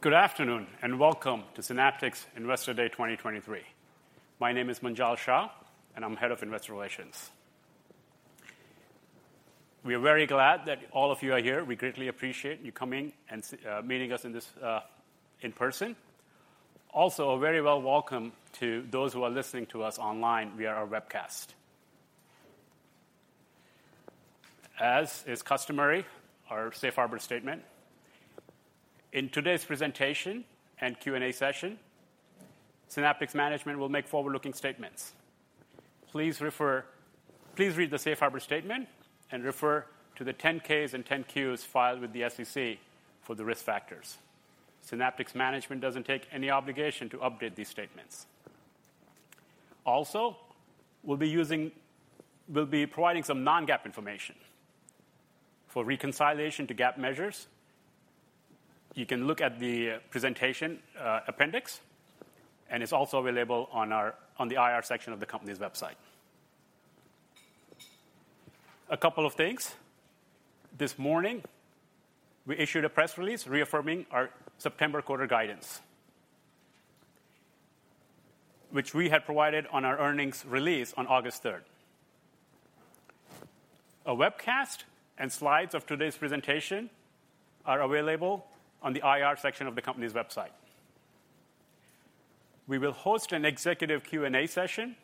Good afternoon, and welcome to Synaptics Investor Day 2023. My name is Munjal Shah, and I'm Head of Investor Relations. We are very glad that all of you are here. We greatly appreciate you coming and meeting us in this, in person. Also, a very well welcome to those who are listening to us online via our webcast. As is customary, our safe harbor statement. In today's presentation and Q&A session, Synaptics management will make forward-looking statements. Please read the safe harbor statement, and refer to the 10-Ks and 10-Qs filed with the SEC for the risk factors. Synaptics management doesn't take any obligation to update these statements. Also, we'll be providing some non-GAAP information. For reconciliation to GAAP measures, you can look at the presentation, appendix, and it's also available on our, on the IR section of the company's website. A couple of things. This morning, we issued a press release reaffirming our September quarter guidance, which we had provided on our earnings release on August third. A webcast and slides of today's presentation are available on the IR section of the company's website. We will host an executive Q&A session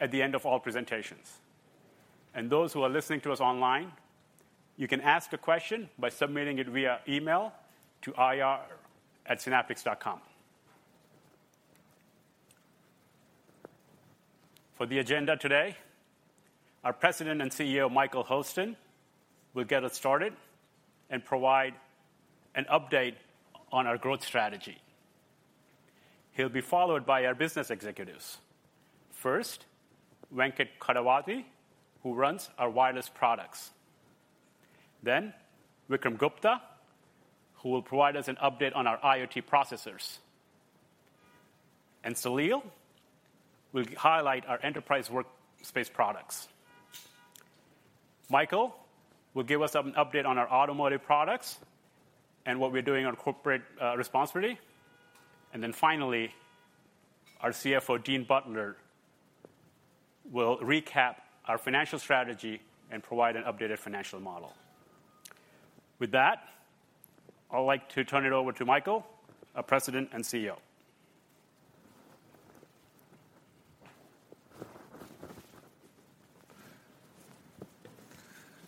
at the end of all presentations. And those who are listening to us online, you can ask a question by submitting it via email to ir@synaptics.com. For the agenda today, our President and CEO, Michael Hurlston, will get us started and provide an update on our growth strategy. He'll be followed by our business executives. First, Venkat Kodavati, who runs our wireless products, then Vikram Gupta, who will provide us an update on our IoT processors, and Saleel will highlight our enterprise workspace products. Michael will give us an update on our automotive products and what we're doing on corporate responsibility. And then finally, our CFO, Dean Butler, will recap our financial strategy and provide an updated financial model. With that, I'd like to turn it over to Michael, our President and CEO.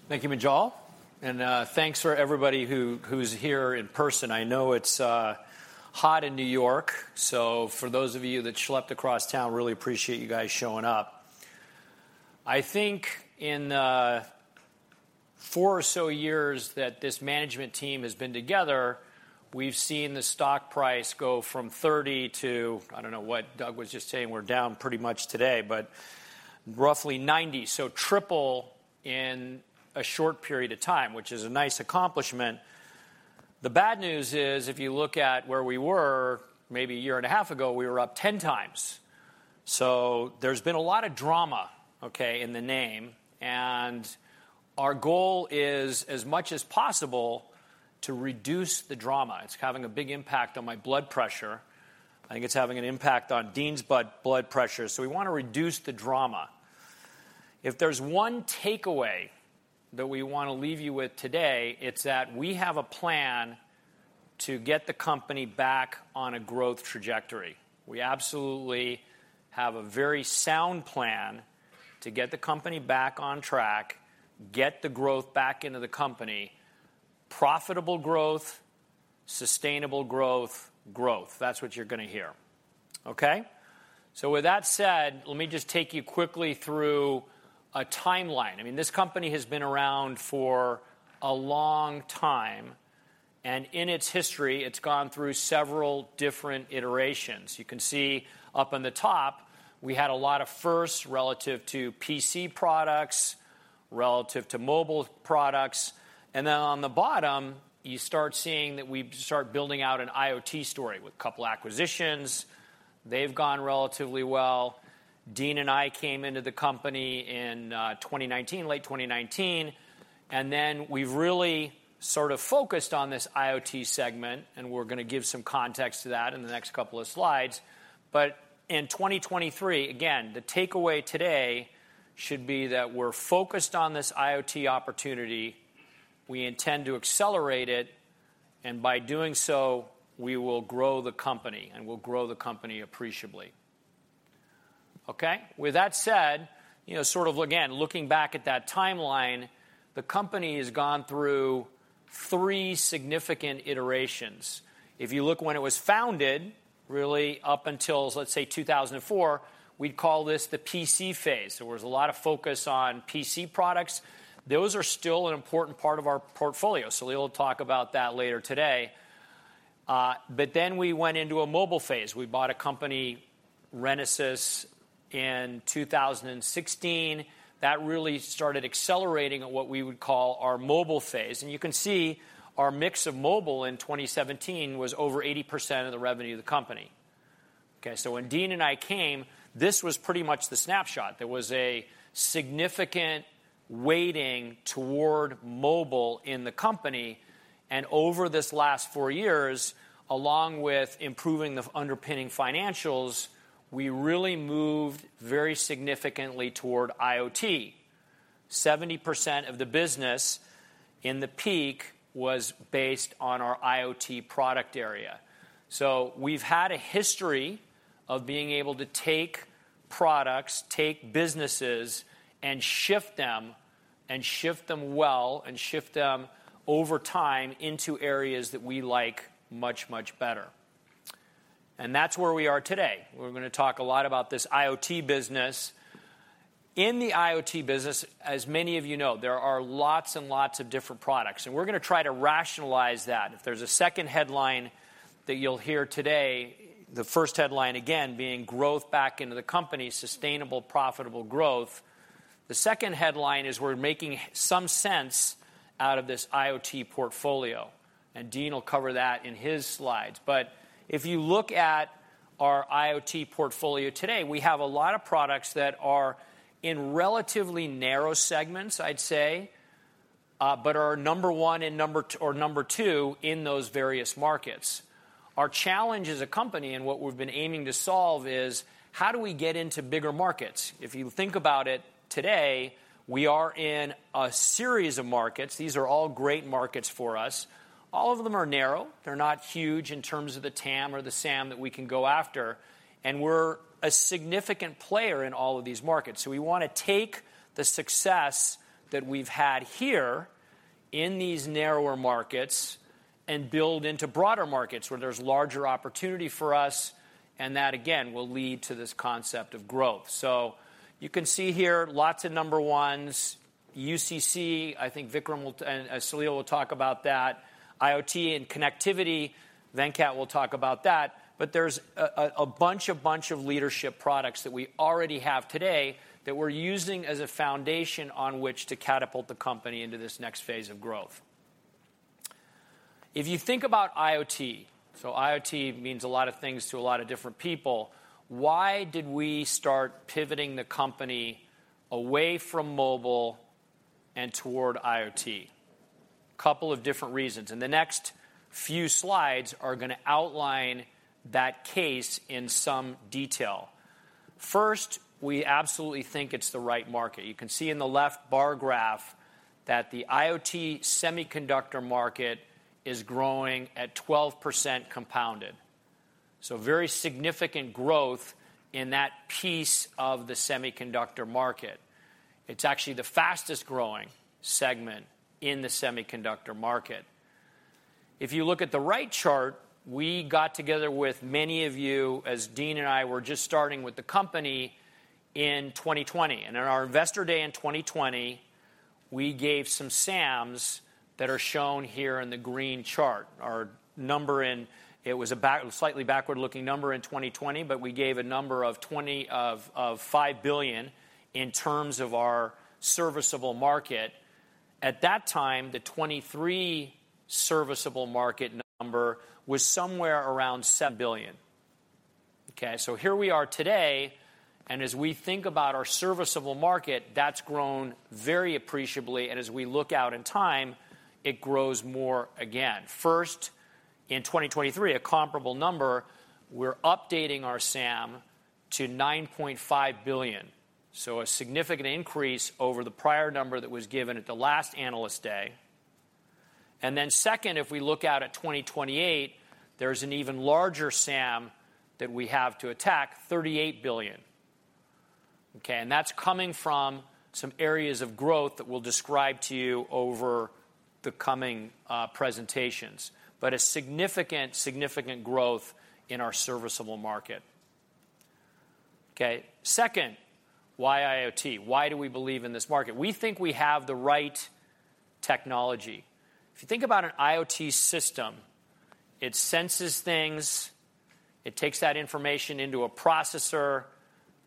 Thank you, Munjal, and thanks for everybody who's here in person. I know it's hot in New York, so for those of you that schlepped across town, really appreciate you guys showing up. I think in the four or so years that this management team has been together, we've seen the stock price go from 30 to, I don't know what Doug was just saying, we're down pretty much today, but roughly 90. So triple in a short period of time, which is a nice accomplishment. The bad news is if you look at where we were maybe a year and a half ago, we were up 10 times. So there's been a lot of drama, okay, in the name, and our goal is, as much as possible, to reduce the drama. It's having a big impact on my blood pressure. I think it's having an impact on Dean's blood pressure, so we want to reduce the drama. If there's one takeaway that we want to leave you with today, it's that we have a plan to get the company back on a growth trajectory. We absolutely have a very sound plan to get the company back on track, get the growth back into the company, profitable growth, sustainable growth, growth. That's what you're gonna hear, okay? So with that said, let me just take you quickly through a timeline. I mean, this company has been around for a long time, and in its history, it's gone through several different iterations. You can see up on the top, we had a lot of firsts relative to PC products, relative to mobile products, and then on the bottom, you start seeing that we start building out an IoT story with a couple acquisitions. They've gone relatively well. Dean and I came into the company in 2019, late 2019, and then we've really sort of focused on this IoT segment, and we're gonna give some context to that in the next couple of slides. But in 2023, again, the takeaway today should be that we're focused on this IoT opportunity. We intend to accelerate it, and by doing so, we will grow the company, and we'll grow the company appreciably. Okay? With that said, you know, sort of again, looking back at that timeline, the company has gone through three significant iterations. If you look when it was founded, really up until, let's say, 2004, we'd call this the PC phase. There was a lot of focus on PC products. Those are still an important part of our portfolio, Salil will talk about that later today. But then we went into a mobile phase. We bought a company, Renesas, in 2016. That really started accelerating what we would call our mobile phase. And you can see our mix of mobile in 2017 was over 80% of the revenue of the company. Okay, so when Dean and I came, this was pretty much the snapshot. There was a significant weighting toward mobile in the company, and over this last four years, along with improving the underpinning financials, we really moved very significantly toward IoT. 70% of the business in the peak was based on our IoT product area. So we've had a history of being able to take products, take businesses, and shift them, and shift them well, and shift them over time into areas that we like much, much better. And that's where we are today. We're gonna talk a lot about this IoT business. In the IoT business, as many of you know, there are lots and lots of different products, and we're gonna try to rationalize that. If there's a second headline that you'll hear today, the first headline again, being growth back into the company, sustainable, profitable growth. The second headline is we're making some sense out of this IoT portfolio, and Dean will cover that in his slides. But if you look at our IoT portfolio today, we have a lot of products that are in relatively narrow segments, I'd say, but are number one or number two in those various markets. Our challenge as a company, and what we've been aiming to solve, is: how do we get into bigger markets? If you think about it, today, we are in a series of markets. These are all great markets for us. All of them are narrow. They're not huge in terms of the TAM or the SAM that we can go after, and we're a significant player in all of these markets. So we want to take the success that we've had here in these narrower markets and build into broader markets where there's larger opportunity for us, and that again, will lead to this concept of growth. So you can see here lots of number ones, UCC. I think Vikram will, and Salil will talk about that. IoT and connectivity, Venkat will talk about that, but there's a bunch of leadership products that we already have today that we're using as a foundation on which to catapult the company into this next phase of growth. If you think about IoT, so IoT means a lot of things to a lot of different people. Why did we start pivoting the company away from mobile and toward IoT? Couple of different reasons, and the next few slides are gonna outline that case in some detail. First, we absolutely think it's the right market. You can see in the left bar graph that the IoT semiconductor market is growing at 12% compounded. So very significant growth in that piece of the semicductor market. It's actually the fastest-growing segment in the semiconductor market. If you look at the right chart, we got together with many of you, as Dean and I were just starting with the company in 2020. And in our investor day in 2020, we gave some SAMs that are shown here in the green chart. Our number... It was a slightly backward-looking number in 2020, but we gave a number of $5 billion in terms of our serviceable market. At that time, the 2023 serviceable market number was somewhere around $7 billion. Okay? So here we are today, and as we think about our serviceable market, that's grown very appreciably, and as we look out in time, it grows more again. First, in 2023, a comparable number, we're updating our SAM to $9.5 billion. So, a significant increase over the prior number that was given at the last Analyst Day. And then second, if we look out at 2028, there's an even larger SAM that we have to attack, $38 billion. Okay, and that's coming from some areas of growth that we'll describe to you over the coming presentations, but a significant, significant growth in our serviceable market. Okay, second, why IoT? Why do we believe in this market? We think we have the right technology. If you think about an IoT system, it senses things, it takes that information into a processor,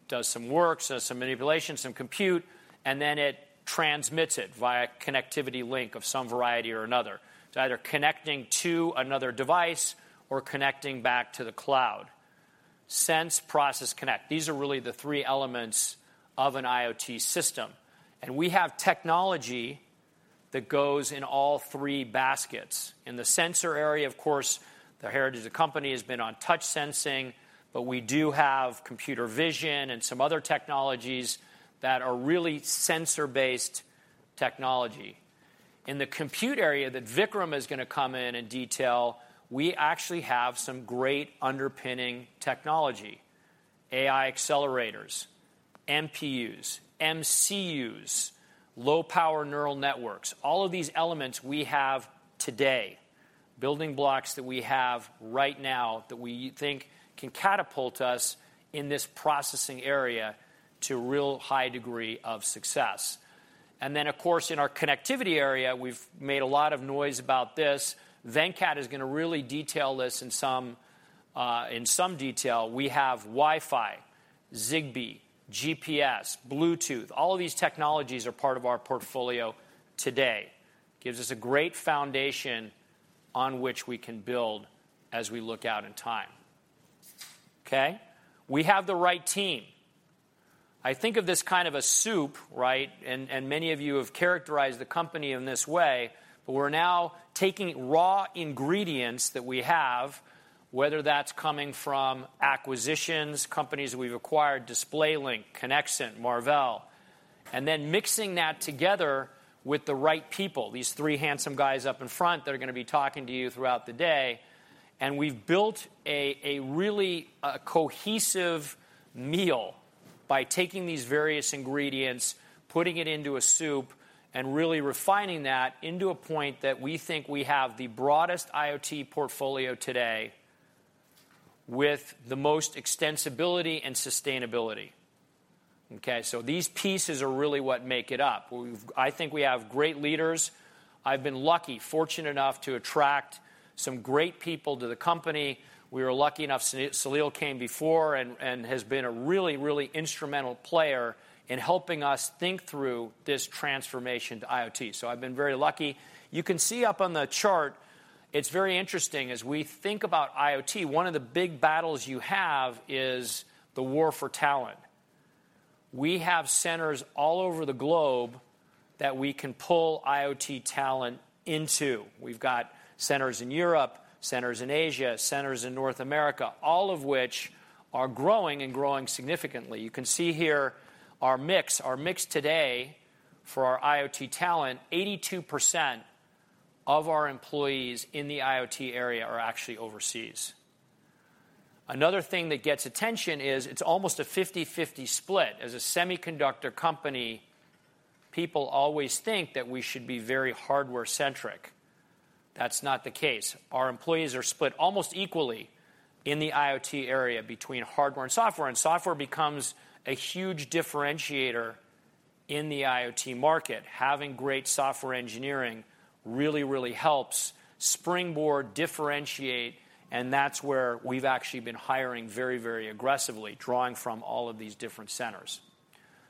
does some work, so some manipulation, some compute, and then it transmits it via connectivity link of some variety or another. It's either connecting to another device or connecting back to the cloud. Sense, process, connect. These are really the three elements of an IoT system, and we have technology that goes in all three baskets. In the sensor area, of course, the heritage of the company has been on touch sensing, but we do have computer vision and some other technologies that are really sensor-based technology. In the compute area that Vikram is gonna come in in detail, we actually have some great underpinning technology, AI accelerators, MPUs, MCUs, low-power neural networks, all of these elements we have today, building blocks that we have right now that we think can catapult us in this processing area to real high degree of success. And then, of course, in our connectivity area, we've made a lot of noise about this. Venkat is gonna really detail this in some detail. We have Wi-Fi-... Zigbee, GPS, Bluetooth, all of these technologies are part of our portfolio today. Gives us a great foundation on which we can build as we look out in time. Okay? We have the right team. I think of this kind of a soup, right? And many of you have characterized the company in this way, but we're now taking raw ingredients that we have, whether that's coming from acquisitions, companies we've acquired, DisplayLink, Conexant, Marvell, and then mixing that together with the right people, these three handsome guys up in front that are gonna be talking to you throughout the day. And we've built a really cohesive meal by taking these various ingredients, putting it into a soup, and really refining that into a point that we think we have the broadest IoT portfolio today, with the most extensibility and sustainability. Okay, so these pieces are really what make it up. We have think we have great leaders. I've been lucky, fortunate enough to attract some great people to the company. We were lucky enough, Sunil came before and, and has been a really, really instrumental player in helping us think through this transformation to IoT. So I've been very lucky. You can see up on the chart, it's very interesting. As we think about IoT, one of the big battles you have is the war for talent. We have centers all over the globe that we can pull IoT talent into. We've got centers in Europe, centers in Asia, centers in North America, all of which are growing and growing significantly. You can see here our mix. Our mix today for our IoT talent, 82% of our employees in the IoT area are actually overseas. Another thing that gets attention is it's almost a 50/50 split. As a semiconductor company, people always think that we should be very hardware-centric. That's not the case. Our employees are split almost equally in the IoT area between hardware and software, and software becomes a huge differentiator in the IoT market. Having great software engineering really, really helps springboard differentiate, and that's where we've actually been hiring very, very aggressively, drawing from all of these different centers.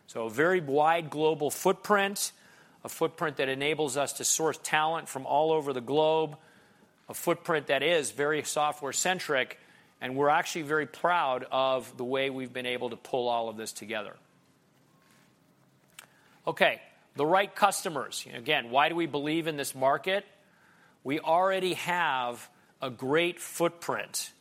So a very wide global footprint, a footprint that enables us to source talent from all over the globe, a footprint that is very software-centric, and we're actually very proud of the way we've been able to pull all of this together. Okay, the right customers. Again, why do we believe in this market? We already have a great footpr int.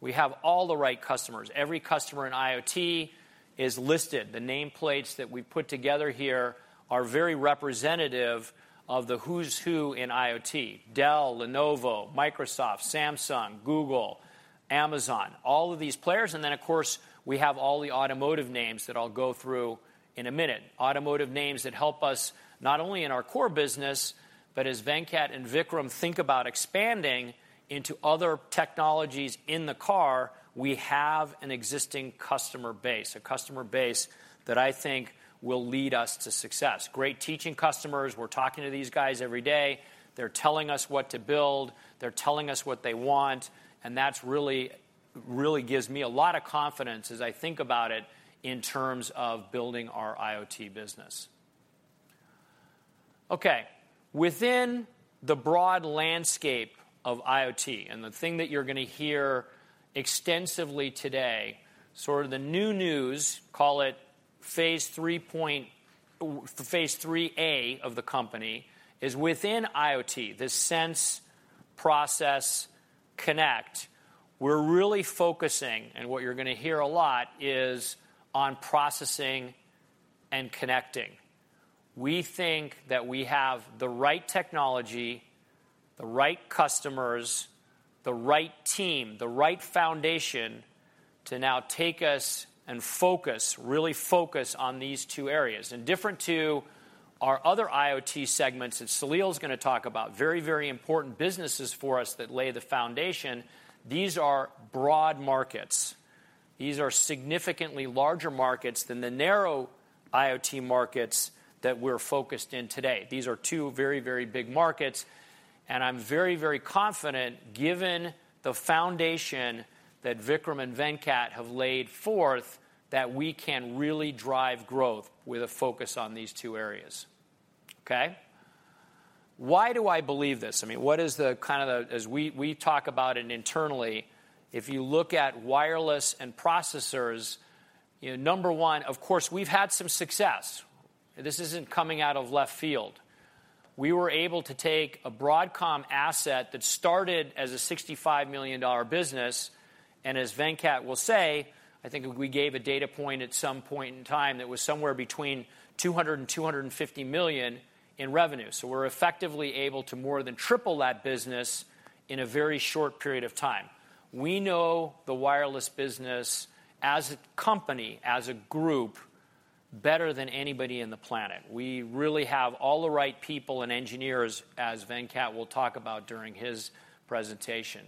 We have all the right customers. Every customer in IoT is listed. The nameplates that we put together here are very representative of the who's who in IoT: Dell, Lenovo, Microsoft, Samsung, Google, Amazon, all of these players, and then, of course, we have all the automotive names that I'll go through in a minute. Automotive names that help us not only in our core business, but as Venkat and Vikram think about expanding into other technologies in the car, we have an existing customer base, a customer base that I think will lead us to success. Great teaching customers, we're talking to these guys every day. They're telling us what to build, they're telling us what they want, and that's really... really gives me a lot of confidence as I think about it in terms of building our IoT business. Okay, within the broad landscape of IoT, and the thing that you're gonna hear extensively today, sort of the new news, call it phase 3A of the company, is within IoT, the sense, process, connect, we're really focusing, and what you're gonna hear a lot, is on processing and connecting. We think that we have the right technology, the right customers, the right team, the right foundation to now take us and focus, really focus on these two areas. Different to our other IoT segments that Salil is gonna talk about, very, very important businesses for us that lay the foundation, these are broad markets. These are significantly larger markets than the narrow IoT markets that we're focused in today. These are two very, very big markets, and I'm very, very confident, given the foundation that Vikram and Venkat have laid forth, that we can really drive growth with a focus on these two areas. Okay? Why do I believe this? I mean, what is the kind of... As we talk about it internally, if you look at wireless and processors, you know, number one, of course, we've had some success. This isn't coming out of left field. We were able to take a Broadcom asset that started as a $65 million business, and as Venkat will say, I think we gave a data point at some point in time that was somewhere between $200 million and $250 million in revenue. So we're effectively able to more than triple that business in a very short period of time. We know the wireless business as a company, as a group, better than anybody in the planet. We really have all the right people and engineers, as Venkat will talk about during his presentation.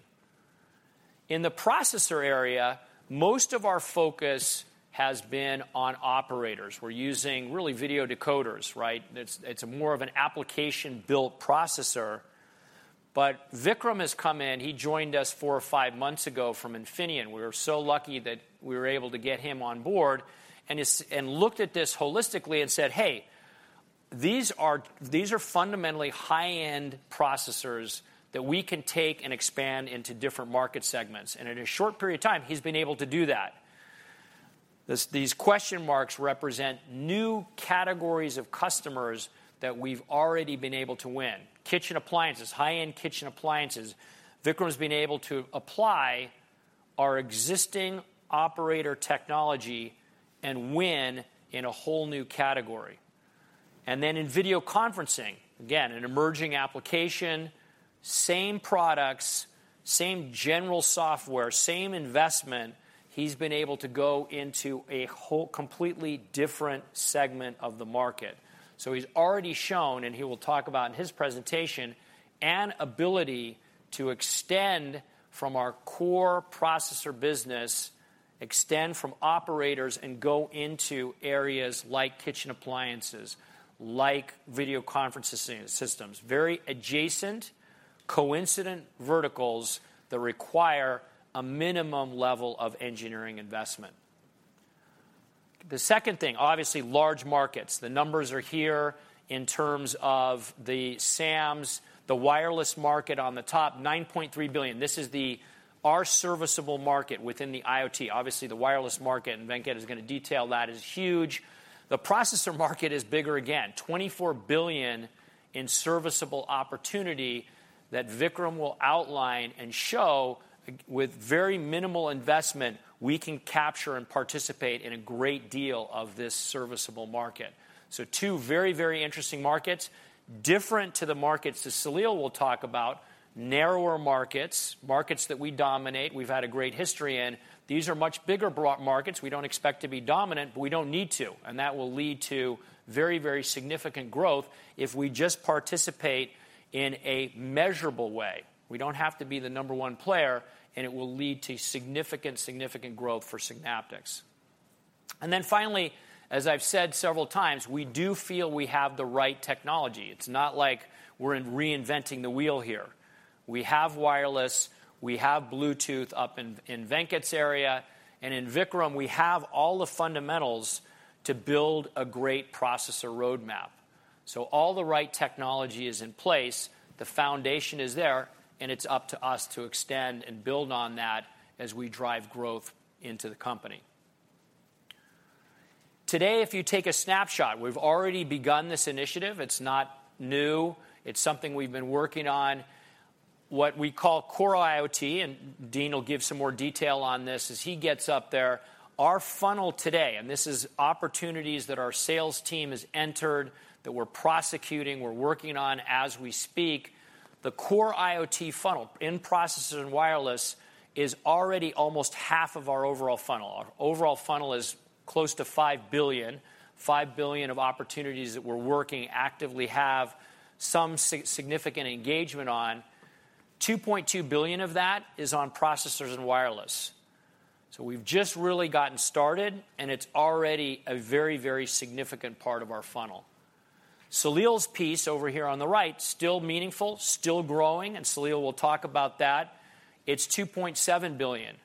In the processor area, most of our focus has been on operators. We're using, really, video decoders, right? It's, it's more of an application-built processor. But Vikram has come in, he joined us four or five months ago from Infineon. We were so lucky that we were able to get him on board, and looked at this holistically and said, "Hey, these are, these are fundamentally high-end processors that we can take and expand into different market segments." And in a short period of time, he's been able to do that. This, these question marks represent new categories of customers that we've already been able to win. Kitchen appliances, high-end kitchen appliances. Vikram has been able to apply our existing operator technology and win in a whole new category. Then in video conferencing, again, an emerging application, same products, same general software, same investment, he's been able to go into a whole completely different segment of the market. He's already shown, and he will talk about in his presentation, an ability to extend from our core processor business, extend from operators, and go into areas like kitchen appliances, like video conferencing systems. Very adjacent, coincident verticals that require a minimum level of engineering investment. The second thing, obviously, large markets. The numbers are here in terms of the SAMs, the wireless market on the top, $9.3 billion. This is the, our serviceable market within the IoT. Obviously, the wireless market, and Venkat is gonna detail that, is huge. The processor market is bigger again, $24 billion in serviceable opportunity that Vikram will outline and show with very minimal investment, we can capture and participate in a great deal of this serviceable market. So two very, very interesting markets, different to the markets that Salil will talk about, narrower markets, markets that we dominate, we've had a great history in. These are much bigger broad markets. We don't expect to be dominant, but we don't need to, and that will lead to very, very significant growth if we just participate in a measurable way. We don't have to be the number one player, and it will lead to significant, significant growth for Synaptics. And then finally, as I've said several times, we do feel we have the right technology. It's not like we're reinventing the wheel here. We have wireless, we have Bluetooth up in, in Venkat's area, and in Vikram, we have all the fundamentals to build a great processor roadmap. So all the right technology is in place, the foundation is there, and it's up to us to extend and build on that as we drive growth into the company. Today, if you take a snapshot, we've already begun this initiative. It's not new. It's something we've been working on, what we call core IoT, and Dean will give some more detail on this as he gets up there. Our funnel today, and this is opportunities that our sales team has entered, that we're prosecuting, we're working on as we speak, the core IoT funnel in processors and wireless is already almost half of our overall funnel. Our overall funnel is close to $5 billion, $5 billion of opportunities that we're working actively have some significant engagement on. $2.2 billion of that is on processors and wireless. So we've just really gotten started, and it's already a very, very significant part of our funnel. Salil's piece over here on the right, still meaningful, still growing, and Salil will talk about that. It's $2.7 billion.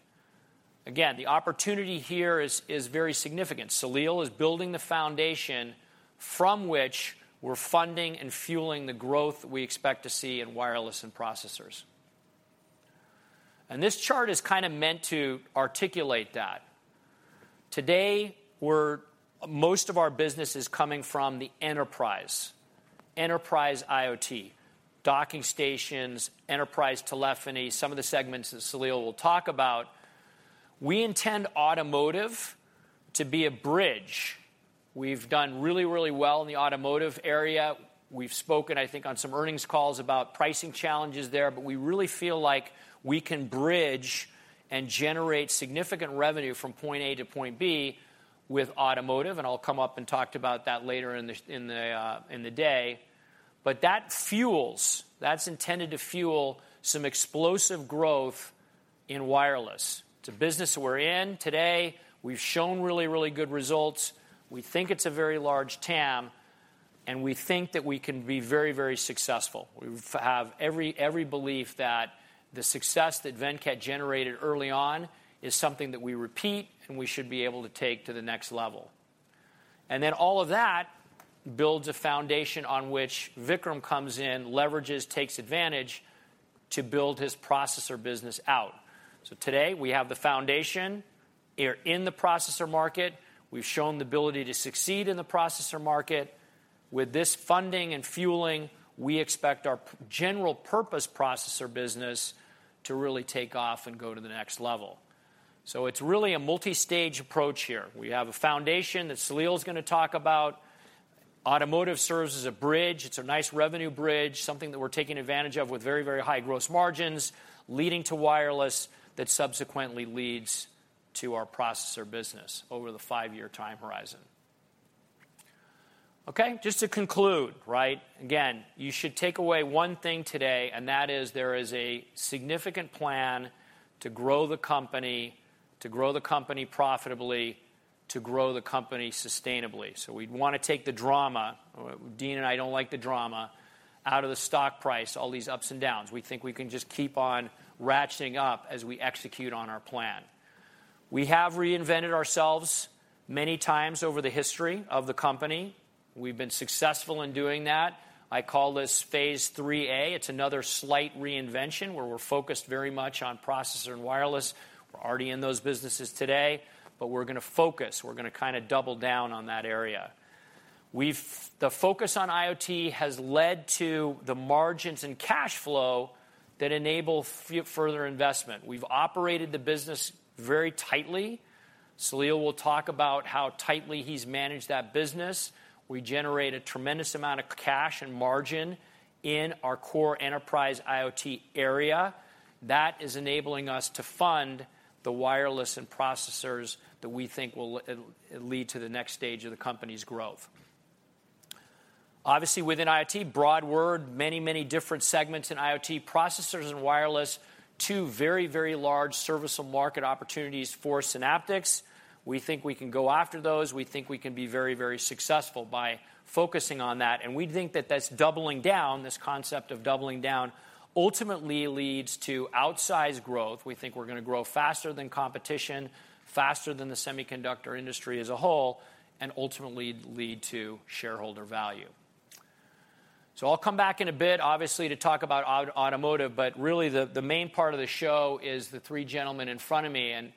Again, the opportunity here is very significant. Salil is building the foundation from which we're funding and fueling the growth we expect to see in wireless and processors. And this chart is kinda meant to articulate that. Today, we're most of our business is coming from the enterprise, enterprise IoT, docking stations, enterprise telephony, some of the segments that Salil will talk about. We intend automotive to be a bridge. We've done really, really well in the automotive area. We've spoken, I think, on some earnings calls about pricing challenges there, but we really feel like we can bridge and generate significant revenue from point A to point B with automotive, and I'll come up and talk about that later in the day. But that fuels, that's intended to fuel some explosive growth in wireless. It's a business we're in today. We've shown really, really good results. We think it's a very large TAM, and we think that we can be very, very successful. We have every, every belief that the success that Venkat generated early on is something that we repeat, and we should be able to take to the next level. And then all of that builds a foundation on which Vikram comes in, leverages, takes advantage to build his processor business out. So today, we have the foundation. We're in the processor market. We've shown the ability to succeed in the processor market. With this funding and fueling, we expect our general purpose processor business to really take off and go to the next level. So it's really a multi-stage approach here. We have a foundation that Salil's gonna talk about. Automotive serves as a bridge. It's a nice revenue bridge, something that we're taking advantage of with very, very high gross margins, leading to wireless, that subsequently leads to our processor business over the five-year time horizon. Okay, just to conclude, right? Again, you should take away one thing today, and that is there is a significant plan to grow the company, to grow the company profitably. To grow the company sustainably. So we'd want to take the drama, Dean and I don't like the drama, out of the stock price, all these ups and downs. We think we can just keep on ratcheting up as we execute on our plan. We have reinvented ourselves many times over the history of the company. We've been successful in doing that. I call this phase three A. It's another slight reinvention, where we're focused very much on processor and wireless. We're already in those businesses today, but we're gonna focus. We're gonna kinda double down on that area. The focus on IoT has led to the margins and cash flow that enable further investment. We've operated the business very tightly. Salil will talk about how tightly he's managed that business. We generate a tremendous amount of cash and margin in our core enterprise IoT area. That is enabling us to fund the wireless and processors that we think will lead to the next stage of the company's growth. Obviously, within IoT, broad world, many, many different segments in IoT, processors and wireless, two very, very large serviceable market opportunities for Synaptics. We think we can go after those. We think we can be very, very successful by focusing on that, and we think that that's doubling down, this concept of doubling down, ultimately leads to outsized growth. We think we're gonna grow faster than competition, faster than the semiconductor industry as a whole, and ultimately lead to shareholder value. So I'll come back in a bit, obviously, to talk about automotive, but really, the main part of the show is the three gentlemen in front of me, and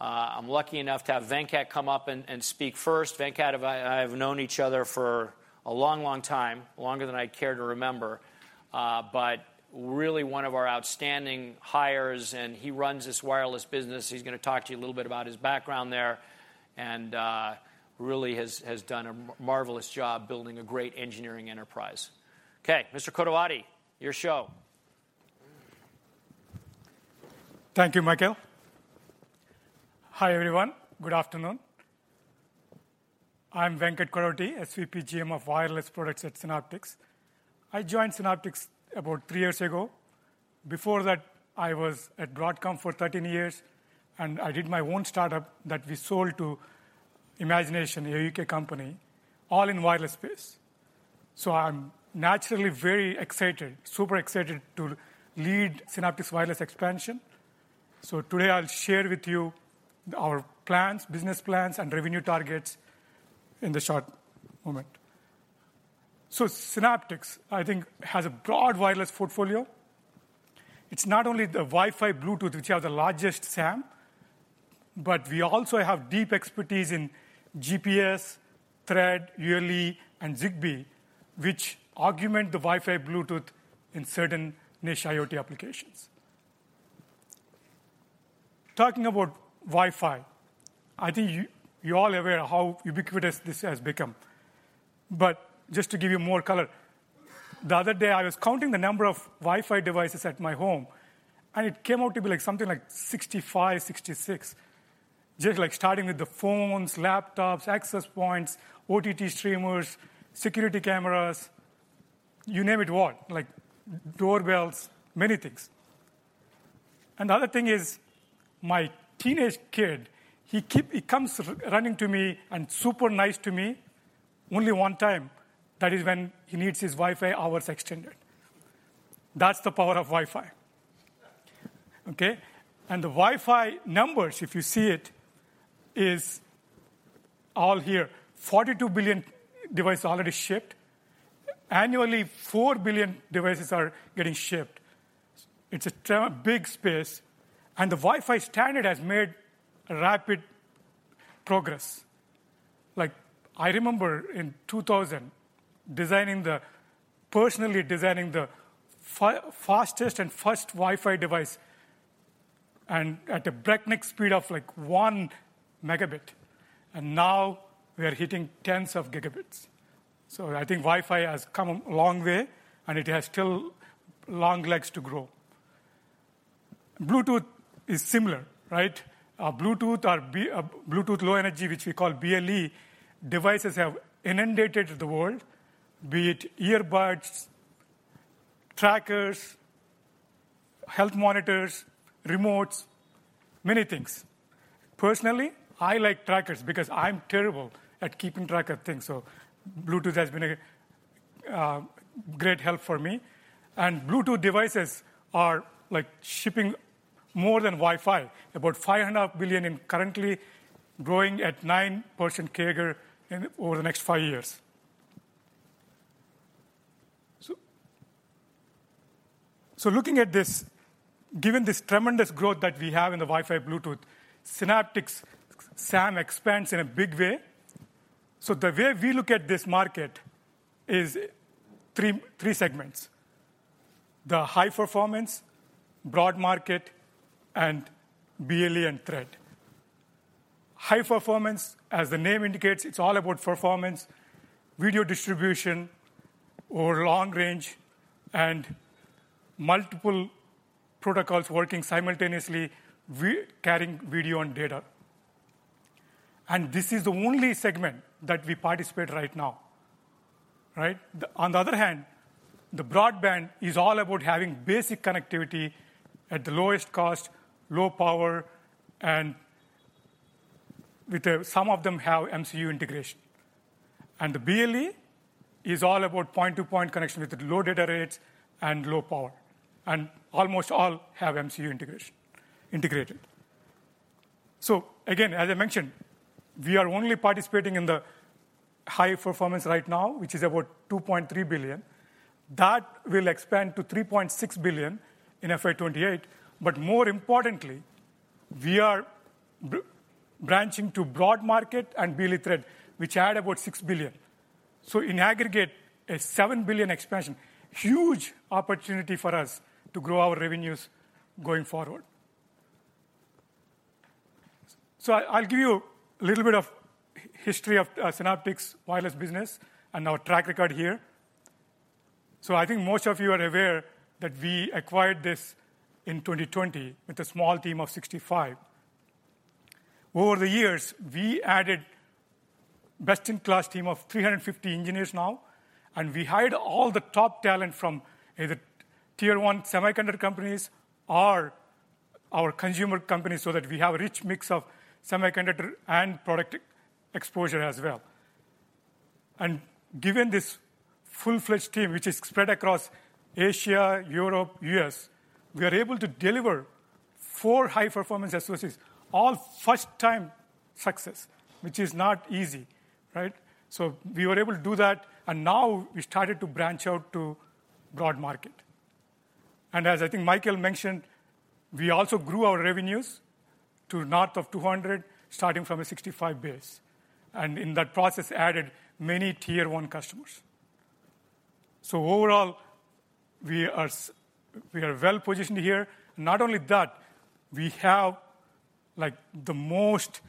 I'm lucky enough to have Venkat come up and speak first. Venkat and I, I have known each other for a long, long time, longer than I care to remember, but really one of our outstanding hires, and he runs this wireless business. He's gonna talk to you a little bit about his background there, and really has done a marvelous job building a great engineering enterprise. Okay, Mr. Kodavati, your show. Thank you, Michael. Hi, everyone. Good afternoon. I'm Venkat Kodavati, SVP, GM of Wireless Products at Synaptics. I joined Synaptics about three years ago. Before that, I was at Broadcom for 13 years, and I did my own startup that we sold to Imagination, a UK company, all in wireless space. So I'm naturally very excited, super excited, to lead Synaptics' wireless expansion. So today, I'll share with you our plans, business plans, and revenue targets in the short moment. So Synaptics, I think, has a broad wireless portfolio. It's not only the Wi-Fi, Bluetooth, which are the largest SAM, but we also have deep expertise in GPS, Thread, ULE, and Zigbee, which augment the Wi-Fi, Bluetooth in certain niche IoT applications. Talking about Wi-Fi, I think you, you all are aware of how ubiquitous this has become. But just to give you more color, the other day, I was counting the number of Wi-Fi devices at my home, and it came out to be like, something like 65, 66, just like starting with the phones, laptops, access points, OTT streamers, security cameras, you name it, what? Like, doorbells, many things. And the other thing is, my teenage kid, he comes running to me and super nice to me only one time. That is when he needs his Wi-Fi hours extended. That's the power of Wi-Fi. Okay? And the Wi-Fi numbers, if you see it, is all here. 42 billion devices already shipped. Annually, 4 billion devices are getting shipped. It's a big space, and the Wi-Fi standard has made rapid progress. Like, I remember in 2000, personally designing the fastest and first Wi-Fi device, and at a breakneck speed of, like, 1 megabit, and now we are hitting tens of gigabits. So I think Wi-Fi has come a long way, and it has still long legs to grow. Bluetooth is similar, right? Bluetooth Low Energy, which we call BLE, devices have inundated the world, be it earbuds, trackers, health monitors, remotes, many things. Personally, I like trackers because I'm terrible at keeping track of things, so Bluetooth has been a great help for me. And Bluetooth devices are, like, shipping more than Wi-Fi, about 5.5 billion and currently growing at 9% CAGR over the next 5 years. So looking at this, given this tremendous growth that we have in the Wi-Fi, Bluetooth, Synaptics, SAM expands in a big way. So the way we look at this market is three segments: the high performance, broad market, and BLE and Thread. High performance, as the name indicates, it's all about performance, video distribution over long range, and multiple protocols working simultaneously, we're carrying video and data. And this is the only segment that we participate right now. Right. On the other hand, the broad market is all about having basic connectivity at the lowest cost, low power, and with the, some of them have MCU integration. And the BLE is all about point-to-point connection with low data rates and low power, and almost all have MCU integration, integrated. So again, as I mentioned, we are only participating in the high performance right now, which is about $2.3 billion. That will expand to $3.6 billion in FY 2028. But more importantly, we are branching to broad market and BLE thread, which add about $6 billion. So in aggregate, a $7 billion expansion. Huge opportunity for us to grow our revenues going forward. So, I'll give you a little bit of history of Synaptics wireless business and our track record here. So I think most of you are aware that we acquired this in 2020 with a small team of 65. Over the years, we added best-in-class team of 350 engineers now, and we hired all the top talent from either tier one semiconductor companies or our consumer companies, so that we have a rich mix of semiconductor and product exposure as well. Given this full-fledged team, which is spread across Asia, Europe, U.S., we are able to deliver four high-performance SoCs, all first-time success, which is not easy, right? So we were able to do that, and now we started to branch out to broad market. And as I think Michael mentioned, we also grew our revenues to north of $200 million, starting from a $65 million base, and in that process, added many tier one customers. So overall, we are well positioned here. Not only that, we have, like, the most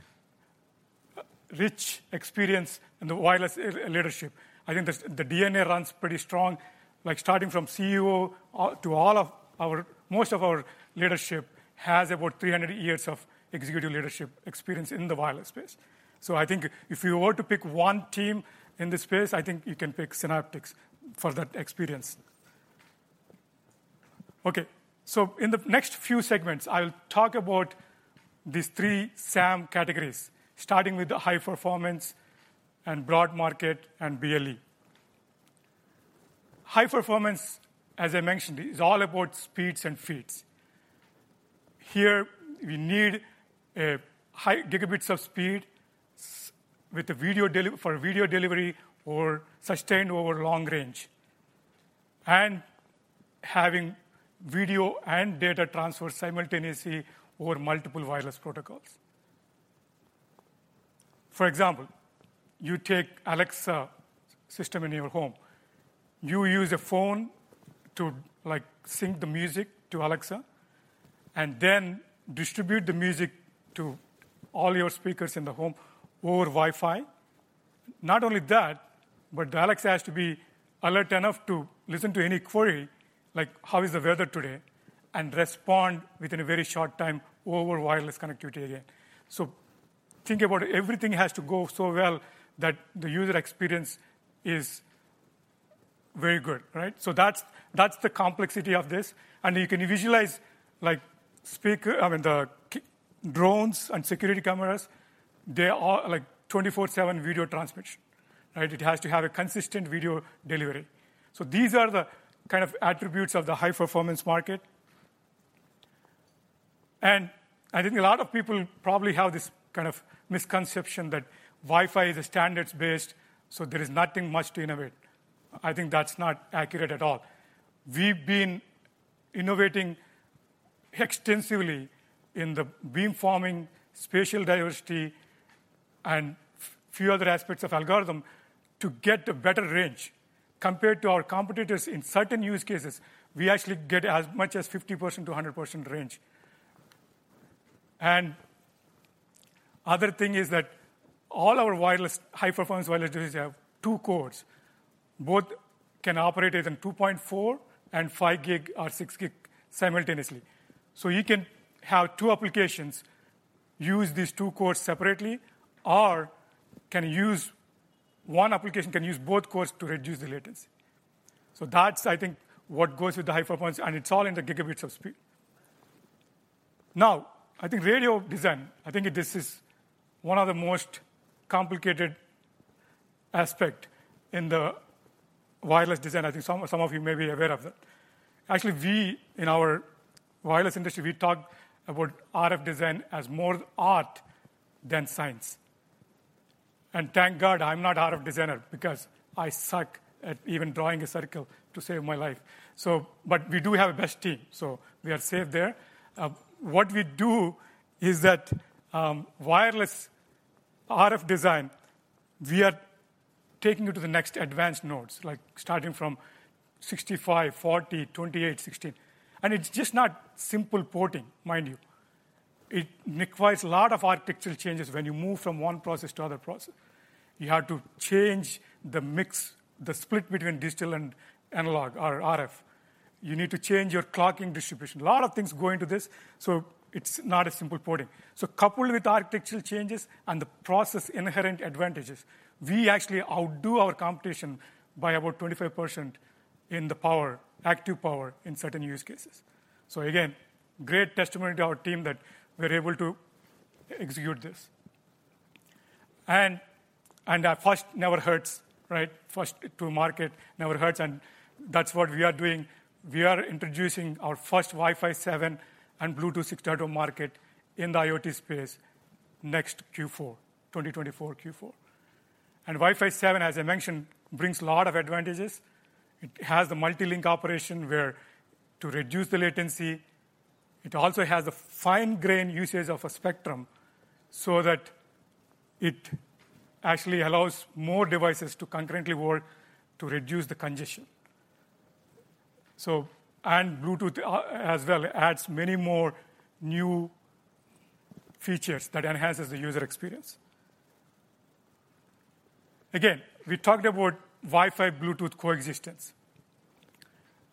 rich experience in the wireless leadership. I think the DNA runs pretty strong, like starting from CEO to all of our—most of our leadership has about 300 years of executive leadership experience in the wireless space. So I think if you were to pick one team in this space, I think you can pick Synaptics for that experience. Okay, so in the next few segments, I'll talk about these three SAM categories, starting with the high performance and broad market, and BLE. High performance, as I mentioned, is all about speeds and feeds. Here, we need high gigabits of speed with video delivery or sustained over long range, and having video and data transfer simultaneously over multiple wireless protocols. For example, you take Alexa system in your home. You use a phone to, like, sync the music to Alexa and then distribute the music to all your speakers in the home over Wi-Fi. Not only that, but the Alexa has to be alert enough to listen to any query, like, "How is the weather today?" and respond within a very short time over wireless connectivity again. Think about everything has to go so well that the user experience is very good, right? That's the complexity of this. You can visualize, like, speakers I mean, the drones and security cameras, they are all, like, 24/7 video transmission, right? It has to have a consistent video delivery. These are the kind of attributes of the high-performance market. I think a lot of people probably have this kind of misconception that Wi-Fi is standards-based, so there is nothing much to innovate. I think that's not accurate at all. We've been innovating extensively in the beamforming, spatial diversity, and a few other aspects of algorithm to get a better range. Compared to our competitors, in certain use cases, we actually get as much as 50%-100% range. Another thing is that all our wireless, high-performance wireless devices have two cores. Both can operate either in 2.4 and five gig or six gig simultaneously. So you can have two applications use these two cores separately, or can use... one application can use both cores to reduce the latency. So that's, I think, what goes with the high performance, and it's all in the gigabits of speed. Now, I think radio design, I think this is one of the most complicated aspect in the wireless design. I think some of you may be aware of that. Actually, we in our wireless industry talk about RF design as more art than science. Thank God I'm not RF designer, because I suck at even drawing a circle to save my life. So but we do have a best team, so we are safe there. What we do is that wireless RF design, we are taking it to the next advanced nodes, like starting from 65, 40, 28, 16. And it's just not simple porting, mind you. It requires a lot of architectural changes when you move from one process to other process. You have to change the mix, the split between digital and analog or RF. You need to change your clocking distribution. A lot of things go into this, so it's not a simple porting. So coupled with architectural changes and the process inherent advantages, we actually outdo our competition by about 25% in the power, active power in certain use cases. So again, great testimony to our team that we're able to execute this. And, and, first never hurts, right? First to market never hurts, and that's what we are doing. We are introducing our first Wi-Fi seven and Bluetooth external market in the IoT space next Q4 2024 Q4. And Wi-Fi seven, as I mentioned, brings a lot of advantages. It has the multi-link operation where to reduce the latency, it also has a fine-grained usage of a spectrum so that it actually allows more devices to concurrently work to reduce the congestion. So, and Bluetooth, as well adds many more new features that enhances the user experience. Again, we talked about Wi-Fi, Bluetooth coexistence.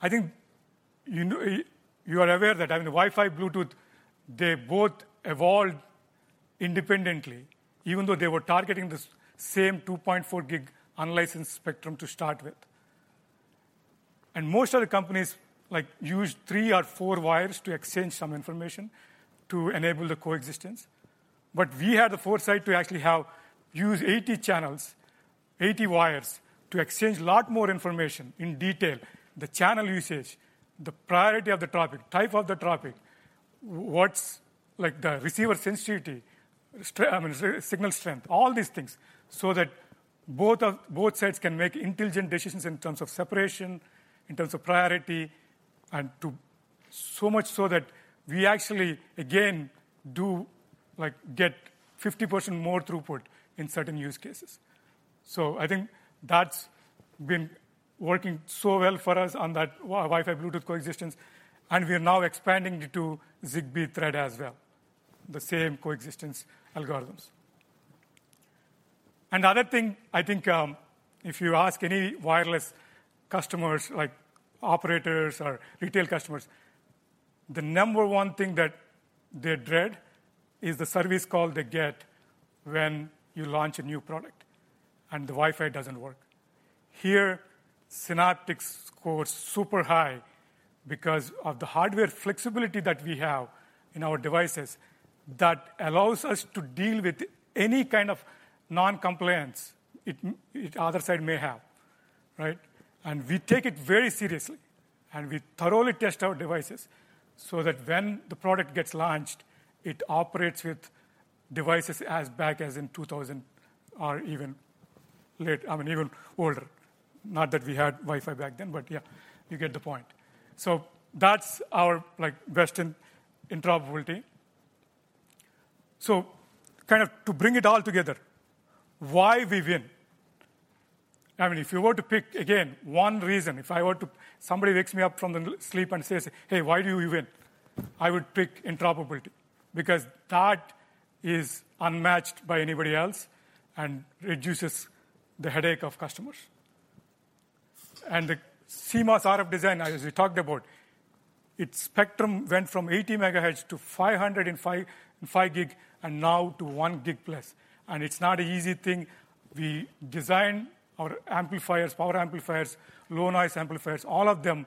I think you know, you are aware that, I mean, Wi-Fi, Bluetooth, they both evolved independently, even though they were targeting the same 2.4 gig unlicensed spectrum to start with. And most of the companies, like, use 3 or 4 wires to exchange some information to enable the coexistence. But we had the foresight to actually have use 80 channels, 80 wires, to exchange a lot more information in detail, the channel usage, the priority of the traffic, type of the traffic, what's, like, the receiver sensitivity, I mean, signal strength, all these things, so that both sides can make intelligent decisions in terms of separation, in terms of priority, and so much so that we actually, again, do, like, get 50% more throughput in certain use cases. So I think that's been working so well for us on that Wi-Fi, Bluetooth coexistence, and we are now expanding it to Zigbee Thread as well, the same coexistence algorithms. Another thing, I think, if you ask any wireless customers, like operators or retail customers, the number one thing that they dread is the service call they get when you launch a new product and the Wi-Fi doesn't work. Here, Synaptics scores super high because of the hardware flexibility that we have in our devices that allows us to deal with any kind of noncompliance the other side may have, right? And we take it very seriously, and we thoroughly test our devices so that when the product gets launched, it operates with devices as far back as in 2000 or even later, I mean, even older. Not that we had Wi-Fi back then, but yeah, you get the point. So that's our, like, best in interoperability. So kind of to bring it all together, why we win? I mean, if you were to pick again one reason, if I were to—somebody wakes me up from the sleep and says, "Hey, why do you win?" I would pick interoperability because that is unmatched by anybody else and reduces the headache of customers. And the CMOS RF design, as we talked about, its spectrum went from 80 MHz to 505GHz, and now to 1 GHz+. And it's not an easy thing. We design our amplifiers, power amplifiers, low-noise amplifiers, all of them,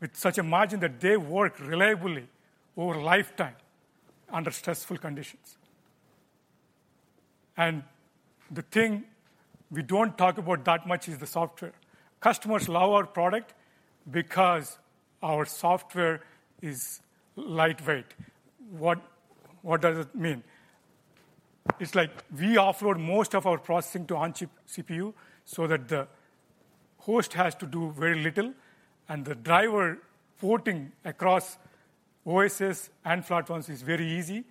with such a margin that they work reliably over lifetime under stressful conditions. And the thing we don't talk about that much is the software. Customers love our product because our software is lightweight. What, what does it mean? It's like we offload most of our processing to on-chip CPU so that the host has to do very little, and the driver porting across OSs and platforms is very easy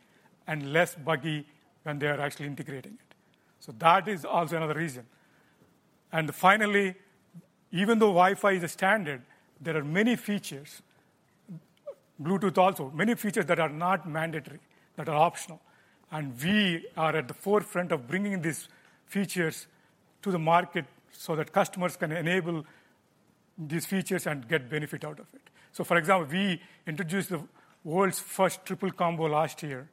and less buggy when they are actually integrating it. So that is also another reason. And finally, even though Wi-Fi is a standard, there are many features, Bluetooth also, many features that are not mandatory, that are optional. And we are at the forefront of bringing these features to the market so that customers can enable these features and get benefit out of it. So, for example, we introduced the world's first Triple Combo last year,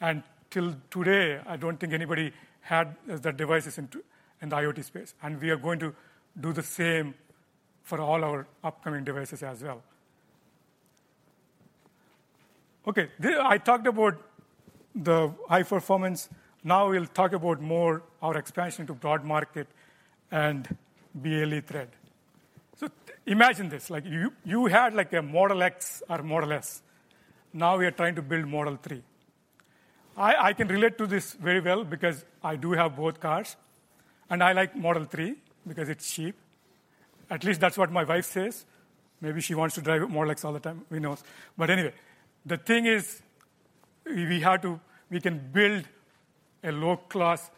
and till today, I don't think anybody had the devices in the IoT space, and we are going to do the same for all our upcoming devices as well. Okay, I talked about the high performance. Now we'll talk about more our expansion to broad market and BLE Thread. So imagine this, like you, you had like a Model X or Model S. Now we are trying to build Model 3. I, I can relate to this very well because I do have both cars, and I like Model 3 because it's cheap. At least that's what my wife says. Maybe she wants to drive a Model X all the time, who knows? But anyway, the thing is, we have to—we can build a low-class,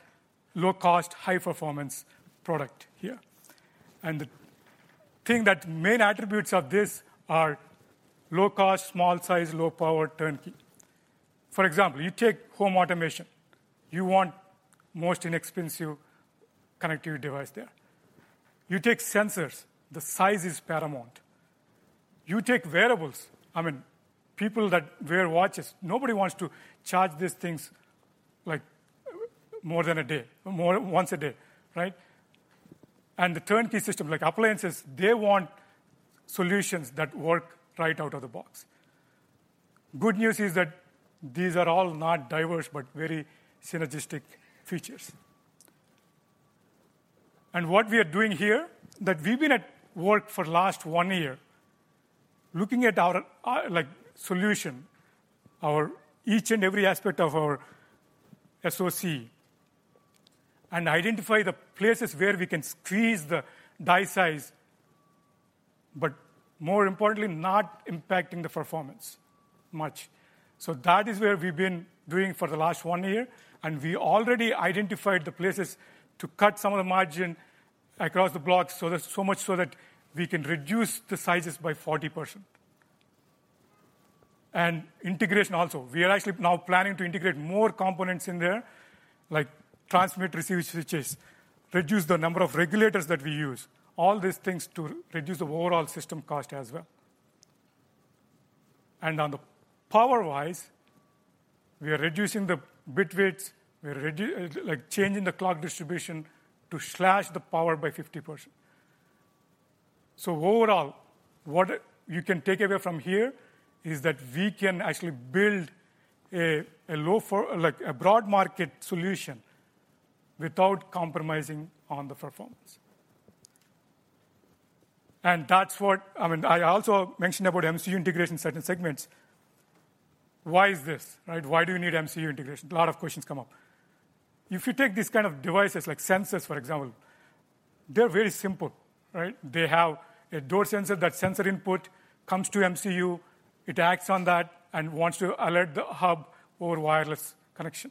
low-cost, high-performance product here. The main attributes of this are low cost, small size, low power, turnkey. For example, you take home automation, you want the most inexpensive connectivity device there. You take sensors, the size is paramount. You take wearables, I mean, people that wear watches, nobody wants to charge these things like more than once a day, right? And the turnkey system, like appliances, they want solutions that work right out of the box. Good news is that these are all not diverse, but very synergistic features. And what we are doing here, that we've been at work for the last 1 year, looking at our, like, solution, our each and every aspect of our SoC, and identify the places where we can squeeze the die size, but more importantly, not impacting the performance much. So that is where we've been doing for the last one year, and we already identified the places to cut some of the margin across the board, so much so that we can reduce the sizes by 40%. Integration also. We are actually now planning to integrate more components in there, like transmit receive switches, reduce the number of regulators that we use, all these things to reduce the overall system cost as well. And on the power-wise, we are reducing the bit widths—like, changing the clock distribution to slash the power by 50%. So overall, what you can take away from here is that we can actually build a low-cost—like a broad market solution without compromising on the performance. And that's what... I mean, I also mentioned about MCU integration in certain segments. Why is this, right? Why do you need MCU integration? A lot of questions come up. If you take these kind of devices like sensors, for example, they're very simple, right? They have a door sensor. That sensor input comes to MCU, it acts on that and wants to alert the hub over wireless connection.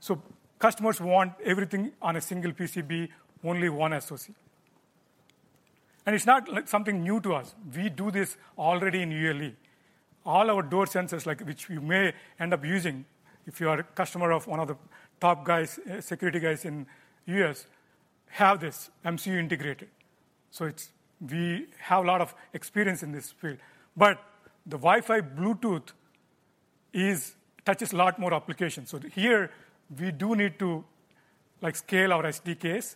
So customers want everything on a single PCB, only one SoC. And it's not, like, something new to us. We do this already in ULE. All our door sensors, like, which you may end up using if you are a customer of one of the top guys, security guys in U.S., have this MCU integrated. So it's. We have a lot of experience in this field. But the Wi-Fi, Bluetooth is, touches a lot more applications. So here we do need to, like, scale our SDKs,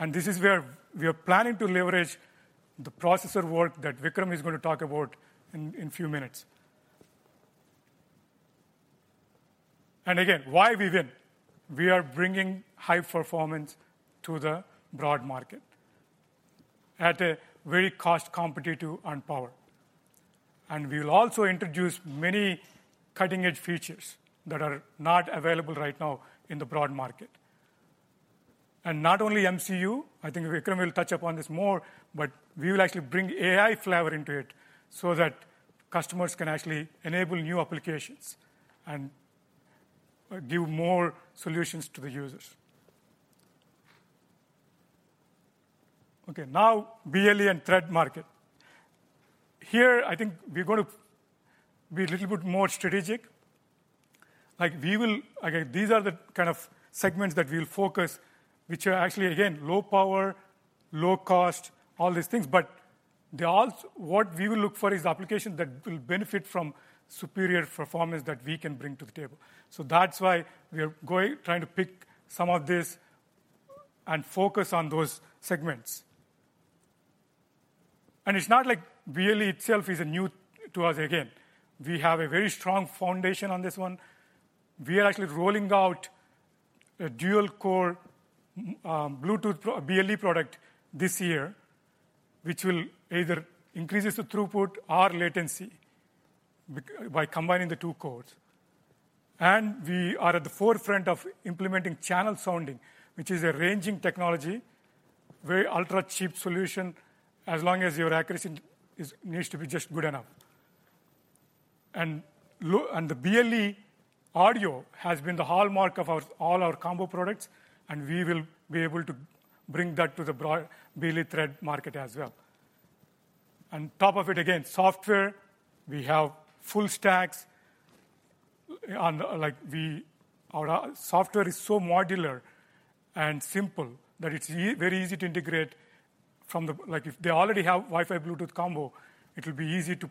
and this is where we are planning to leverage the processor work that Vikram is going to talk about in few minutes. Again, why we win? We are bringing high performance to the broad market at a very cost competitive and power. We will also introduce many cutting-edge features that are not available right now in the broad market. Not only MCU, I think Vikram will touch upon this more, but we will actually bring AI flavor into it, so that customers can actually enable new applications and give more solutions to the users. Okay, now BLE and Thread market. Here, I think we're going to be a little bit more strategic. Like, we will. Again, these are the kind of segments that we'll focus, which are actually, again, low power, low cost, all these things, but they all, what we will look for is the application that will benefit from superior performance that we can bring to the table. So that's why we are going, trying to pick some of this and focus on those segments. And it's not like BLE itself is a new to us again, we have a very strong foundation on this one. We are actually rolling out a dual-core Bluetooth, BLE product this year, which will either increases the throughput or latency by combining the two cores. And we are at the forefront of implementing channel sounding, which is a ranging technology, very ultra-cheap solution as long as your accuracy is, needs to be just good enough. And the BLE audio has been the hallmark of all our combo products, and we will be able to bring that to the broad BLE Thread market as well. On top of it, again, software, we have full stacks on, like, our software is so modular and simple that it's very easy to integrate from the... Like, if they already have Wi-Fi, Bluetooth combo, it will be easy to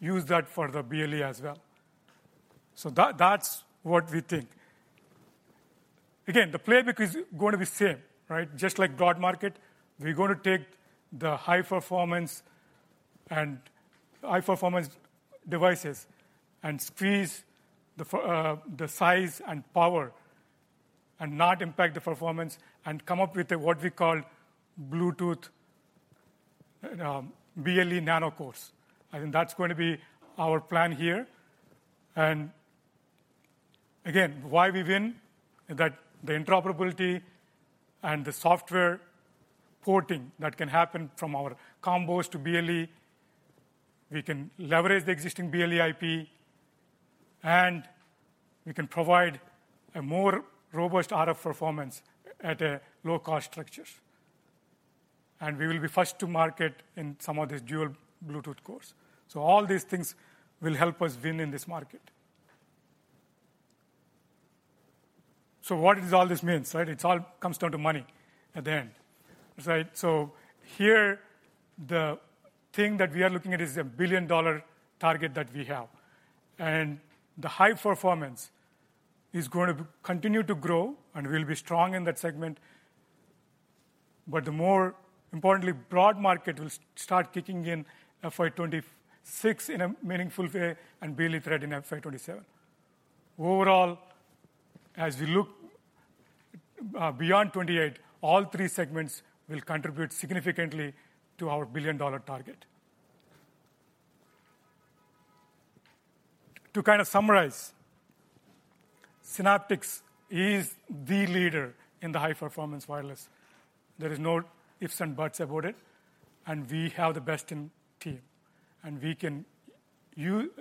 use that for the BLE as well. So that, that's what we think. Again, the playbook is going to be same, right? Just like broad market, we're going to take the high performance and high performance devices and squeeze the size and power and not impact the performance, and come up with what we call Bluetooth, BLE Nano Cores. I think that's going to be our plan here. Again, why we win? Is that the interoperability and the software porting that can happen from our combos to BLE, we can leverage the existing BLE IP, and we can provide a more robust RF performance at a low cost structures, and we will be first to market in some of these dual Bluetooth cores. So all these things will help us win in this market. So what does all this means, right? It all comes down to money at the end, right? So here, the thing that we are looking at is a billion-dollar target that we have, and the high performance is going to continue to grow, and we'll be strong in that segment. But the more importantly, broad market will start kicking in FY 2026 in a meaningful way and BLE Thread in FY 2027. Overall, as we look beyond 2028, all three segments will contribute significantly to our billion-dollar target. To kind of summarize, Synaptics is the leader in the high-performance wireless. There is no ifs and buts about it, and we have the best in team, and we can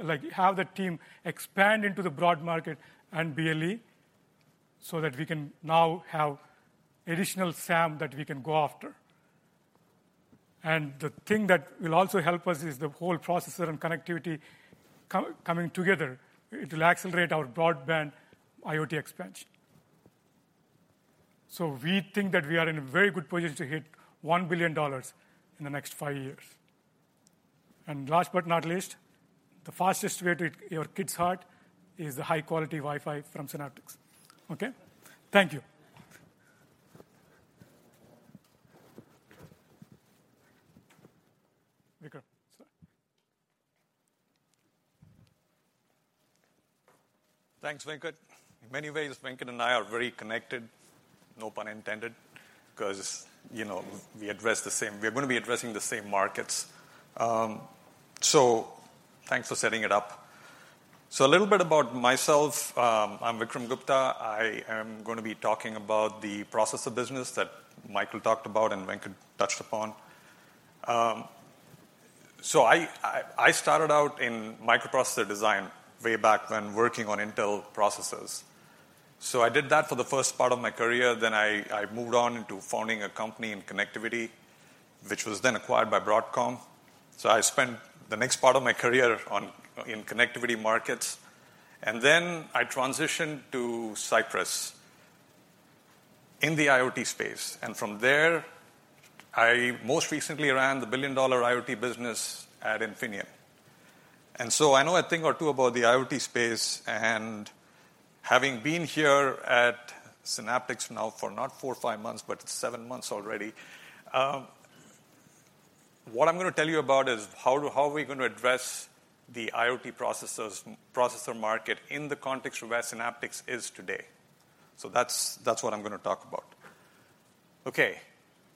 like have the team expand into the broad market and BLE, so that we can now have additional SAM that we can go after. And the thing that will also help us is the whole processor and connectivity coming together. It will accelerate our broadband IoT expansion. So we think that we are in a very good position to hit $1 billion in the next five years. And last but not least, the fastest way to your kids' heart is the high-quality Wi-Fi from Synaptics. Okay? Thank you. Vikram, sir. Thanks, Venkat. In many ways, Venkat and I are very connected, no pun intended, 'cause, you know, we're going to be addressing the same markets. So thanks for setting it up. So a little bit about myself. I'm Vikram Gupta. I am going to be talking about the processor business that Michael talked about and Venkat touched upon. So I started out in microprocessor design way back when working on Intel processors. So I did that for the first part of my career, then I moved on into founding a company in connectivity, which was then acquired by Broadcom. So I spent the next part of my career in connectivity markets, and then I transitioned to Cypress in the IoT space, and from there, I most recently ran the billion-dollar IoT business at Infineon. And so I know a thing or two about the IoT space, and having been here at Synaptics now for not four or five months, but seven months already, what I'm going to tell you about is how are we going to address the IoT processors, processor market in the context of where Synaptics is today. So that's, that's what I'm going to talk about. Okay,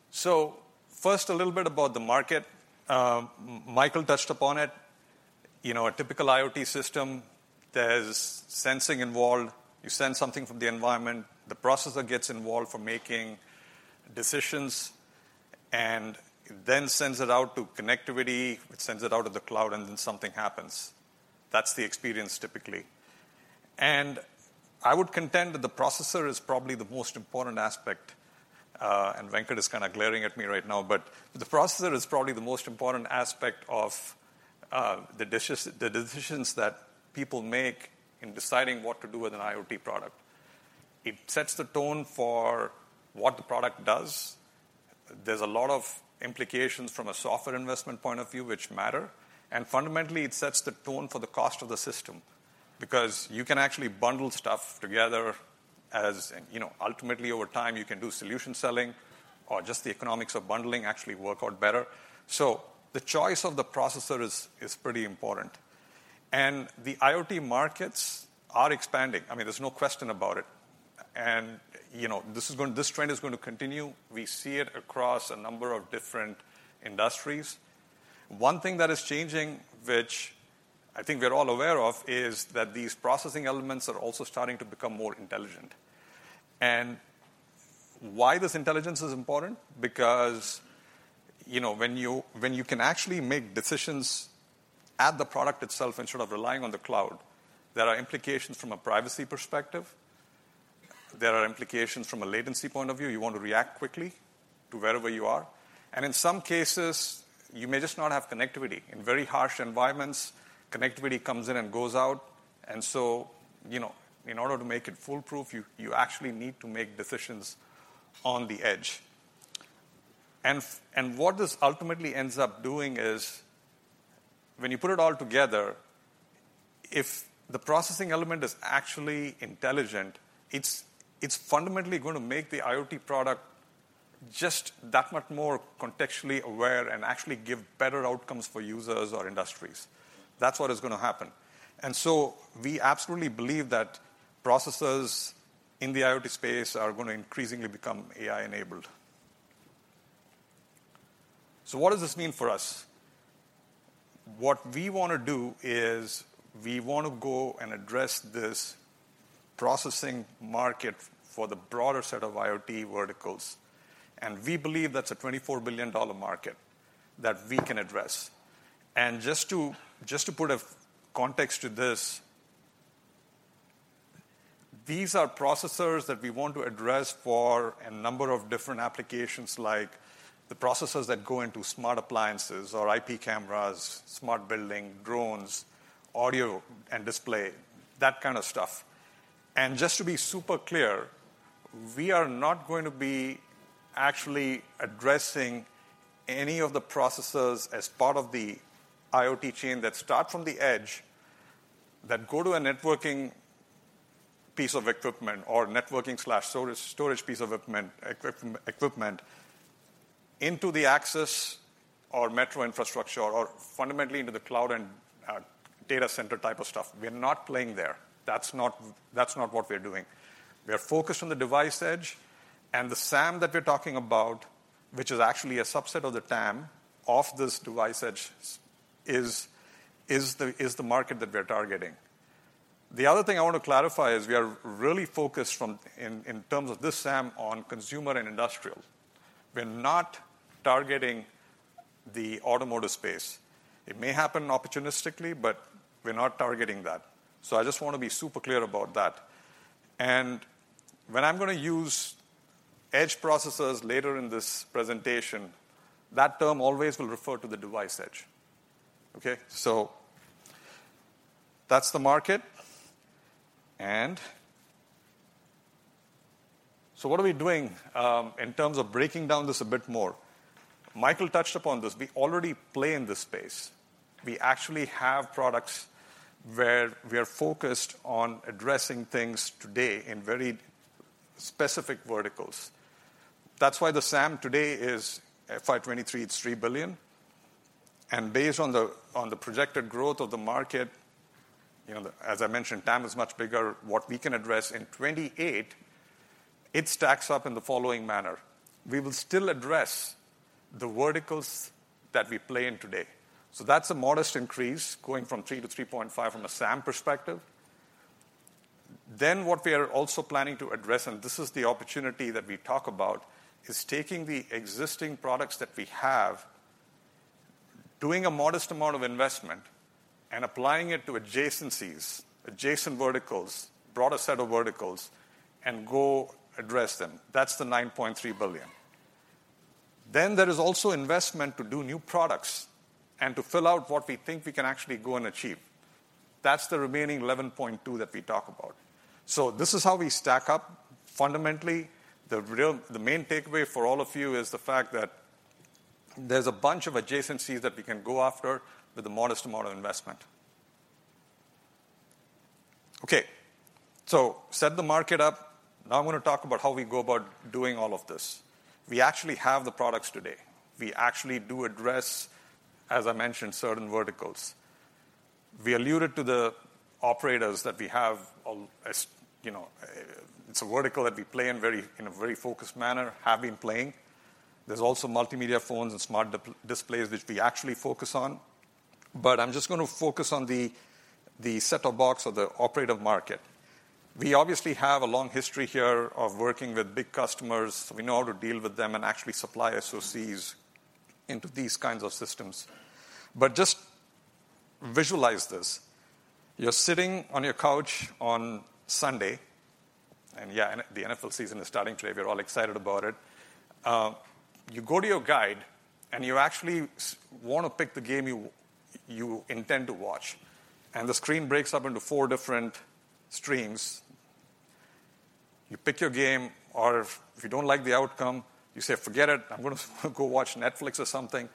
so first, a little bit about the market. Michael touched upon it. You know, a typical IoT system, there's sensing involved. You sense something from the environment, the processor gets involved for making decisions and then sends it out to connectivity, it sends it out to the cloud, and then something happens. That's the experience, typically. And I would contend that the processor is probably the most important aspect, and Venkat is kind of glaring at me right now, but the processor is probably the most important aspect of the decisions that people make in deciding what to do with an IoT product. It sets the tone for what the product does. There's a lot of implications from a software investment point of view, which matter, and fundamentally, it sets the tone for the cost of the system, because you can actually bundle stuff together as, you know, ultimately, over time, you can do solution selling, or just the economics of bundling actually work out better. So the choice of the processor is pretty important, and the IoT markets are expanding. I mean, there's no question about it, and, you know, this trend is going to continue. We see it across a number of different industries. One thing that is changing, which I think we're all aware of, is that these processing elements are also starting to become more intelligent. Why this intelligence is important? Because, you know, when you, when you can actually make decisions at the product itself, instead of relying on the cloud, there are implications from a privacy perspective, there are implications from a latency point of view. You want to react quickly to wherever you are, and in some cases, you may just not have connectivity. In very harsh environments, connectivity comes in and goes out, and so, you know, in order to make it foolproof, you, you actually need to make decisions on the edge. What this ultimately ends up doing is, when you put it all together, if the processing element is actually intelligent, it's fundamentally going to make the IoT product just that much more contextually aware and actually give better outcomes for users or industries. That's what is going to happen. So we absolutely believe that processors in the IoT space are going to increasingly become AI-enabled. So what does this mean for us? What we want to do is we want to go and address this processing market for the broader set of IoT verticals, and we believe that's a $24 billion market that we can address. Just to put a context to this... These are processors that we want to address for a number of different applications, like the processors that go into smart appliances or IP cameras, smart building, drones, audio and display, that kind of stuff. Just to be super clear, we are not going to be actually addressing any of the processors as part of the IoT chain that start from the edge, that go to a networking piece of equipment or networking/storage, storage piece of equipment, into the access or metro infrastructure or fundamentally into the cloud and data center type of stuff. We are not playing there. That's not, that's not what we are doing. We are focused on the device edge and the SAM that we're talking about, which is actually a subset of the TAM of this device edge, the market that we are targeting. The other thing I want to clarify is we are really focused in terms of this SAM on consumer and industrial. We're not targeting the automotive space. It may happen opportunistically, but we're not targeting that. So I just want to be super clear about that. And when I'm gonna use edge processors later in this presentation, that term always will refer to the device edge. Okay? So that's the market. So what are we doing in terms of breaking down this a bit more? Michael touched upon this. We already play in this space. We actually have products where we are focused on addressing things today in very specific verticals. That's why the SAM today is FY 2023; it's $3 billion, and based on the projected growth of the market, you know, as I mentioned, TAM is much bigger, what we can address in 2028; it stacks up in the following manner. We will still address the verticals that we play in today. So that's a modest increase, going from 3 to 3.5 from a SAM perspective. Then, what we are also planning to address, and this is the opportunity that we talk about, is taking the existing products that we have, doing a modest amount of investment, and applying it to adjacencies, adjacent verticals, broader set of verticals, and go address them. That's the $9.3 billion. Then there is also investment to do new products and to fill out what we think we can actually go and achieve. That's the remaining 11.2 that we talk about. So this is how we stack up. Fundamentally, the real, the main takeaway for all of you is the fact that there's a bunch of adjacencies that we can go after with a modest amount of investment. Okay, so set the market up. Now I'm gonna talk about how we go about doing all of this. We actually have the products today. We actually do address, as I mentioned, certain verticals. We alluded to the operators that we have, as you know, it's a vertical that we play in a very focused manner, have been playing. There's also multimedia phones and smart displays, which we actually focus on, but I'm just going to focus on the set-top box or the operator market. We obviously have a long history here of working with big customers, so we know how to deal with them and actually supply SoCs into these kinds of systems. But just visualize this: you're sitting on your couch on Sunday, and yeah, the NFL season is starting today. We're all excited about it. You go to your guide, and you actually want to pick the game you intend to watch, and the screen breaks up into four different streams. You pick your game, or if you don't like the outcome, you say, "Forget it, I'm gonna go watch Netflix or something."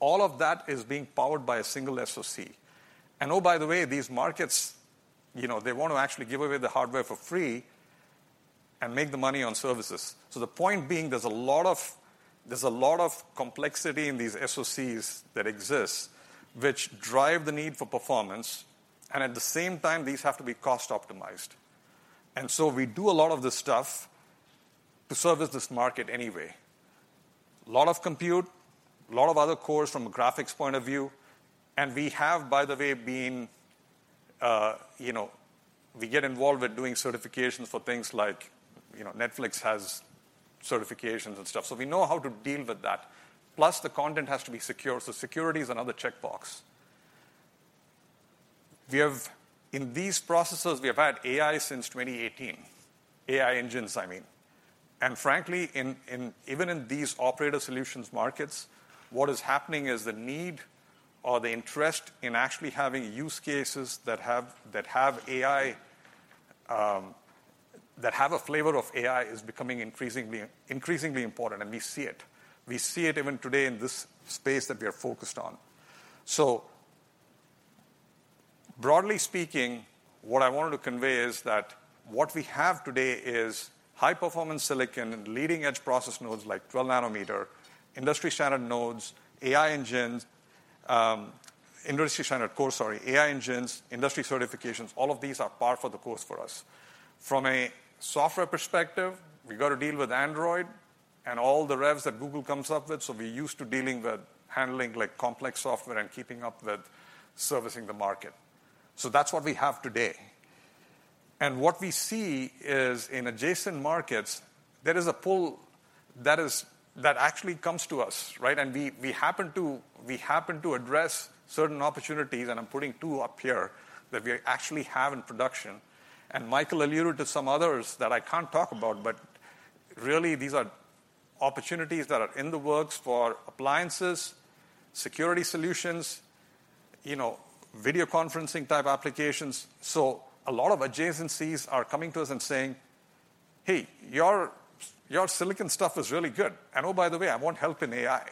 All of that is being powered by a single SoC. And oh, by the way, these markets, you know, they want to actually give away the hardware for free and make the money on services. So the point being, there's a lot of, there's a lot of complexity in these SoCs that exist, which drive the need for performance, and at the same time, these have to be cost-optimized. And so we do a lot of this stuff to service this market anyway. A lot of compute, a lot of other cores from a graphics point of view, and we have, by the way, been, you know, we get involved with doing certifications for things like, you know, Netflix has certifications and stuff, so we know how to deal with that. Plus, the content has to be secure, so security is another checkbox. We have. In these processors, we have had AI since 2018, AI engines, I mean. Frankly, in even in these operator solutions markets, what is happening is the need or the interest in actually having use cases that have AI, that have a flavor of AI, is becoming increasingly important, and we see it. We see it even today in this space that we are focused on. Broadly speaking, what I wanted to convey is that what we have today is high-performance silicon and leading-edge process nodes, like 12-nanometer, industry-standard nodes, AI engines, industry-standard cores, sorry, AI engines, industry certifications, all of these are par for the course for us. From a software perspective, we've got to deal with Android and all the revs that Google comes up with, so we're used to dealing with handling, like, complex software and keeping up with servicing the market. That's what we have today. What we see is in adjacent markets, there is a pull—that is, that actually comes to us, right? And we, we happen to, we happen to address certain opportunities, and I'm putting two up here that we actually have in production. And Michael alluded to some others that I can't talk about, but really, these are opportunities that are in the works for appliances, security solutions, you know, video conferencing-type applications. So a lot of adjacencies are coming to us and saying, "Hey, your, your silicon stuff is really good, and oh, by the way, I want help in AI.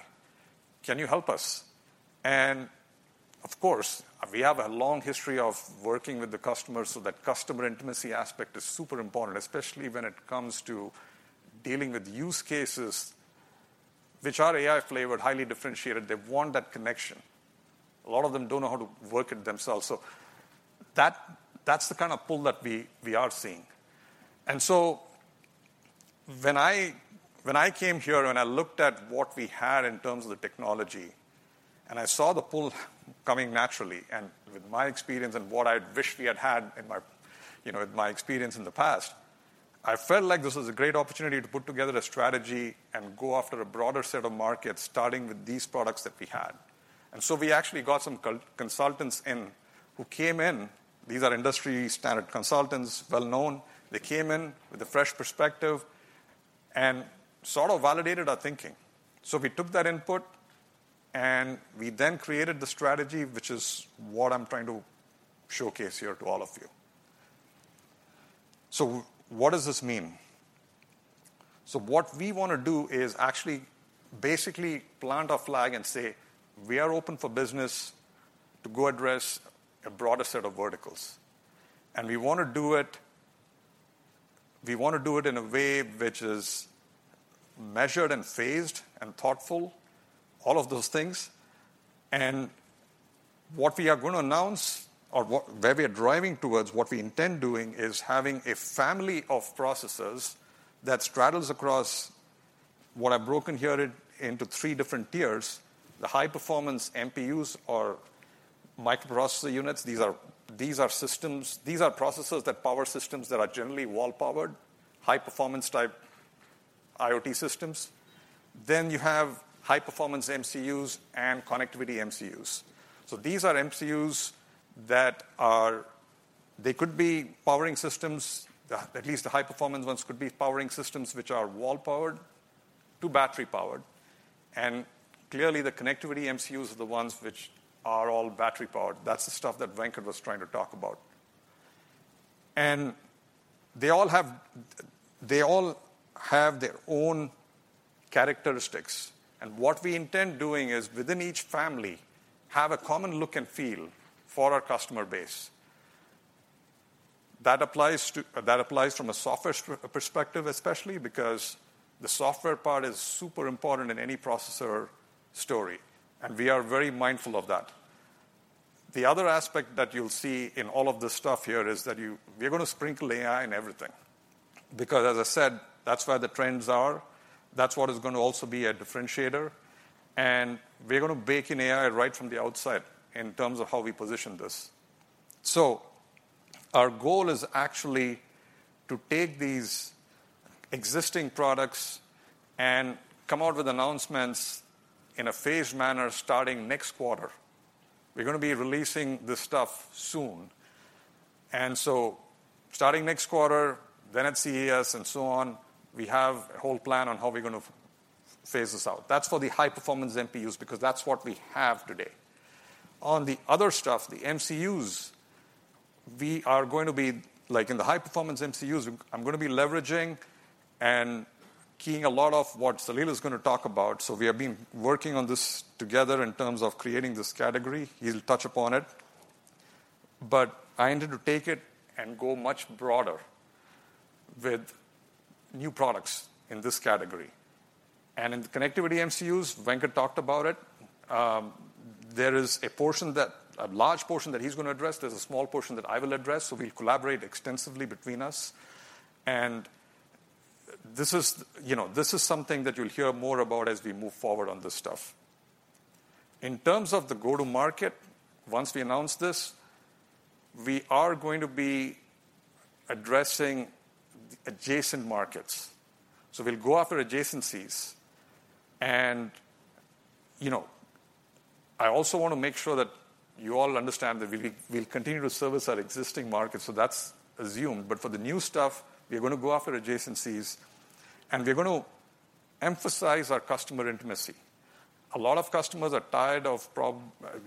Can you help us?" And of course, we have a long history of working with the customer, so that customer intimacy aspect is super important, especially when it comes to dealing with use cases which are AI-flavored, highly differentiated. They want that connection. A lot of them don't know how to work it themselves, so that, that's the kind of pull that we are seeing. And so when I came here, and I looked at what we had in terms of the technology, and I saw the pull coming naturally, and with my experience and what I'd wished we had had in my, you know, in my experience in the past, I felt like this was a great opportunity to put together a strategy and go after a broader set of markets, starting with these products that we had. And so we actually got some consultants in, who came in. These are industry standard consultants, well known. They came in with a fresh perspective and sort of validated our thinking. We took that input, and we then created the strategy, which is what I'm trying to showcase here to all of you. What does this mean? What we wanna do is actually basically plant a flag and say: We are open for business to go address a broader set of verticals, and we wanna do it... We wanna do it in a way which is measured and phased and thoughtful, all of those things. What we are going to announce or where we are driving towards, what we intend doing, is having a family of processors that straddles across what I've broken here into three different tiers. The high-performance MPUs or microprocessor units, these are, these are systems... These are processors that power systems that are generally wall-powered, high-performance type IoT systems. Then you have high-performance MCUs and connectivity MCUs. So these are MCUs that could be powering systems, at least the high-performance ones could be powering systems which are wall-powered to battery-powered, and clearly, the connectivity MCUs are the ones which are all battery-powered. That's the stuff that Venkat was trying to talk about. And they all have, they all have their own characteristics, and what we intend doing is, within each family, have a common look and feel for our customer base. That applies from a software perspective, especially because the software part is super important in any processor story, and we are very mindful of that. The other aspect that you'll see in all of this stuff here is that we're gonna sprinkle AI in everything, because, as I said, that's where the trends are, that's what is going to also be a differentiator, and we're gonna bake in AI right from the outside in terms of how we position this. So our goal is actually to take these existing products and come out with announcements in a phased manner starting next quarter. We're gonna be releasing this stuff soon, and so starting next quarter, then at CES and so on, we have a whole plan on how we're gonna phase this out. That's for the high-performance MPUs because that's what we have today. On the other stuff, the MCUs, we are going to be, like, in the high-performance MCUs, I'm gonna be leveraging and keying a lot of what Salil is gonna talk about, so we have been working on this together in terms of creating this category. He'll touch upon it. But I intend to take it and go much broader with new products in this category. And in the connectivity MCUs, Venkat talked about it, there is a portion that, a large portion that he's gonna address, there's a small portion that I will address, so we'll collaborate extensively between us. And this is, you know, this is something that you'll hear more about as we move forward on this stuff. In terms of the go-to-market, once we announce this, we are going to be addressing adjacent markets. So we'll go after adjacencies, and, you know, I also want to make sure that you all understand that we, we'll continue to service our existing markets, so that's assumed. But for the new stuff, we're going to go after adjacencies, and we're going to emphasize our customer intimacy. A lot of customers are tired of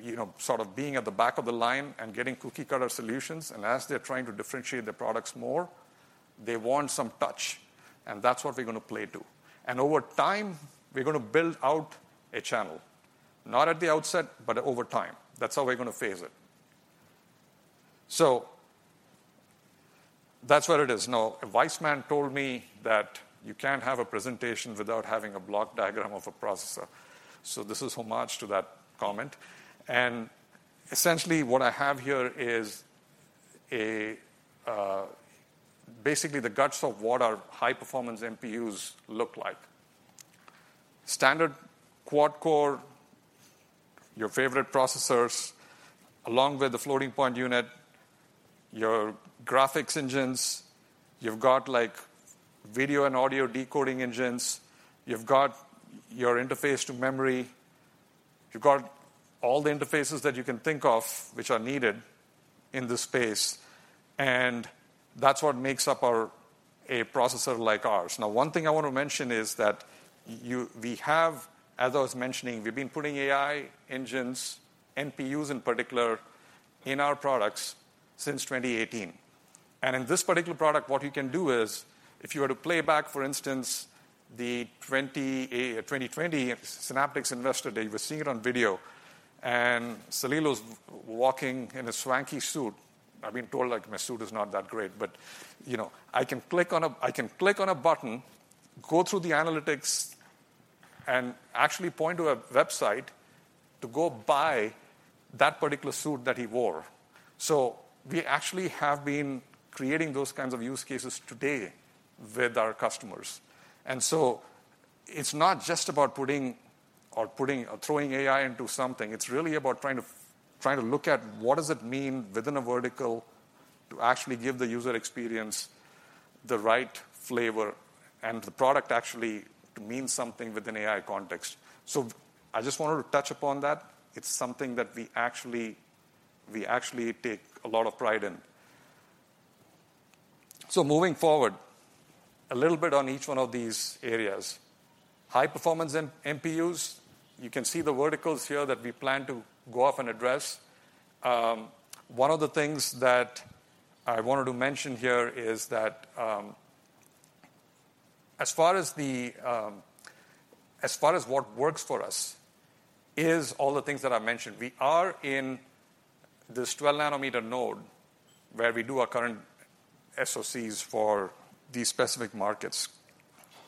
you know, sort of being at the back of the line and getting cookie-cutter solutions, and as they're trying to differentiate their products more, they want some touch, and that's what we're gonna play to. And over time, we're gonna build out a channel, not at the outset, but over time. That's how we're gonna phase it. So that's what it is. Now, a wise man told me that you can't have a presentation without having a block diagram of a processor, so this is homage to that comment. Essentially, what I have here is basically the guts of what our high-performance MPUs look like. Standard quad-core your favorite processors, along with the floating point unit, your graphics engines, you've got, like, video and audio decoding engines, you've got your interface to memory, you've got all the interfaces that you can think of which are needed in this space, and that's what makes up our a processor like ours. Now, one thing I want to mention is that we have, as I was mentioning, we've been putting AI engines, NPUs in particular, in our products since 2018. In this particular product, what you can do is, if you were to play back, for instance, the 2020 Synaptics Investor Day, we're seeing it on video, and Salil was walking in a swanky suit. I've been told, like, my suit is not that great, but, you know, I can click on a, I can click on a button, go through the analytics, and actually point to a website to go buy that particular suit that he wore. So we actually have been creating those kinds of use cases today with our customers. And so it's not just about putting or putting or throwing AI into something. It's really about trying to, trying to look at what does it mean within a vertical to actually give the user experience the right flavor and the product actually to mean something within AI context. So I just wanted to touch upon that. It's something that we actually, we actually take a lot of pride in. So moving forward, a little bit on each one of these areas. High-performance MPUs, you can see the verticals here that we plan to go off and address. One of the things that I wanted to mention here is that, as far as what works for us is all the things that I mentioned. We are in this 12-nanometer node where we do our current SoCs for these specific markets.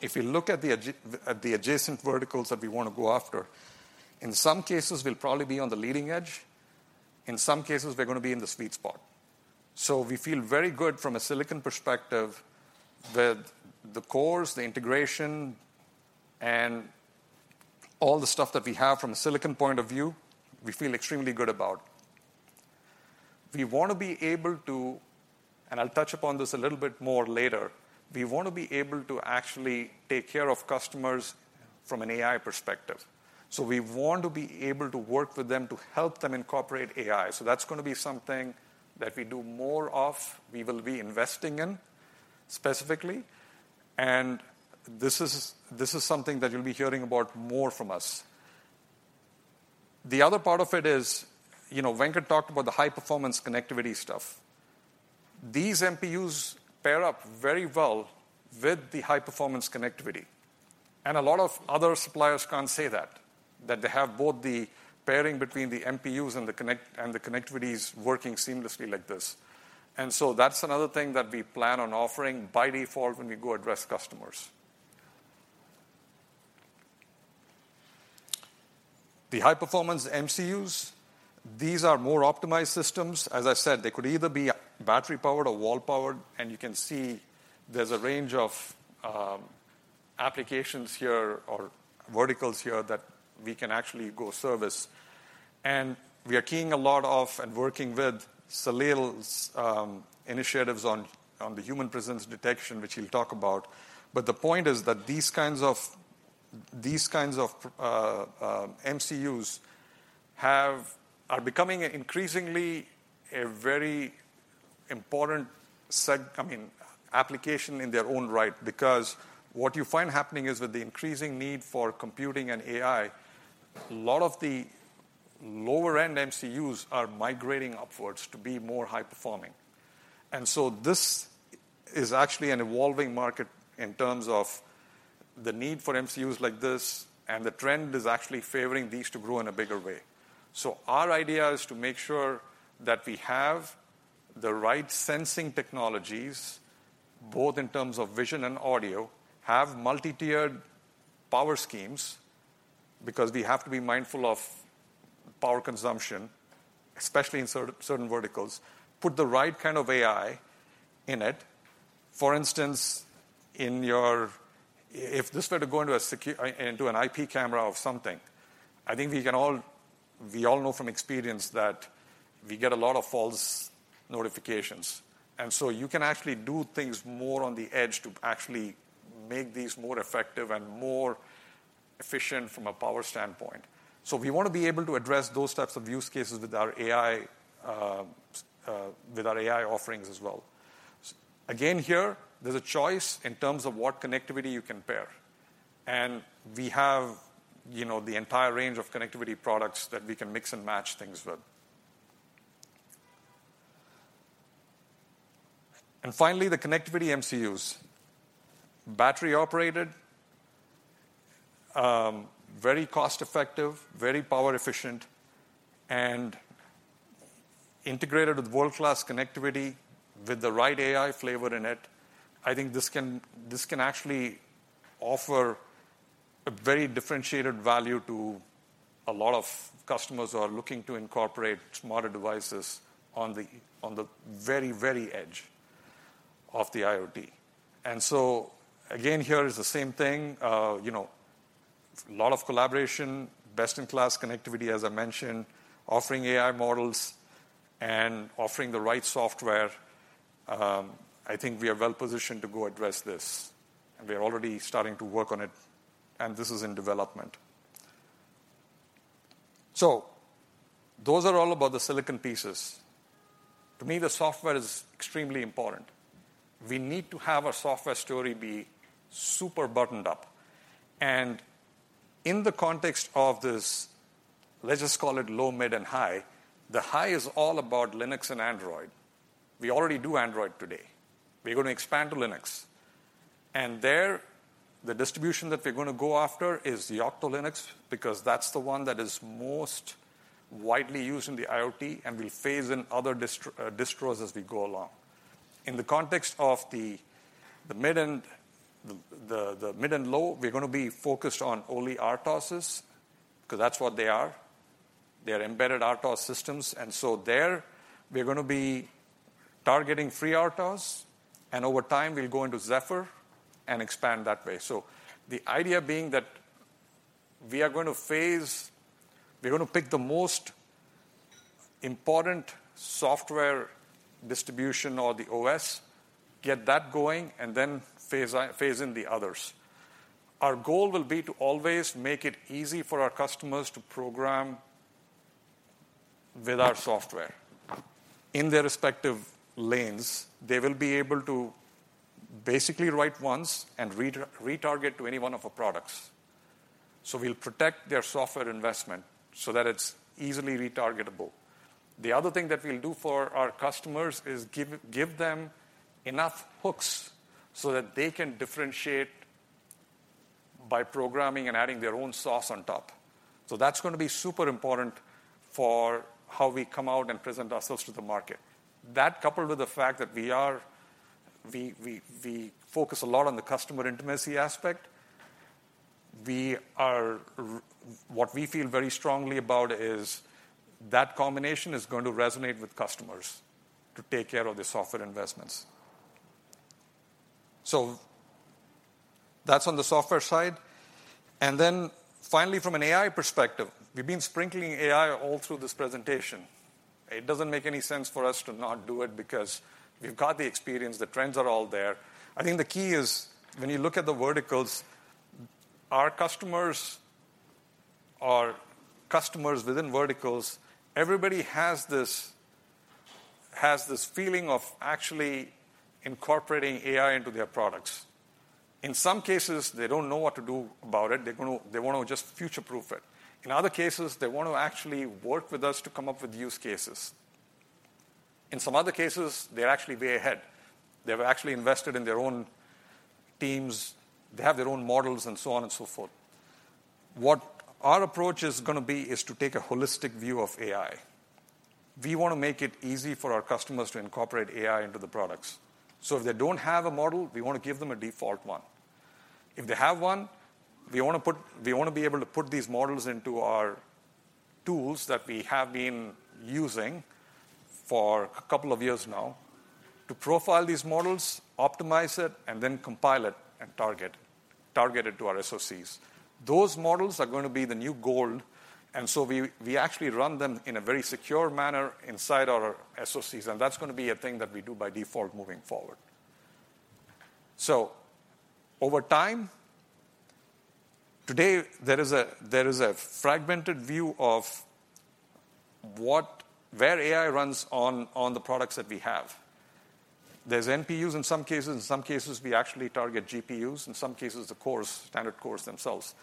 If you look at the adjacent verticals that we want to go after, in some cases, we'll probably be on the leading edge. In some cases, we're gonna be in the sweet spot. So we feel very good from a silicon perspective with the cores, the integration, and all the stuff that we have from a silicon point of view, we feel extremely good about. We want to be able to, and I'll touch upon this a little bit more later, we want to be able to actually take care of customers from an AI perspective. So we want to be able to work with them to help them incorporate AI. So that's gonna be something that we do more of, we will be investing in specifically, and this is something that you'll be hearing about more from us. The other part of it is, you know, Venkat talked about the high-performance connectivity stuff. These NPUs pair up very well with the high-performance connectivity, and a lot of other suppliers can't say that, that they have both the pairing between the NPUs and the connectivity and the connectivities working seamlessly like this. And so that's another thing that we plan on offering by default when we go address customers. The high-performance MCUs, these are more optimized systems. As I said, they could either be battery-powered or wall-powered, and you can see there's a range of applications here or verticals here that we can actually go service. And we are keying a lot of and working with Salil's initiatives on the human presence detection, which he'll talk about. But the point is that these kinds of MCUs are becoming increasingly a very important application in their own right, because what you find happening is, with the increasing need for computing and AI, a lot of the lower-end MCUs are migrating upwards to be more high-performing. And so this is actually an evolving market in terms of the need for MCUs like this, and the trend is actually favoring these to grow in a bigger way. So our idea is to make sure that we have the right sensing technologies, both in terms of vision and audio, have multi-tiered power schemes, because we have to be mindful of power consumption, especially in certain verticals. Put the right kind of AI in it. For instance, if this were to go into a security—into an IP camera or something, I think we can all, we all know from experience that we get a lot of false notifications. And so you can actually do things more on the edge to actually make these more effective and more efficient from a power standpoint. So we want to be able to address those types of use cases with our AI offerings as well. Again, here, there's a choice in terms of what connectivity you can pair, and we have, you know, the entire range of connectivity products that we can mix and match things with. And finally, the connectivity MCUs. Battery operated, very cost-effective, very power efficient, and integrated with world-class connectivity with the right AI flavor in it. I think this can, this can actually offer a very differentiated value to a lot of customers who are looking to incorporate smarter devices on the, on the very, very edge. of the IoT. And so again, here is the same thing, you know, lot of collaboration, best-in-class connectivity, as I mentioned, offering AI models and offering the right software. I think we are well-positioned to go address this, and we are already starting to work on it, and this is in development. So those are all about the silicon pieces. To me, the software is extremely important. We need to have our software story be super buttoned up. In the context of this, let's just call it low, mid, and high, the high is all about Linux and Android. We already do Android today. We're going to expand to Linux. And there, the distribution that we're going to go after is the Yocto Linux, because that's the one that is most widely used in the IoT, and we'll phase in other distros as we go along. In the context of the mid and low, we're going to be focused on only RTOSes, 'cause that's what they are. They are embedded RTOS systems, and so there, we are going to be targeting FreeRTOS, and over time, we'll go into Zephyr and expand that way. So the idea being that we are going to phase—we're going to pick the most important software distribution or the OS, get that going, and then phase in the others. Our goal will be to always make it easy for our customers to program with our software. In their respective lanes, they will be able to basically write once and retarget to any one of our products. So we'll protect their software investment so that it's easily retargetable. The other thing that we'll do for our customers is give them enough hooks so that they can differentiate by programming and adding their own sauce on top. So that's going to be super important for how we come out and present ourselves to the market. That, coupled with the fact that we are... We focus a lot on the customer intimacy aspect. What we feel very strongly about is that combination is going to resonate with customers to take care of their software investments. So that's on the software side. And then finally, from an AI perspective, we've been sprinkling AI all through this presentation. It doesn't make any sense for us to not do it because we've got the experience, the trends are all there. I think the key is when you look at the verticals, our customers or customers within verticals, everybody has this feeling of actually incorporating AI into their products. In some cases, they don't know what to do about it. They're gonna. They want to just future-proof it. In other cases, they want to actually work with us to come up with use cases. In some other cases, they're actually way ahead. They've actually invested in their own teams. They have their own models and so on and so forth. What our approach is gonna be is to take a holistic view of AI. We want to make it easy for our customers to incorporate AI into the products. So if they don't have a model, we want to give them a default one. If they have one, we want to put, we want to be able to put these models into our tools that we have been using for a couple of years now to profile these models, optimize it, and then compile it and target, target it to our SoCs. Those models are going to be the new gold, and so we, we actually run them in a very secure manner inside our SoCs, and that's going to be a thing that we do by default moving forward. So over time, today, there is a, there is a fragmented view of what, where AI runs on, on the products that we have. There's NPUs in some cases. In some cases, we actually target GPUs, in some cases, the cores, standard cores themselves.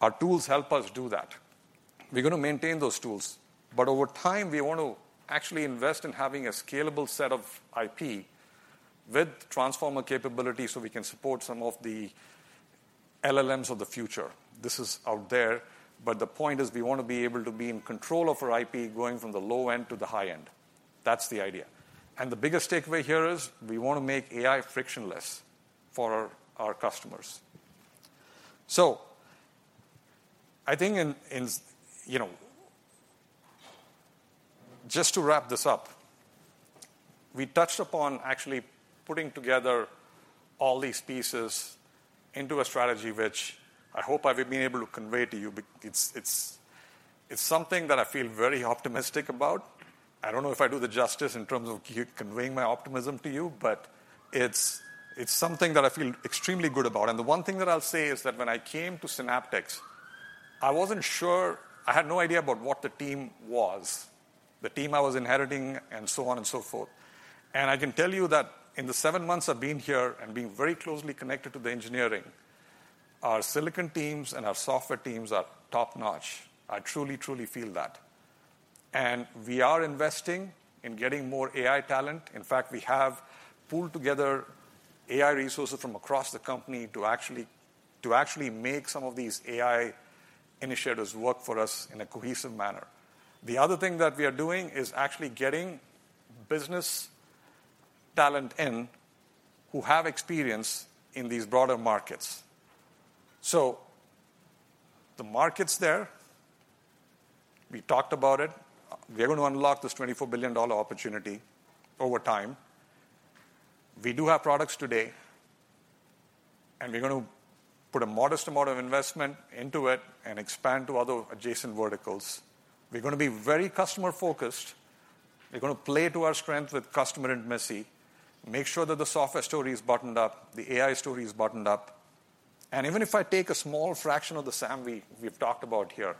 Our tools help us do that. We're going to maintain those tools, but over time, we want to actually invest in having a scalable set of IP with transformer capability, so we can support some of the LLMs of the future. This is out there, but the point is, we want to be able to be in control of our IP, going from the low end to the high end. That's the idea. The biggest takeaway here is we want to make AI frictionless for our customers. So I think, you know... Just to wrap this up, we touched upon actually putting together all these pieces into a strategy which I hope I've been able to convey to you. It's something that I feel very optimistic about. I don't know if I do the justice in terms of conveying my optimism to you, but it's something that I feel extremely good about. And the one thing that I'll say is that when I came to Synaptics, I wasn't sure—I had no idea about what the team was, the team I was inheriting, and so on and so forth. I can tell you that in the seven months I've been here and been very closely connected to the engineering, our silicon teams and our software teams are top-notch. I truly, truly feel that. We are investing in getting more AI talent. In fact, we have pooled together AI resources from across the company to actually, to actually make some of these AI initiatives work for us in a cohesive manner. The other thing that we are doing is actually getting business talent in who have experience in these broader markets. So the market's there... We talked about it. We are going to unlock this $24 billion opportunity over time. We do have products today, and we're going to put a modest amount of investment into it and expand to other adjacent verticals. We're going to be very customer-focused. We're going to play to our strength with customer intimacy, make sure that the software story is buttoned up, the AI story is buttoned up. And even if I take a small fraction of the SAM we've talked about here,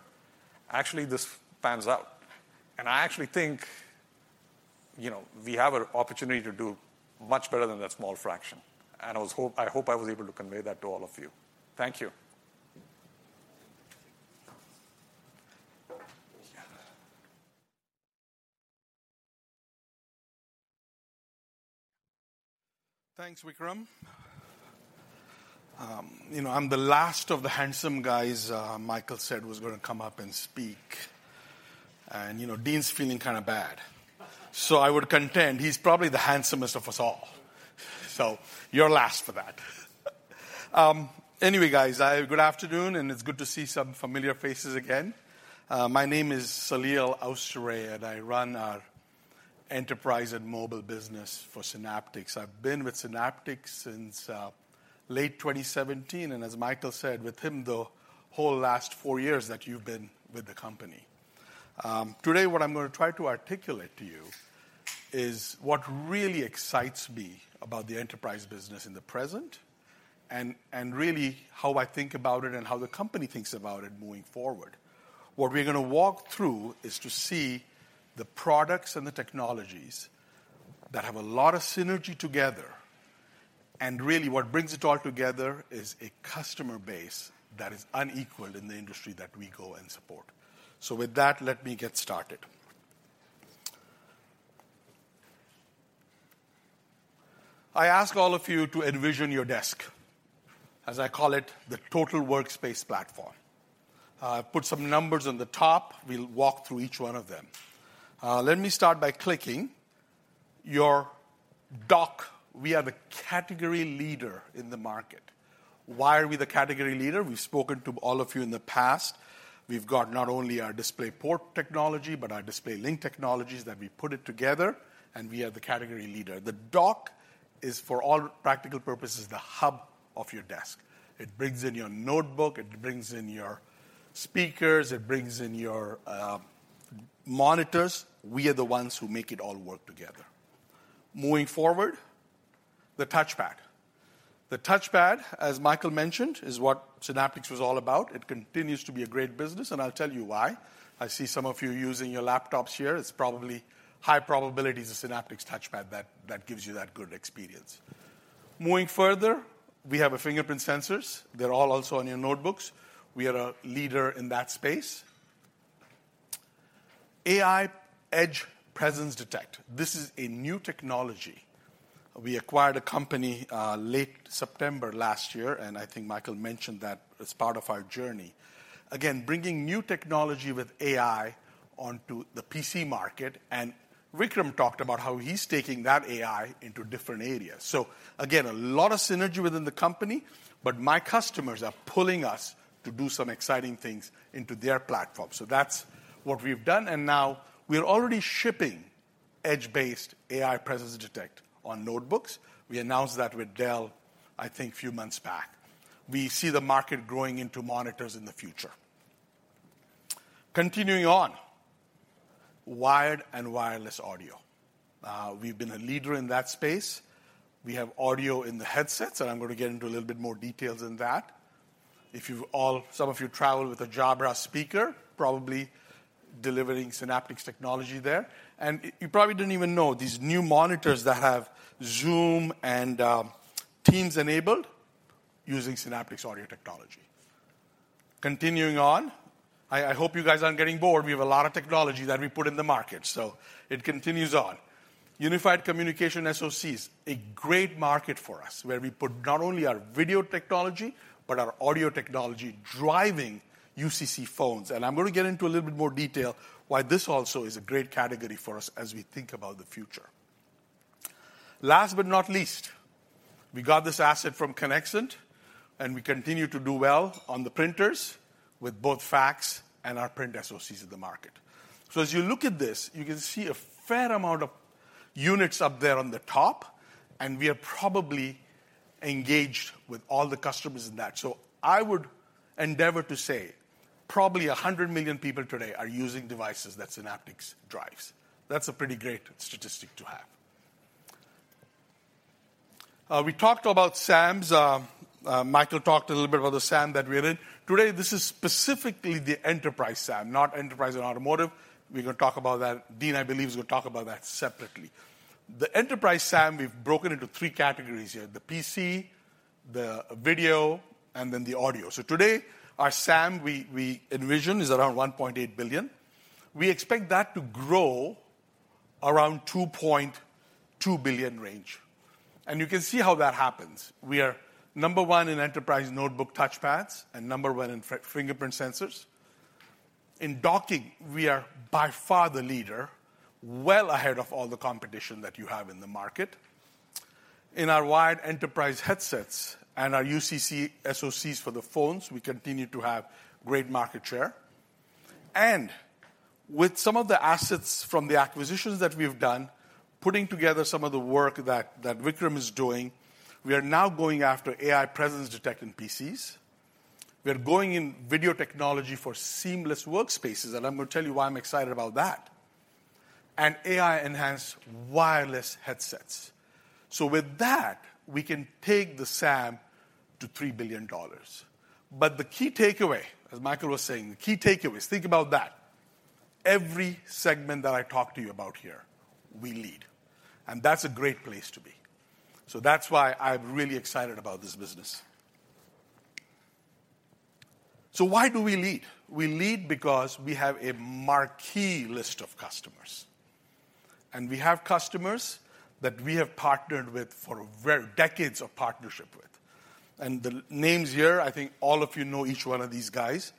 actually, this pans out. And I actually think, you know, we have an opportunity to do much better than that small fraction, and I hope I was able to convey that to all of you. Thank you. Thanks, Vikram. You know, I'm the last of the handsome guys Michael said was going to come up and speak. And, you know, Dean's feeling kind of bad. So I would contend he's probably the handsomest of us all. So you're last for that. Anyway, guys, good afternoon, and it's good to see some familiar faces again. My name is Salil Ausare, and I run our enterprise and mobile business for Synaptics. I've been with Synaptics since late 2017, and as Michael said, with him the whole last four years that you've been with the company. Today, what I'm going to try to articulate to you is what really excites me about the enterprise business in the present and really how I think about it and how the company thinks about it moving forward. What we're going to walk through is to see the products and the technologies that have a lot of synergy together, and really, what brings it all together is a customer base that is unequaled in the industry that we go and support. So with that, let me get started. I ask all of you to envision your desk, as I call it, the total workspace platform. I've put some numbers on the top. We'll walk through each one of them. Let me start by clicking your dock. We are the category leader in the market. Why are we the category leader? We've spoken to all of you in the past. We've got not only our DisplayPort technology, but our DisplayLink technologies, that we put it together, and we are the category leader. The dock is, for all practical purposes, the hub of your desk. It brings in your notebook, it brings in your speakers, it brings in your monitors. We are the ones who make it all work together. Moving forward, the touchpad. The touchpad, as Michael mentioned, is what Synaptics was all about. It continues to be a great business, and I'll tell you why. I see some of you using your laptops here. It's probably high probability it's a Synaptics touchpad that gives you that good experience. Moving further, we have our fingerprint sensors. They're all also on your notebooks. We are a leader in that space. AI Edge Presence Detect. This is a new technology. We acquired a company late September last year, and I think Michael mentioned that as part of our journey. Again, bringing new technology with AI onto the PC market, and Vikram talked about how he's taking that AI into different areas. So again, a lot of synergy within the company, but my customers are pulling us to do some exciting things into their platform. So that's what we've done, and now we are already shipping edge-based AI Presence Detect on notebooks. We announced that with Dell, I think, few months back. We see the market growing into monitors in the future. Continuing on, wired and wireless audio. We've been a leader in that space. We have audio in the headsets, and I'm going to get into a little bit more details in that. Some of you travel with a Jabra speaker, probably delivering Synaptics technology there, and you probably didn't even know, these new monitors that have Zoom and Teams enabled, using Synaptics audio technology. Continuing on, I hope you guys aren't getting bored. We have a lot of technology that we put in the market, so it continues on. Unified Communications SoCs, a great market for us, where we put not only our video technology, but our audio technology, driving UCC phones. I'm going to get into a little bit more detail why this also is a great category for us as we think about the future. Last but not least, we got this asset from Conexant, and we continue to do well on the printers with both fax and our print SoCs in the market. So as you look at this, you can see a fair amount of units up there on the top, and we are probably engaged with all the customers in that. So I would endeavor to say probably 100 million people today are using devices that Synaptics drives. That's a pretty great statistic to have. We talked about SAMs. Michael talked a little bit about the SAM that we're in. Today, this is specifically the enterprise SAM, not enterprise and automotive. We're going to talk about that. Dean, I believe, is going to talk about that separately. The enterprise SAM, we've broken into three categories here: the PC, the video, and then the audio. So today, our SAM, we envision, is around $1.8 billion. We expect that to grow around $2.2 billion range, and you can see how that happens. We are number one in enterprise notebook touchpads and number one in fingerprint sensors. In docking, we are by far the leader, well ahead of all the competition in the market. In our wired enterprise headsets and our UCC SoCs for the phones, we continue to have great market share. With some of the assets from the acquisitions that we've done, putting together some of the work that Vikram is doing, we are now going after AI presence detect in PCs. We are going in video technology for seamless workspaces, and I'm gonna tell you why I'm excited about that, and AI-enhanced wireless headsets. With that, we can take the SAM to $3 billion. But the key takeaway, as Michael was saying, the key takeaway is, think about that. Every segment that I talked to you about here, we lead, and that's a great place to be. That's why I'm really excited about this business. Why do we lead? We lead because we have a marquee list of customers, and we have customers that we have partnered with for a very—decades of partnership with. The names here, I think all of you know each one of these guys.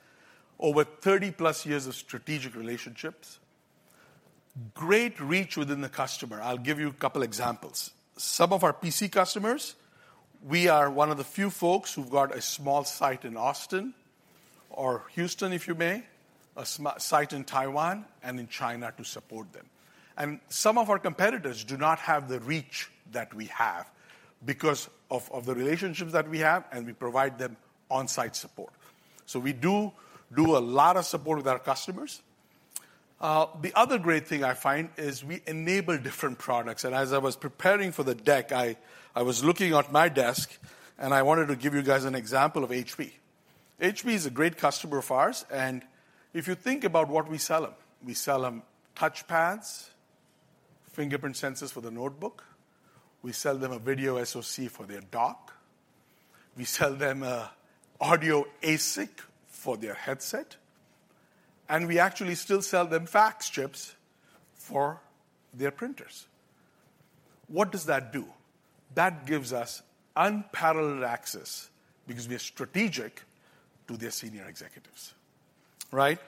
Over 30+ years of strategic relationships, great reach within the customer. I'll give you a couple examples. Some of our PC customers, we are one of the few folks who've got a small site in Austin or Houston if you may, a small site in Taiwan and in China to support them. Some of our competitors do not have the reach that we have because of the relationships that we have, and we provide them on-site support. So we do do a lot of support with our customers. The other great thing I find is we enable different products, and as I was preparing for the deck, I was looking at my desk, and I wanted to give you guys an example of HP. HP is a great customer of ours, and if you think about what we sell 'em, we sell 'em touchpads, fingerprint sensors for the notebook. We sell them a video SoC for their dock. We sell them a audio ASIC for their headset, and we actually still sell them fax chips for their printers. What does that do? That gives us unparalleled access because we're strategic to their senior executives, right?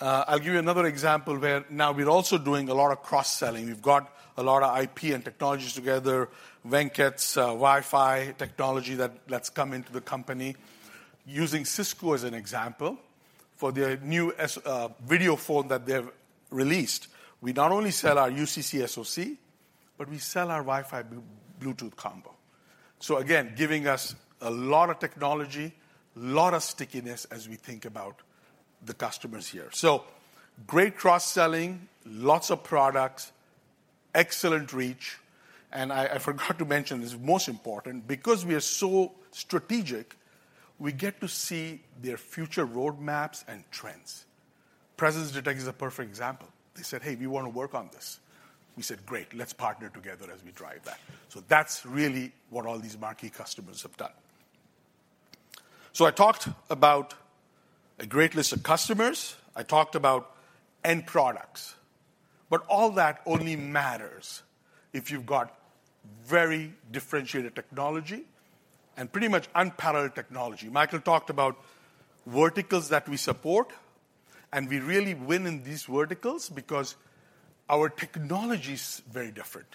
I'll give you another example where now we're also doing a lot of cross-selling. We've got a lot of IP and technologies together, Venkat's Wi-Fi technology that's come into the company. Using Cisco as an example, for their new video phone that they've released, we not only sell our UCC SoC, but we sell our Wi-Fi Bluetooth combo. So again, giving us a lot of technology, a lot of stickiness as we think about the customers here. So great cross-selling, lots of products, excellent reach, and I, I forgot to mention, this is most important, because we are so strategic, we get to see their future roadmaps and trends. Presence detect is a perfect example. They said, "Hey, we wanna work on this." We said, "Great, let's partner together as we drive that." So that's really what all these marquee customers have done. So I talked about a great list of customers. I talked about end products, but all that only matters if you've got very differentiated technology and pretty much unparalleled technology. Michael talked about verticals that we support, and we really win in these verticals because our technology's very different.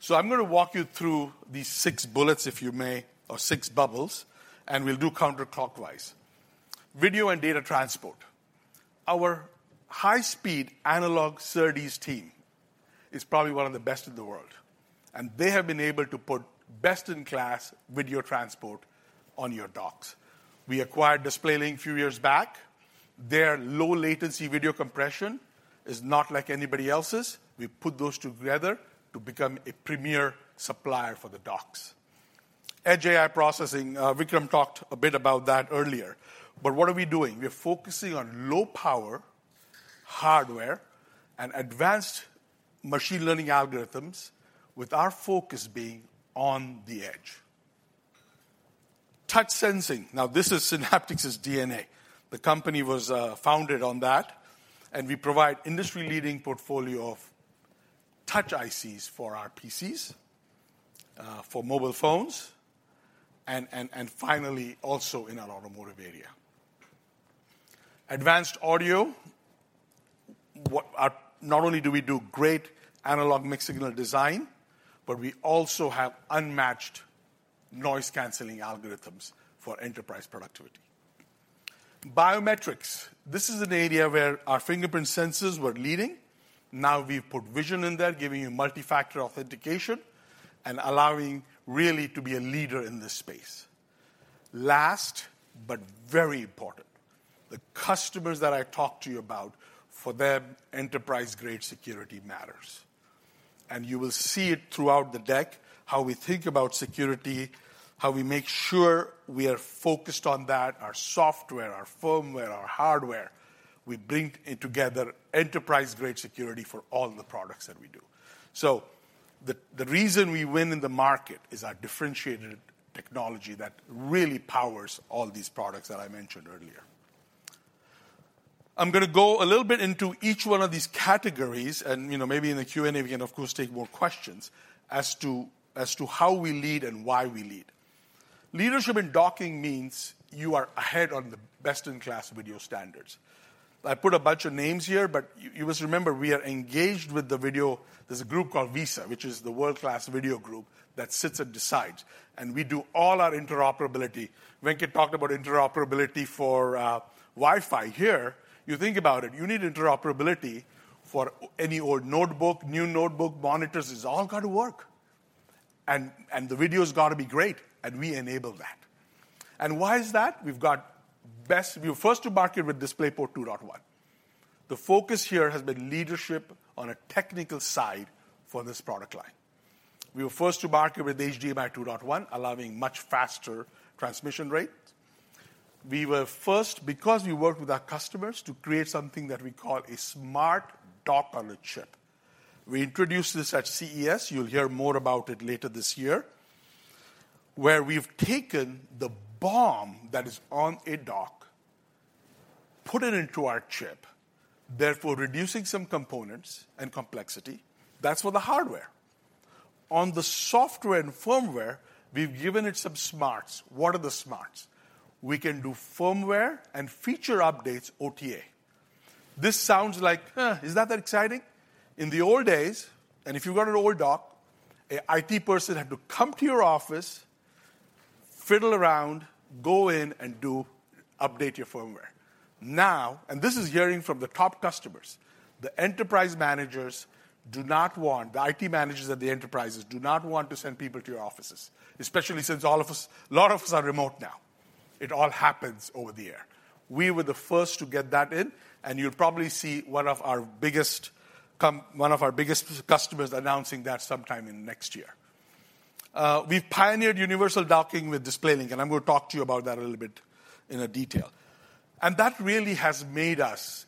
So I'm gonna walk you through these six bullets, if you may, or six bubbles, and we'll do counterclockwise. Video and data transport. Our high-speed analog SerDes team is probably one of the best in the world, and they have been able to put best-in-class video transport on your docks. We acquired DisplayLink a few years back. Their low-latency video compression is not like anybody else's. We put those together to become a premier supplier for the docks. Edge AI processing. Vikram talked a bit about that earlier, but what are we doing? We are focusing on low-power hardware and advanced machine learning algorithms, with our focus being on the edge. Touch sensing. Now, this is Synaptics's DNA. The company was founded on that, and we provide industry-leading portfolio of touch ICs for our PCs, for mobile phones and finally also in our automotive area. Advanced audio. What, not only do we do great analog mixed-signal design, but we also have unmatched noise-canceling algorithms for enterprise productivity. Biometrics. This is an area where our fingerprint sensors were leading. Now, we've put vision in there, giving you multifactor authentication and allowing really to be a leader in this space. Last, but very important, the customers that I talked to you about, for them, enterprise-grade security matters. You will see it throughout the deck, how we think about security, how we make sure we are focused on that, our software, our firmware, our hardware. We bring together enterprise-grade security for all the products that we do. So the reason we win in the market is our differentiated technology that really powers all these products that I mentioned earlier. I'm gonna go a little bit into each one of these categories, and, you know, maybe in the Q&A, we can, of course, take more questions as to how we lead and why we lead. Leadership in docking means you are ahead on the best-in-class video standards. I put a bunch of names here, but you must remember, we are engaged with the video. There's a group called VESA, which is the world-class video group that sits and decides, and we do all our interoperability. Venkat talked about interoperability for Wi-Fi. Here, you think about it, you need interoperability for any old notebook, new notebook, monitors. It's all got to work, and the video's got to be great, and we enable that. And why is that? We've got best-- We were first to market with DisplayPort 2.1. The focus here has been leadership on a technical side for this product line. We were first to market with HDMI 2.1, allowing much faster transmission rates. We were first, because we worked with our customers to create something that we call a smart dock on a chip. We introduced this at CES. You'll hear more about it later this year, where we've taken the BOM that is on a dock, put it into our chip, therefore reducing some components and complexity. That's for the hardware. On the software and firmware, we've given it some smarts. What are the smarts? We can do firmware and feature updates OTA. This sounds like, "Eh, is that that exciting?" In the old days, and if you've got an old dock, an IT person had to come to your office, fiddle around, go in, and do... update your firmware. Now, and this is hearing from the top customers, the enterprise managers do not want, the IT managers at the enterprises do not want to send people to your offices, especially since all of us, a lot of us are remote now. It all happens over the air. We were the first to get that in, and you'll probably see one of our biggest customers announcing that sometime in next year. We've pioneered universal docking with DisplayLink, and I'm going to talk to you about that a little bit in a detail. And that really has made us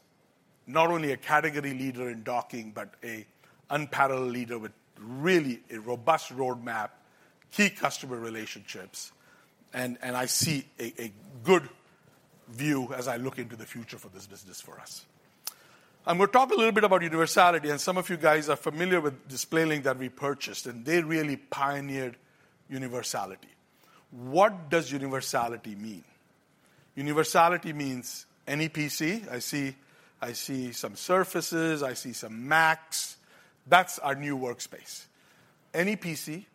not only a category leader in docking, but an unparalleled leader with really a robust roadmap, key customer relationships, and I see a good view as I look into the future for this business for us. I'm going to talk a little bit about universality, and some of you guys are familiar with DisplayLink that we purchased, and they really pioneered universality. What does universality mean? Universality means any PC. I see, I see some Surfaces, I see some Macs. That's our new workspace. Any PC,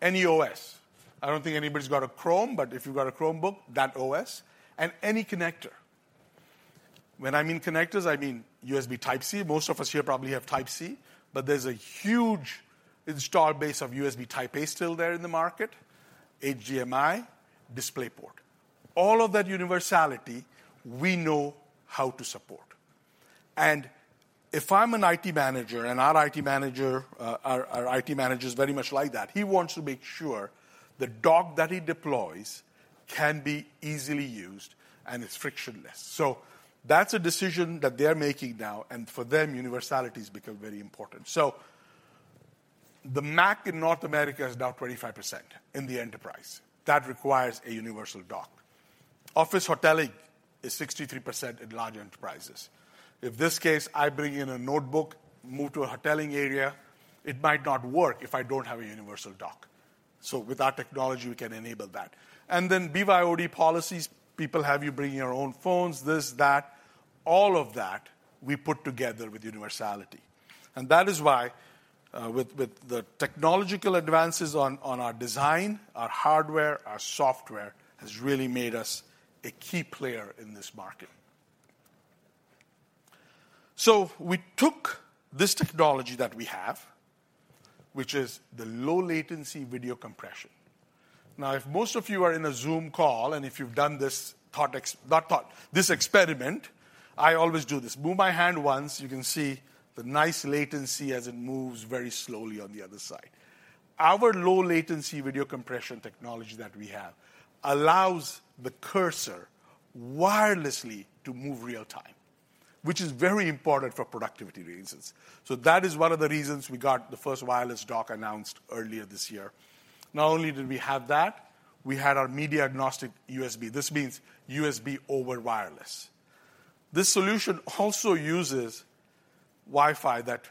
any OS. I don't think anybody's got a Chrome, but if you've got a Chromebook, that OS, and any connector. When I mean connectors, I mean USB Type-C. Most of us here probably have Type-C, but there's a huge install base of USB Type-A still there in the market, HDMI, DisplayPort. All of that universality, we know how to support, and if I'm an IT manager, and our IT manager is very much like that, he wants to make sure the dock that he deploys can be easily used and is frictionless. So that's a decision that they're making now, and for them, universality has become very important. So the Mac in North America is now 25% in the enterprise. That requires a universal dock. Office hotelling is 63% in large enterprises. If this case, I bring in a notebook, move to a hoteling area, it might not work if I don't have a universal dock. So with our technology, we can enable that. And then BYOD policies, people have you bringing your own phones, this, that, all of that, we put together with universality. And that is why, with, with the technological advances on, on our design, our hardware, our software, has really made us a key player in this market. So we took this technology that we have, which is the low-latency video compression. Now, if most of you are in a Zoom call, and if you've done this experiment, I always do this. Move my hand once, you can see the nice latency as it moves very slowly on the other side. Our low-latency video compression technology that we have allows the cursor wirelessly to move real time, which is very important for productivity reasons. So that is one of the reasons we got the first wireless dock announced earlier this year. Not only did we have that, we had our media-agnostic USB. This means USB over wireless. This solution also uses Wi-Fi that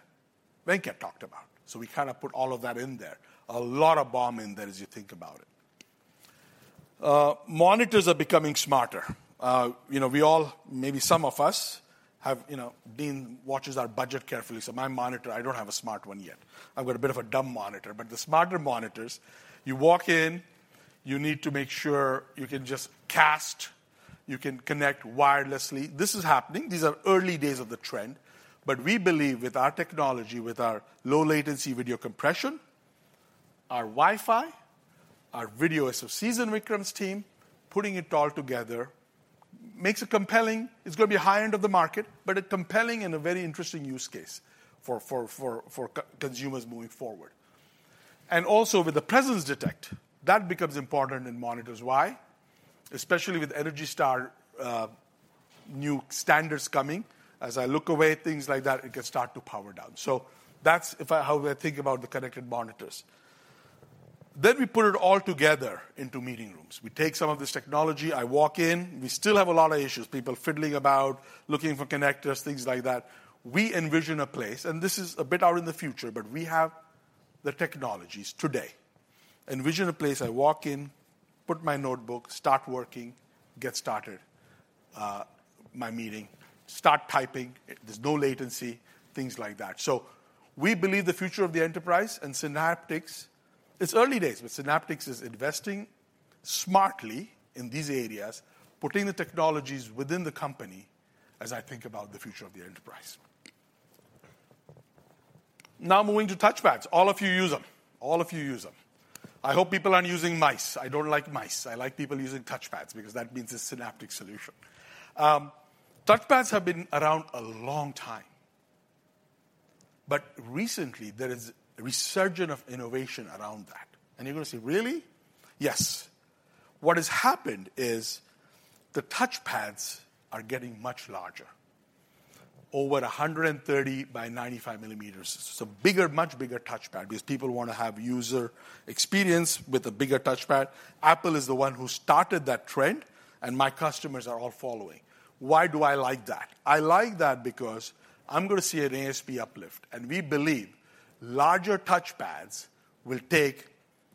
Venkat talked about, so we kind of put all of that in there. A lot of BOM in there as you think about it. Monitors are becoming smarter. You know, we all, maybe some of us have, you know, been watching our budget carefully. So my monitor, I don't have a smart one yet. I've got a bit of a dumb monitor, but the smarter monitors, you walk in, you need to make sure you can just cast, you can connect wirelessly. This is happening. These are early days of the trend, but we believe with our technology, with our low-latency video compression, our Wi-Fi, our video SoCs and Vikram's team, putting it all together makes it compelling. It's going to be high-end of the market, but a compelling and a very interesting use case for consumers moving forward. And also with the presence detect, that becomes important in monitors. Why? Especially with Energy Star, new standards coming, as I look away, things like that, it can start to power down. So that's how we are thinking about the connected monitors. Then we put it all together into meeting rooms. We take some of this technology. I walk in. We still have a lot of issues, people fiddling about, looking for connectors, things like that. We envision a place, and this is a bit out in the future, but we have the technologies today. Envision a place I walk in, put my notebook, start working, get started, my meeting. Start typing, there's no latency, things like that. So we believe the future of the enterprise and Synaptics, it's early days, but Synaptics is investing smartly in these areas, putting the technologies within the company as I think about the future of the enterprise. Now, moving to touchpads. All of you use them. All of you use them. I hope people aren't using mice. I don't like mice. I like people using touchpads because that means a Synaptics solution. Touchpads have been around a long time, but recently there is a resurgence of innovation around that. And you're going to say, "Really?" Yes. What has happened is the touchpads are getting much larger, over 130 by 95 millimeters. So bigger, much bigger touchpad, because people want to have user experience with a bigger touchpad. Apple is the one who started that trend, and my customers are all following. Why do I like that? I like that because I'm going to see an ASP uplift, and we believe larger touchpads will take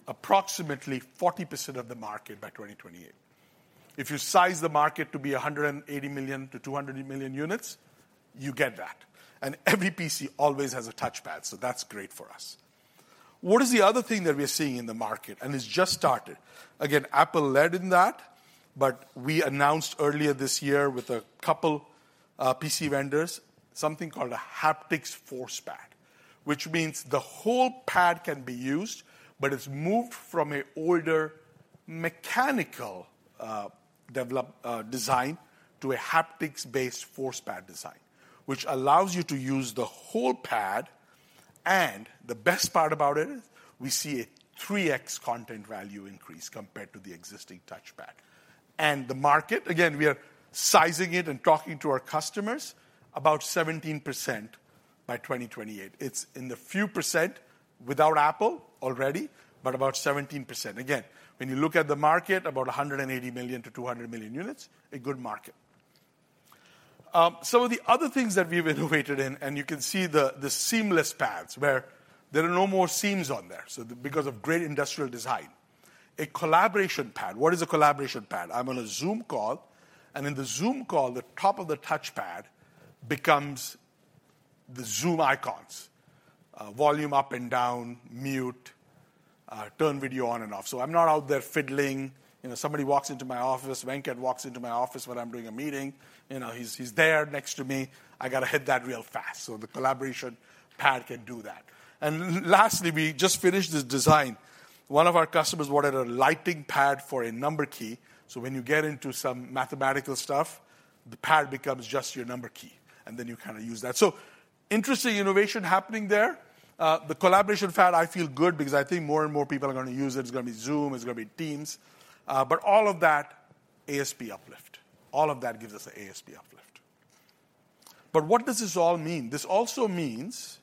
approximately 40% of the market by 2028. If you size the market to be 180 million-200 million units, you get that, and every PC always has a touchpad, so that's great for us. What is the other thing that we are seeing in the market? It's just started. Again, Apple led in that, but we announced earlier this year with a couple PC vendors, something called a haptics force pad, which means the whole pad can be used, but it's moved from an older mechanical design to a haptics-based force pad design, which allows you to use the whole pad, and the best part about it, we see a 3x content value increase compared to the existing touchpad. The market, again, we are sizing it and talking to our customers, about 17% by 2028. It's in the few percent without Apple already, but about 17%. Again, when you look at the market, about 180 million-200 million units, a good market. Some of the other things that we've innovated in, and you can see the seamless pads, where there are no more seams on there, so because of great industrial design. A collaboration pad. What is a collaboration pad? I'm on a Zoom call, and in the Zoom call, the top of the touchpad becomes the Zoom icons. Volume up and down, mute, turn video on and off. So I'm not out there fiddling. You know, somebody walks into my office, Venkat walks into my office when I'm doing a meeting, you know, he's there next to me. I got to hit that real fast. So the collaboration pad can do that. And lastly, we just finished this design. One of our customers wanted a lighting pad for a number key, so when you get into some mathematical stuff, the pad becomes just your number key, and then you kind of use that. So interesting innovation happening there. The collaboration pad, I feel good because I think more and more people are going to use it. It's going to be Zoom, it's going to be Teams, but all of that, ASP uplift. All of that gives us an ASP uplift. But what does this all mean? This also means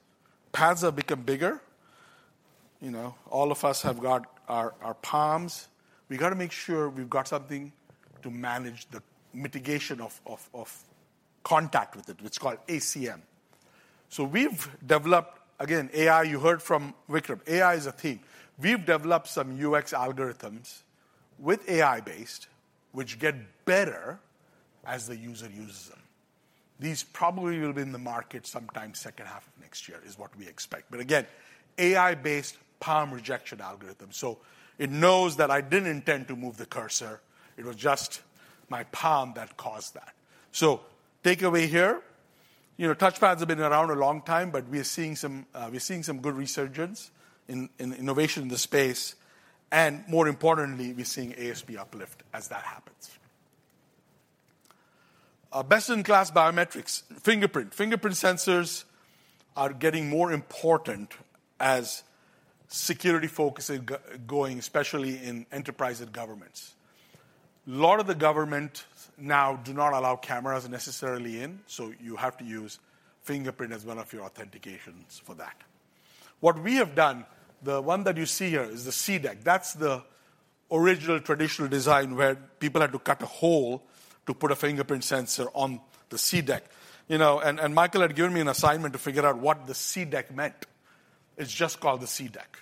pads have become bigger. You know, all of us have got our, our palms. We got to make sure we've got something to manage the mitigation of contact with it. It's called ACM. So we've developed, again, AI, you heard from Vikram. AI is a theme. We've developed some UX algorithms with AI-based, which get better as the user uses them. These probably will be in the market sometime second half of next year, is what we expect. But again, AI-based palm rejection algorithm, so it knows that I didn't intend to move the cursor. It was just my palm that caused that. So takeaway here, you know, touchpads have been around a long time, but we're seeing some good resurgence in innovation in the space, and more importantly, we're seeing ASP uplift as that happens. Our best-in-class biometrics, fingerprint. Fingerprint sensors are getting more important as security focus is going, especially in enterprise and governments. A lot of the government now do not allow cameras necessarily in, so you have to use fingerprint as one of your authentications for that. What we have done, the one that you see here is the C-deck. That's the original traditional design, where people had to cut a hole to put a fingerprint sensor on the C-deck. You know, and Michael had given me an assignment to figure out what the C-deck meant. It's just called the C-deck.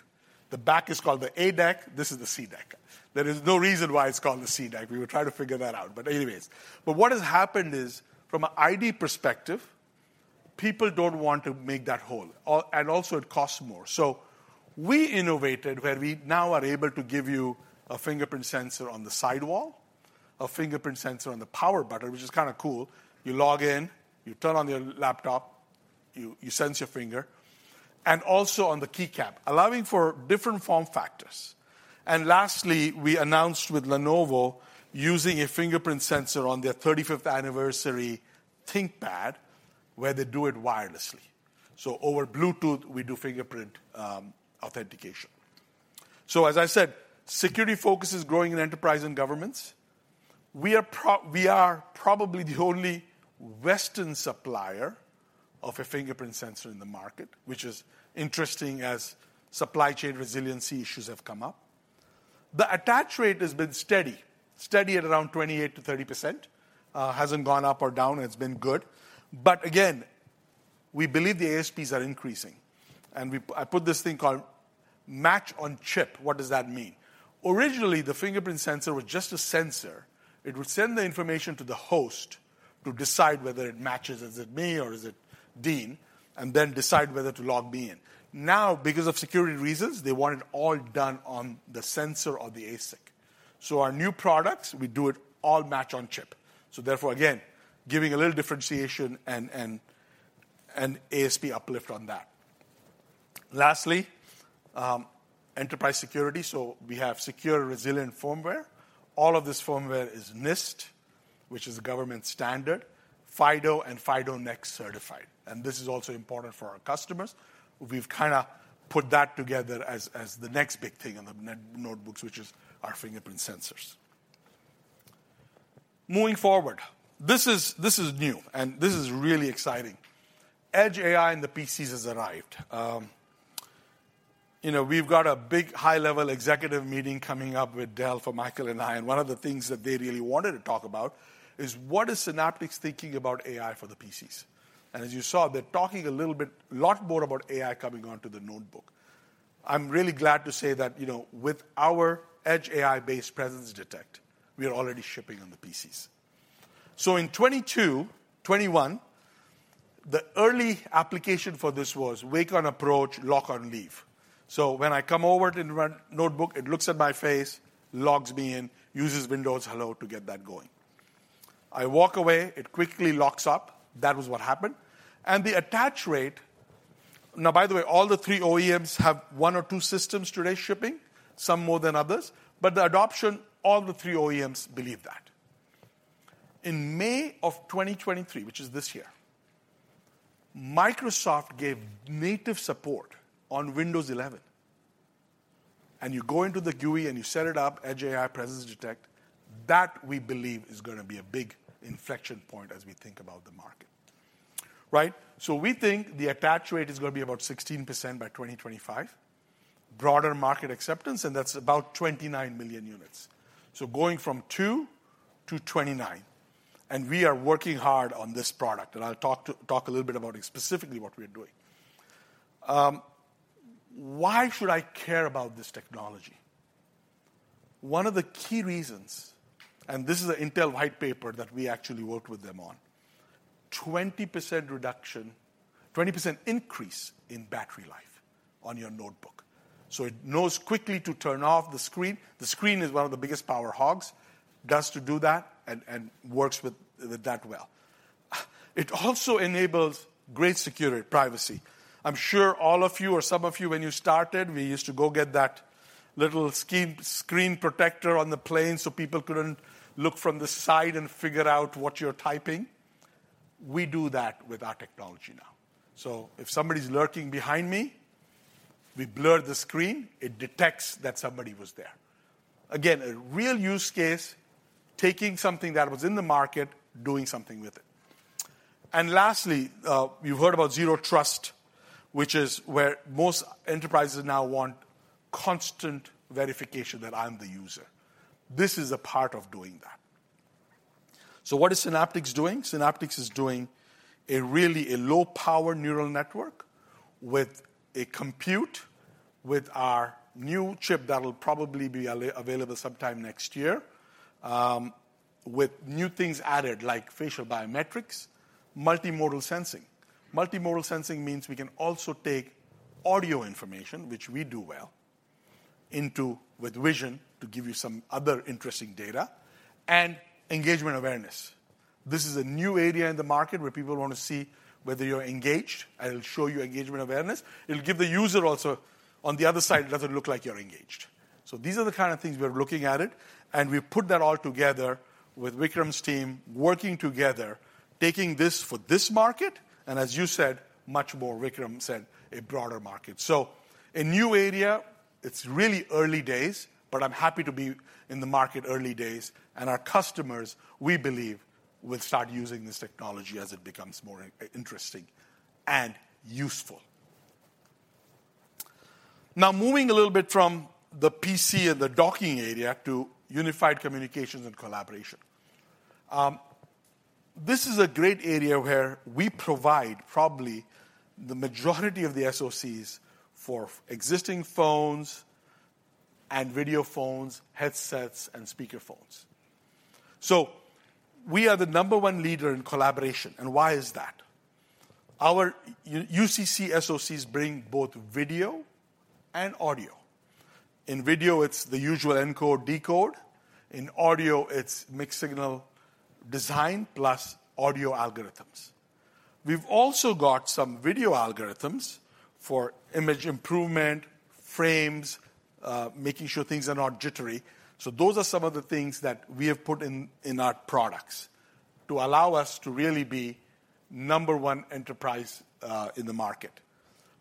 The back is called the A-deck, this is the C-deck. There is no reason why it's called the C-deck. We will try to figure that out, but anyways. But what has happened is, from an ID perspective, people don't want to make that hole, and also it costs more. So we innovated where we now are able to give you a fingerprint sensor on the sidewall, a fingerprint sensor on the power button, which is kind of cool. You log in, you turn on your laptop, you sense your finger, and also on the keycap, allowing for different form factors. And lastly, we announced with Lenovo, using a fingerprint sensor on their thirty-fifth anniversary ThinkPad, where they do it wirelessly. So over Bluetooth, we do fingerprint authentication. So as I said, security focus is growing in enterprise and governments. We are probably the only Western supplier of a fingerprint sensor in the market, which is interesting as supply chain resiliency issues have come up. The attach rate has been steady, steady at around 28%-30%, hasn't gone up or down, it's been good. But again, we believe the ASPs are increasing, and we—I put this thing called match on chip. What does that mean? Originally, the fingerprint sensor was just a sensor. It would send the information to the host to decide whether it matches, is it me or is it Dean? And then decide whether to log me in. Now, because of security reasons, they want it all done on the sensor or the ASIC. So our new products, we do it all match on chip, so therefore, again, giving a little differentiation and, and, and ASP uplift on that. Lastly, enterprise security. So we have secure, resilient firmware. All of this firmware is NIST, which is a government standard, FIDO and FIDO Next certified, and this is also important for our customers. We've kind of put that together as, as the next big thing on the notebooks, which is our fingerprint sensors. Moving forward, this is, this is new, and this is really exciting. Edge AI in the PCs has arrived. You know, we've got a big, high-level executive meeting coming up with Dell for Michael and I, and one of the things that they really wanted to talk about is: what is Synaptics thinking about AI for the PCs? And as you saw, they're talking a little bit, a lot more about AI coming onto the notebook. I'm really glad to say that, you know, with our edge AI-based presence detect, we are already shipping on the PCs. So in 2022, 2021, the early application for this was wake on approach, lock on leave. So when I come over to the notebook, it looks at my face, logs me in, uses Windows Hello to get that going. I walk away, it quickly locks up. That was what happened. And the attach rate... Now, by the way, all the three OEMs have one or two systems today shipping, some more than others, but the adoption, all the three OEMs believe that. In May of 2023, which is this year, Microsoft gave native support on Windows 11, and you go into the GUI, and you set it up, Edge AI presence detect. That, we believe, is gonna be a big inflection point as we think about the market, right? So we think the attach rate is going to be about 16% by 2025. Broader market acceptance, and that's about 29 million units. So going from 2 to 29, and we are working hard on this product, and I'll talk a little bit about specifically what we're doing. Why should I care about this technology? One of the key reasons, and this is an Intel white paper that we actually worked with them on, 20% reduction - 20% increase in battery life on your notebook. So it knows quickly to turn off the screen. The screen is one of the biggest power hogs, does to do that and, and works with, with that well. It also enables great security, privacy. I'm sure all of you or some of you, when you started, we used to go get that little screen protector on the plane so people couldn't look from the side and figure out what you're typing. We do that with our technology now. So if somebody's lurking behind me, we blur the screen. It detects that somebody was there. Again, a real use case, taking something that was in the market, doing something with it. Lastly, you've heard about zero trust, which is where most enterprises now want constant verification that I'm the user. This is a part of doing that. So what is Synaptics doing? Synaptics is doing a really low-power neural network with a compute, with our new chip that will probably be available sometime next year, with new things added, like facial biometrics, multimodal sensing. Multimodal sensing means we can also take audio information, which we do well, into with vision to give you some other interesting data and engagement awareness. This is a new area in the market where people want to see whether you're engaged. I'll show you engagement awareness. It'll give the user also on the other side, it doesn't look like you're engaged. So these are the kind of things we're looking at it, and we put that all together with Vikram's team working together, taking this for this market, and as you said, much more, Vikram said, a broader market. So a new area, it's really early days, but I'm happy to be in the market early days, and our customers, we believe, will start using this technology as it becomes more interesting and useful. Now, moving a little bit from the PC and the docking area to unified communications and collaboration. This is a great area where we provide probably the majority of the SoCs for existing phones and video phones, headsets, and speaker phones. So we are the number one leader in collaboration, and why is that? Our UCC SoCs bring both video and audio. In video, it's the usual encode, decode. In audio, it's mixed signal design, plus audio algorithms. We've also got some video algorithms for image improvement, frames, making sure things are not jittery. So those are some of the things that we have put in, in our products to allow us to really be number one enterprise in the market.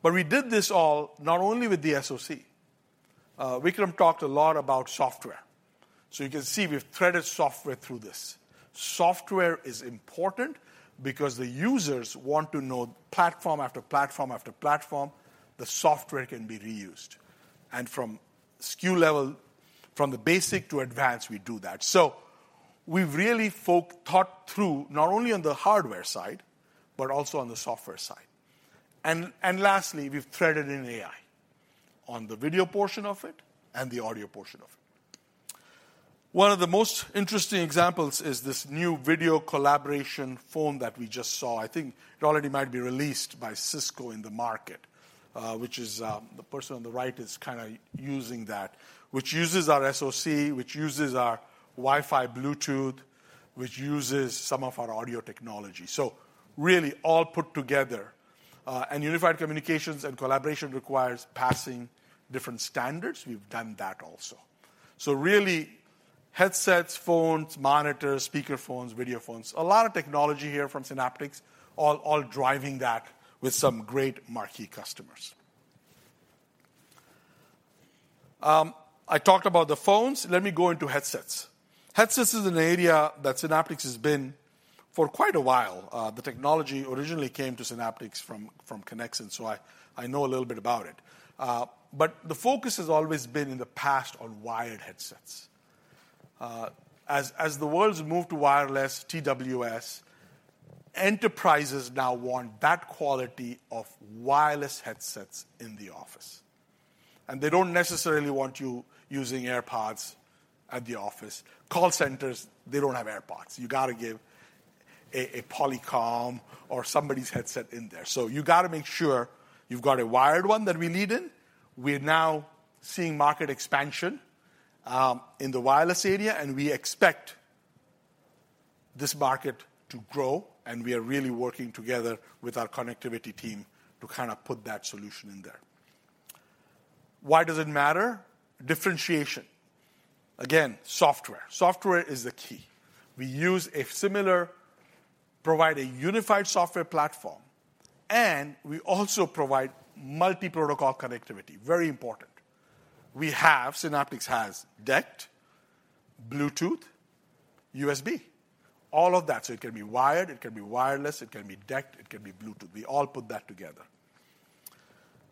But we did this all not only with the SoC. Vikram talked a lot about software. So you can see we've threaded software through this. Software is important because the users want to know platform after platform after platform, the software can be reused, and from SKU level, from the basic to advanced, we do that. We've really thought through, not only on the hardware side, but also on the software side. And, and lastly, we've threaded in AI on the video portion of it and the audio portion of it. One of the most interesting examples is this new video collaboration phone that we just saw. I think it already might be released by Cisco in the market, which is, the person on the right is kinda using that, which uses our SoC, which uses our Wi-Fi, Bluetooth, which uses some of our audio technology. So really, all put together, and unified communications and collaboration requires passing different standards. We've done that also. So really, headsets, phones, monitors, speaker phones, video phones, a lot of technology here from Synaptics, all driving that with some great marquee customers. I talked about the phones. Let me go into headsets. Headsets is an area that Synaptics has been for quite a while. The technology originally came to Synaptics from Conexant, so I know a little bit about it. But the focus has always been in the past on wired headsets. As the world's moved to wireless, TWS, enterprises now want that quality of wireless headsets in the office, and they don't necessarily want you using AirPods at the office. Call centers, they don't have AirPods. You gotta give a Polycom or somebody's headset in there. So you gotta make sure you've got a wired one that we lead in. We're now seeing market expansion in the wireless area, and we expect this market to grow, and we are really working together with our connectivity team to kind of put that solution in there. Why does it matter? Differentiation. Again, software. Software is the key. We use a similar... provide a unified software platform, and we also provide multi-protocol connectivity. Very important. We have, Synaptics has DECT, Bluetooth, USB, all of that. So it can be wired, it can be wireless, it can be DECT, it can be Bluetooth. We all put that together.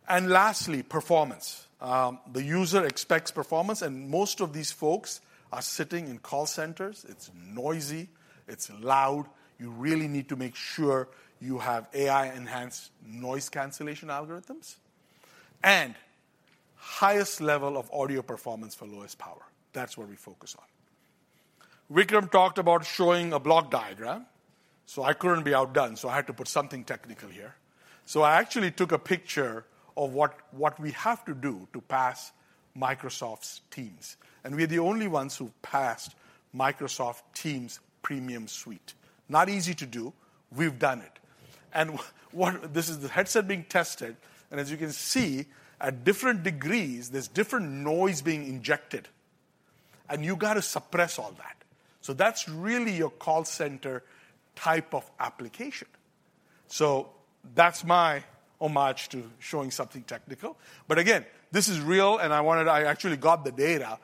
And lastly, performance. The user expects performance, and most of these folks are sitting in call centers. It's noisy; it's loud. You really need to make sure you have AI-enhanced noise cancellation algorithms and highest level of audio performance for lowest power. That's what we focus on. Vikram talked about showing a block diagram, so I couldn't be outdone, so I had to put something technical here. So I actually took a picture of what we have to do to pass Microsoft Teams, and we're the only ones who passed Microsoft Teams Premium suite. Not easy to do. We've done it. This is the headset being tested, and as you can see, at different degrees, there's different noise being injected, and you gotta suppress all that. So that's really your call center type of application. So that's my homage to showing something technical. But again, this is real, and I wanted I actually got the data.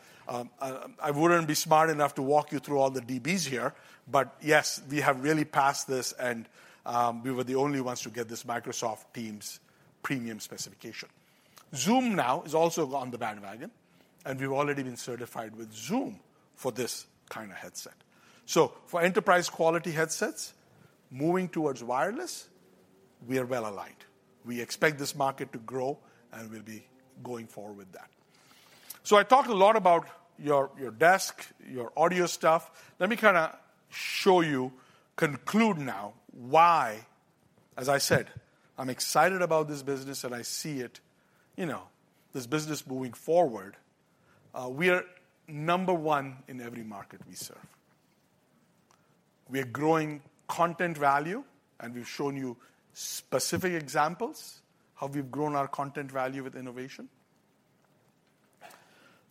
I wouldn't be smart enough to walk you through all the dBs here, but yes, we have really passed this, and we were the only ones to get this Microsoft Teams premium specification. Zoom now is also on the bandwagon, and we've already been certified with Zoom for this kind of headset. So for enterprise-quality headsets, moving towards wireless, we are well aligned. We expect this market to grow, and we'll be going forward with that. So I talked a lot about your, your desk, your audio stuff. Let me kinda show you, conclude now, why, as I said, I'm excited about this business and I see it, you know, this business moving forward. We are number one in every market we serve. We are growing content value, and we've shown you specific examples of how we've grown our content value with innovation.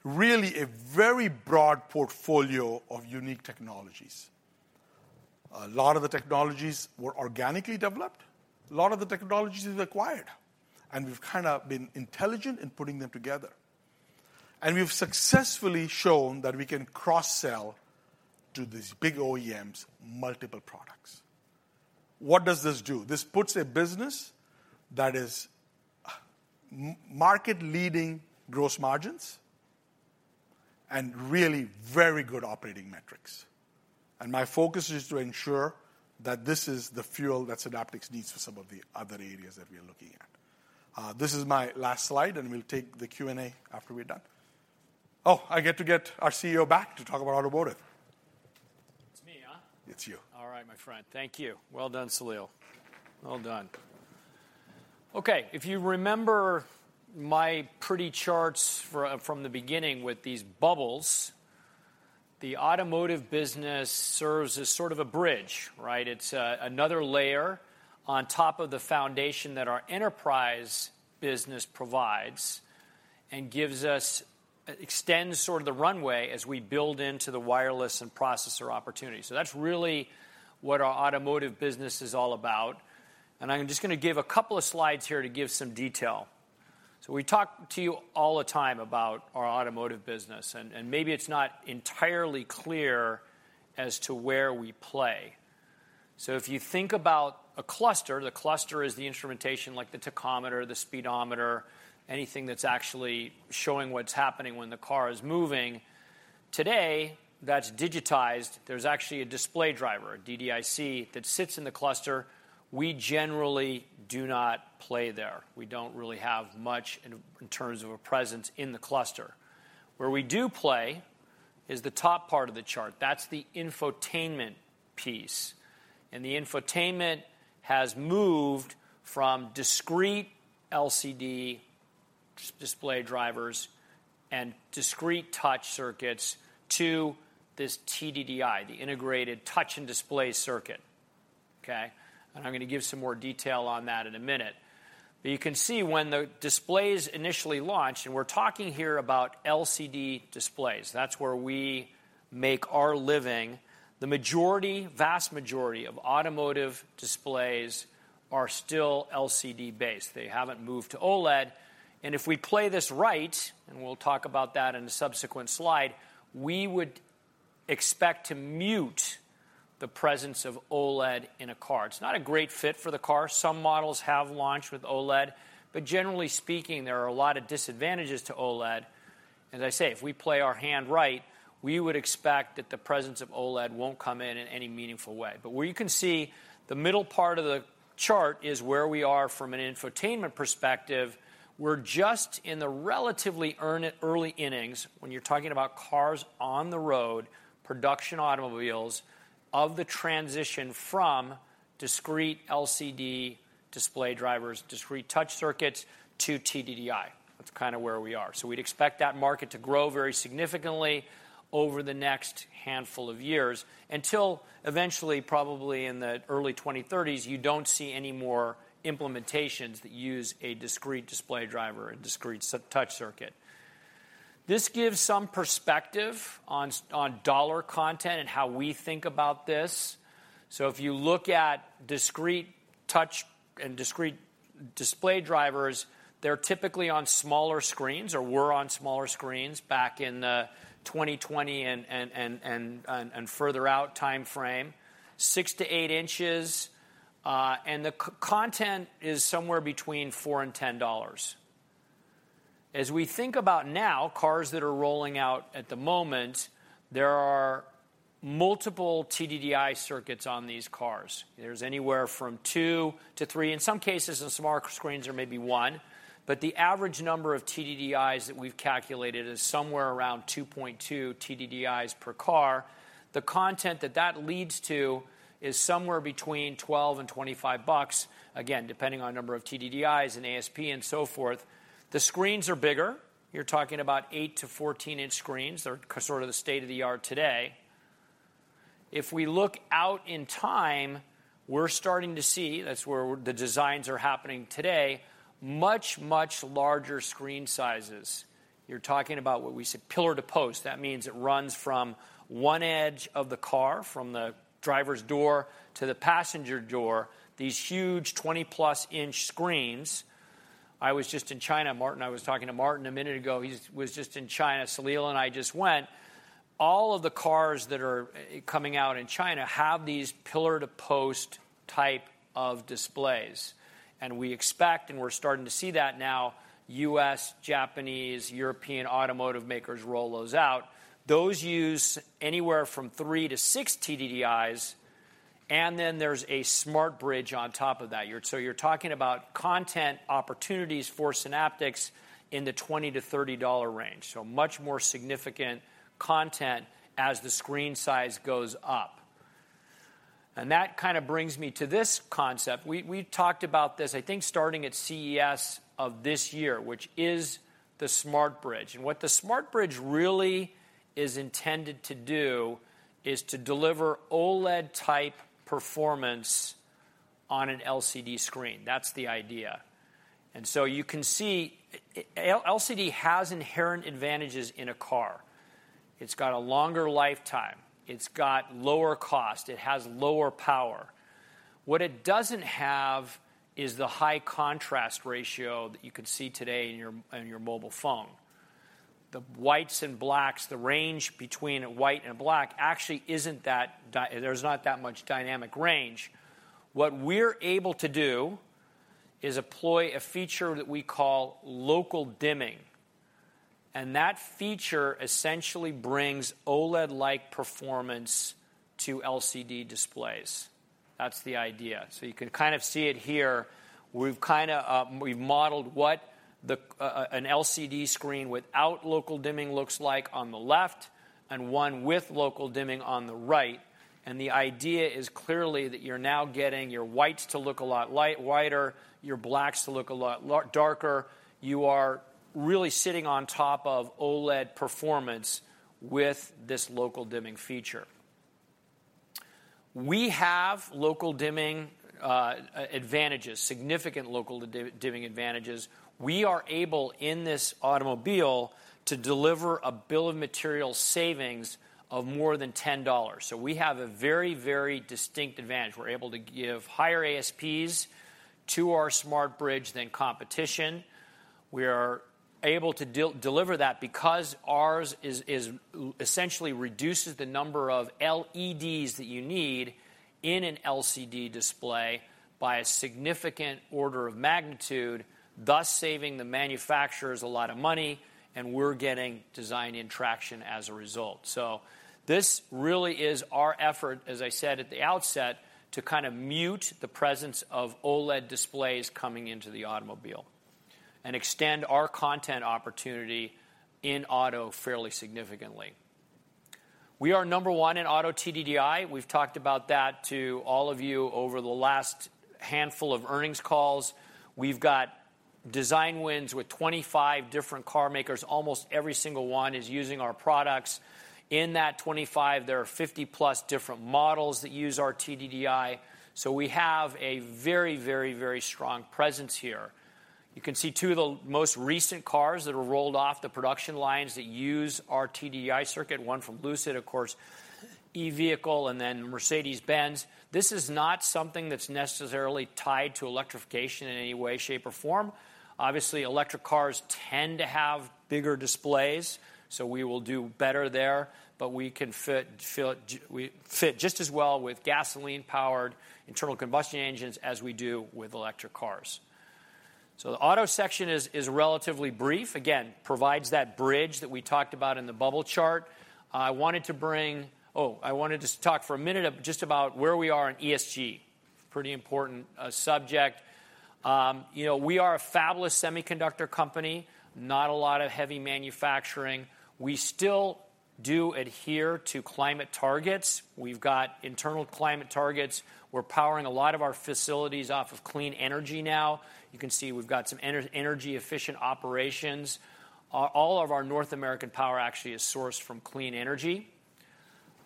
Really, a very broad portfolio of unique technologies. A lot of the technologies were organically developed, a lot of the technologies we acquired, and we've kind of been intelligent in putting them together. And we've successfully shown that we can cross-sell to these big OEMs, multiple products. What does this do? This puts a business that is market-leading gross margins and really very good operating metrics. My focus is to ensure that this is the fuel that Synaptics needs for some of the other areas that we are looking at. This is my last slide, and we'll take the Q&A after we're done. Oh, I get to get our CEO back to talk about automotive. It's me, huh? It's you. All right, my friend. Thank you. Well done, Salil. Well done. Okay, if you remember my pretty charts from the beginning with these bubbles, the automotive business serves as sort of a bridge, right? It's another layer on top of the foundation that our enterprise business provides and gives us, extends sort of the runway as we build into the wireless and processor opportunity. So that's really what our automotive business is all about, and I'm just gonna give a couple of slides here to give some detail. So we talk to you all the time about our automotive business, and maybe it's not entirely clear as to where we play. So if you think about a cluster, the cluster is the instrumentation, like the tachometer, the speedometer, anything that's actually showing what's happening when the car is moving. Today, that's digitized. There's actually a display driver, a DDIC, that sits in the cluster. We generally do not play there. We don't really have much in terms of a presence in the cluster. Where we do play is the top part of the chart. That's the infotainment piece, and the infotainment has moved from discrete LCD display drivers and discrete touch circuits to this TDDI, the integrated touch and display circuit, okay? And I'm gonna give some more detail on that in a minute. But you can see when the displays initially launched, and we're talking here about LCD displays, that's where we make our living, the majority, vast majority of automotive displays are still LCD-based. They haven't moved to OLED, and if we play this right, and we'll talk about that in a subsequent slide, we would expect to mute the presence of OLED in a car. It's not a great fit for the car. Some models have launched with OLED, but generally speaking, there are a lot of disadvantages to OLED. As I say, if we play our hand right, we would expect that the presence of OLED won't come in in any meaningful way. But where you can see the middle part of the chart is where we are from an infotainment perspective. We're just in the relatively early innings when you're talking about cars on the road, production automobiles, of the transition from discrete LCD display drivers, discrete touch circuits, to TDDI. That's kinda where we are. So we'd expect that market to grow very significantly over the next handful of years, until eventually, probably in the early 2030s, you don't see any more implementations that use a discrete display driver, a discrete touch circuit. This gives some perspective on dollar content and how we think about this. So if you look at discrete touch and discrete display drivers, they're typically on smaller screens, or were on smaller screens back in the 2020s and further out timeframe, 6-8 inches, and the content is somewhere between $4-$10. As we think about now, cars that are rolling out at the moment, there are multiple TDDI circuits on these cars. There's anywhere from 2-3. In some cases, in smaller screens, there may be 1, but the average number of TDDIs that we've calculated is somewhere around 2.2 TDDIs per car. The content that that leads to is somewhere between $12-$25, again, depending on number of TDDIs and ASP and so forth. The screens are bigger. You're talking about 8-14-inch screens. They're sort of the state-of-the-art today. If we look out in time, we're starting to see, that's where the designs are happening today, much, much larger screen sizes. You're talking about what we say pillar to post. That means it runs from one edge of the car, from the driver's door to the passenger door, these huge 20+ inch screens. I was just in China. Martin, I was talking to Martin a minute ago. He was just in China. Salil and I just went. All of the cars that are coming out in China have these pillar-to-post type of displays, and we expect, and we're starting to see that now, U.S., Japanese, European automotive makers roll those out. Those use anywhere from 3-6 TDDIs, and then there's a SmartBridge on top of that. So you're talking about content opportunities for Synaptics in the $20-$30 range, so much more significant content as the screen size goes up. And that kind of brings me to this concept. We talked about this, I think, starting at CES of this year, which is the SmartBridge. And what the SmartBridge really is intended to do is to deliver OLED-type performance on an LCD screen. That's the idea. And so you can see, LCD has inherent advantages in a car. It's got a longer lifetime, it's got lower cost, it has lower power. What it doesn't have is the high contrast ratio that you can see today in your mobile phone. The whites and blacks, the range between a white and a black, actually isn't that dynamic. There's not that much dynamic range. What we're able to do is employ a feature that we call local dimming, and that feature essentially brings OLED-like performance to LCD displays. That's the idea. So you can kind of see it here. We've kinda modeled what an LCD screen without local dimming looks like on the left, and one with local dimming on the right. And the idea is clearly that you're now getting your whites to look a lot whiter, your blacks to look a lot darker. You are really sitting on top of OLED performance with this local dimming feature. We have local dimming advantages, significant local dimming advantages. We are able, in this automobile, to deliver a bill of material savings of more than $10. So we have a very, very distinct advantage. We're able to give higher ASPs to our SmartBridge than competition... We are able to deliver that because ours is essentially reduces the number of LEDs that you need in an LCD display by a significant order of magnitude, thus saving the manufacturers a lot of money, and we're getting design in traction as a result. So this really is our effort, as I said at the outset, to kind of mute the presence of OLED displays coming into the automobile, and extend our content opportunity in auto fairly significantly. We are number one in auto TDDI. We've talked about that to all of you over the last handful of earnings calls. We've got design wins with 25 different car makers. Almost every single one is using our products. In that 25, there are 50+ different models that use our TDDI, so we have a very, very, very strong presence here. You can see two of the most recent cars that are rolled off the production lines that use our TDDI circuit, one from Lucid, of course, e-vehicle, and then Mercedes-Benz. This is not something that's necessarily tied to electrification in any way, shape, or form. Obviously, electric cars tend to have bigger displays, so we will do better there, but we can fit, feel, we fit just as well with gasoline-powered internal combustion engines as we do with electric cars. So the auto section is, is relatively brief. Again, provides that bridge that we talked about in the bubble chart. I wanted to talk for a minute just about where we are in ESG. Pretty important subject. You know, we are a fabulous semiconductor company, not a lot of heavy manufacturing. We still do adhere to climate targets. We've got internal climate targets. We're powering a lot of our facilities off of clean energy now. You can see we've got some energy-efficient operations. All of our North American power actually is sourced from clean energy.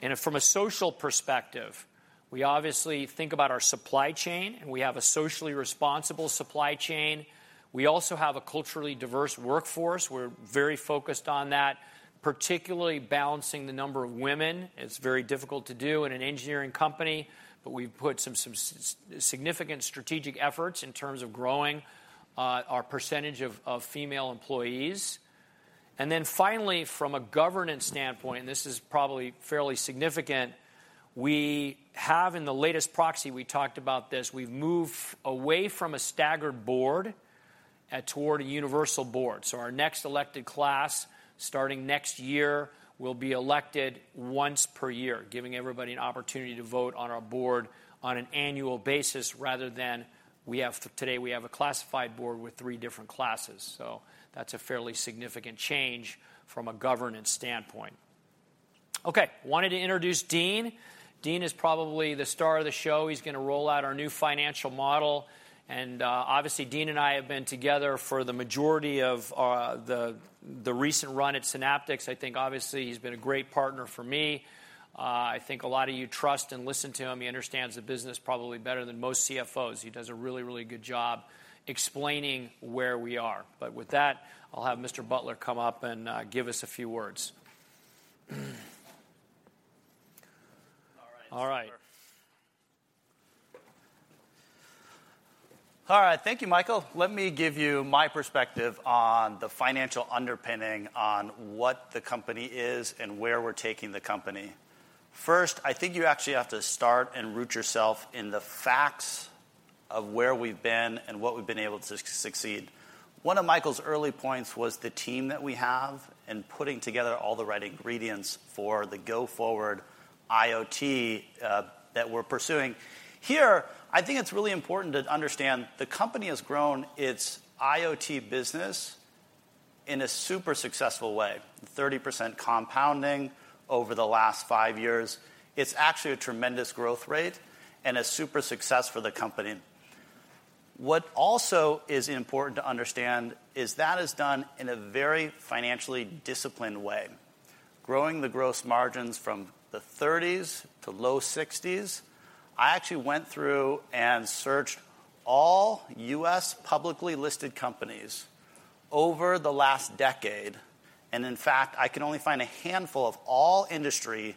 And from a social perspective, we obviously think about our supply chain, and we have a socially responsible supply chain. We also have a culturally diverse workforce. We're very focused on that, particularly balancing the number of women. It's very difficult to do in an engineering company, but we've put some significant strategic efforts in terms of growing our percentage of female employees. And then finally, from a governance standpoint, and this is probably fairly significant, we have in the latest proxy, we talked about this, we've moved away from a staggered board toward a universal board. So our next elected class, starting next year, will be elected once per year, giving everybody an opportunity to vote on our board on an annual basis, rather than we have today, we have a classified board with three different classes. So that's a fairly significant change from a governance standpoint. Okay, wanted to introduce Dean. Dean is probably the star of the show. He's gonna roll out our new financial model, and, obviously, Dean and I have been together for the majority of, the recent run at Synaptics. I think, obviously, he's been a great partner for me. I think a lot of you trust and listen to him. He understands the business probably better than most CFOs. He does a really, really good job explaining where we are. But with that, I'll have Mr. Butler come up and, give us a few words. All right. All right. All right. Thank you, Michael. Let me give you my perspective on the financial underpinning on what the company is and where we're taking the company. First, I think you actually have to start and root yourself in the facts of where we've been and what we've been able to succeed. One of Michael's early points was the team that we have and putting together all the right ingredients for the go-forward IoT that we're pursuing. Here, I think it's really important to understand the company has grown its IoT business in a super successful way, 30% compounding over the last five years. It's actually a tremendous growth rate and a super success for the company. What also is important to understand is that is done in a very financially disciplined way, growing the gross margins from the 30s to low 60s. I actually went through and searched all U.S. publicly listed companies over the last decade, and in fact, I can only find a handful of all industry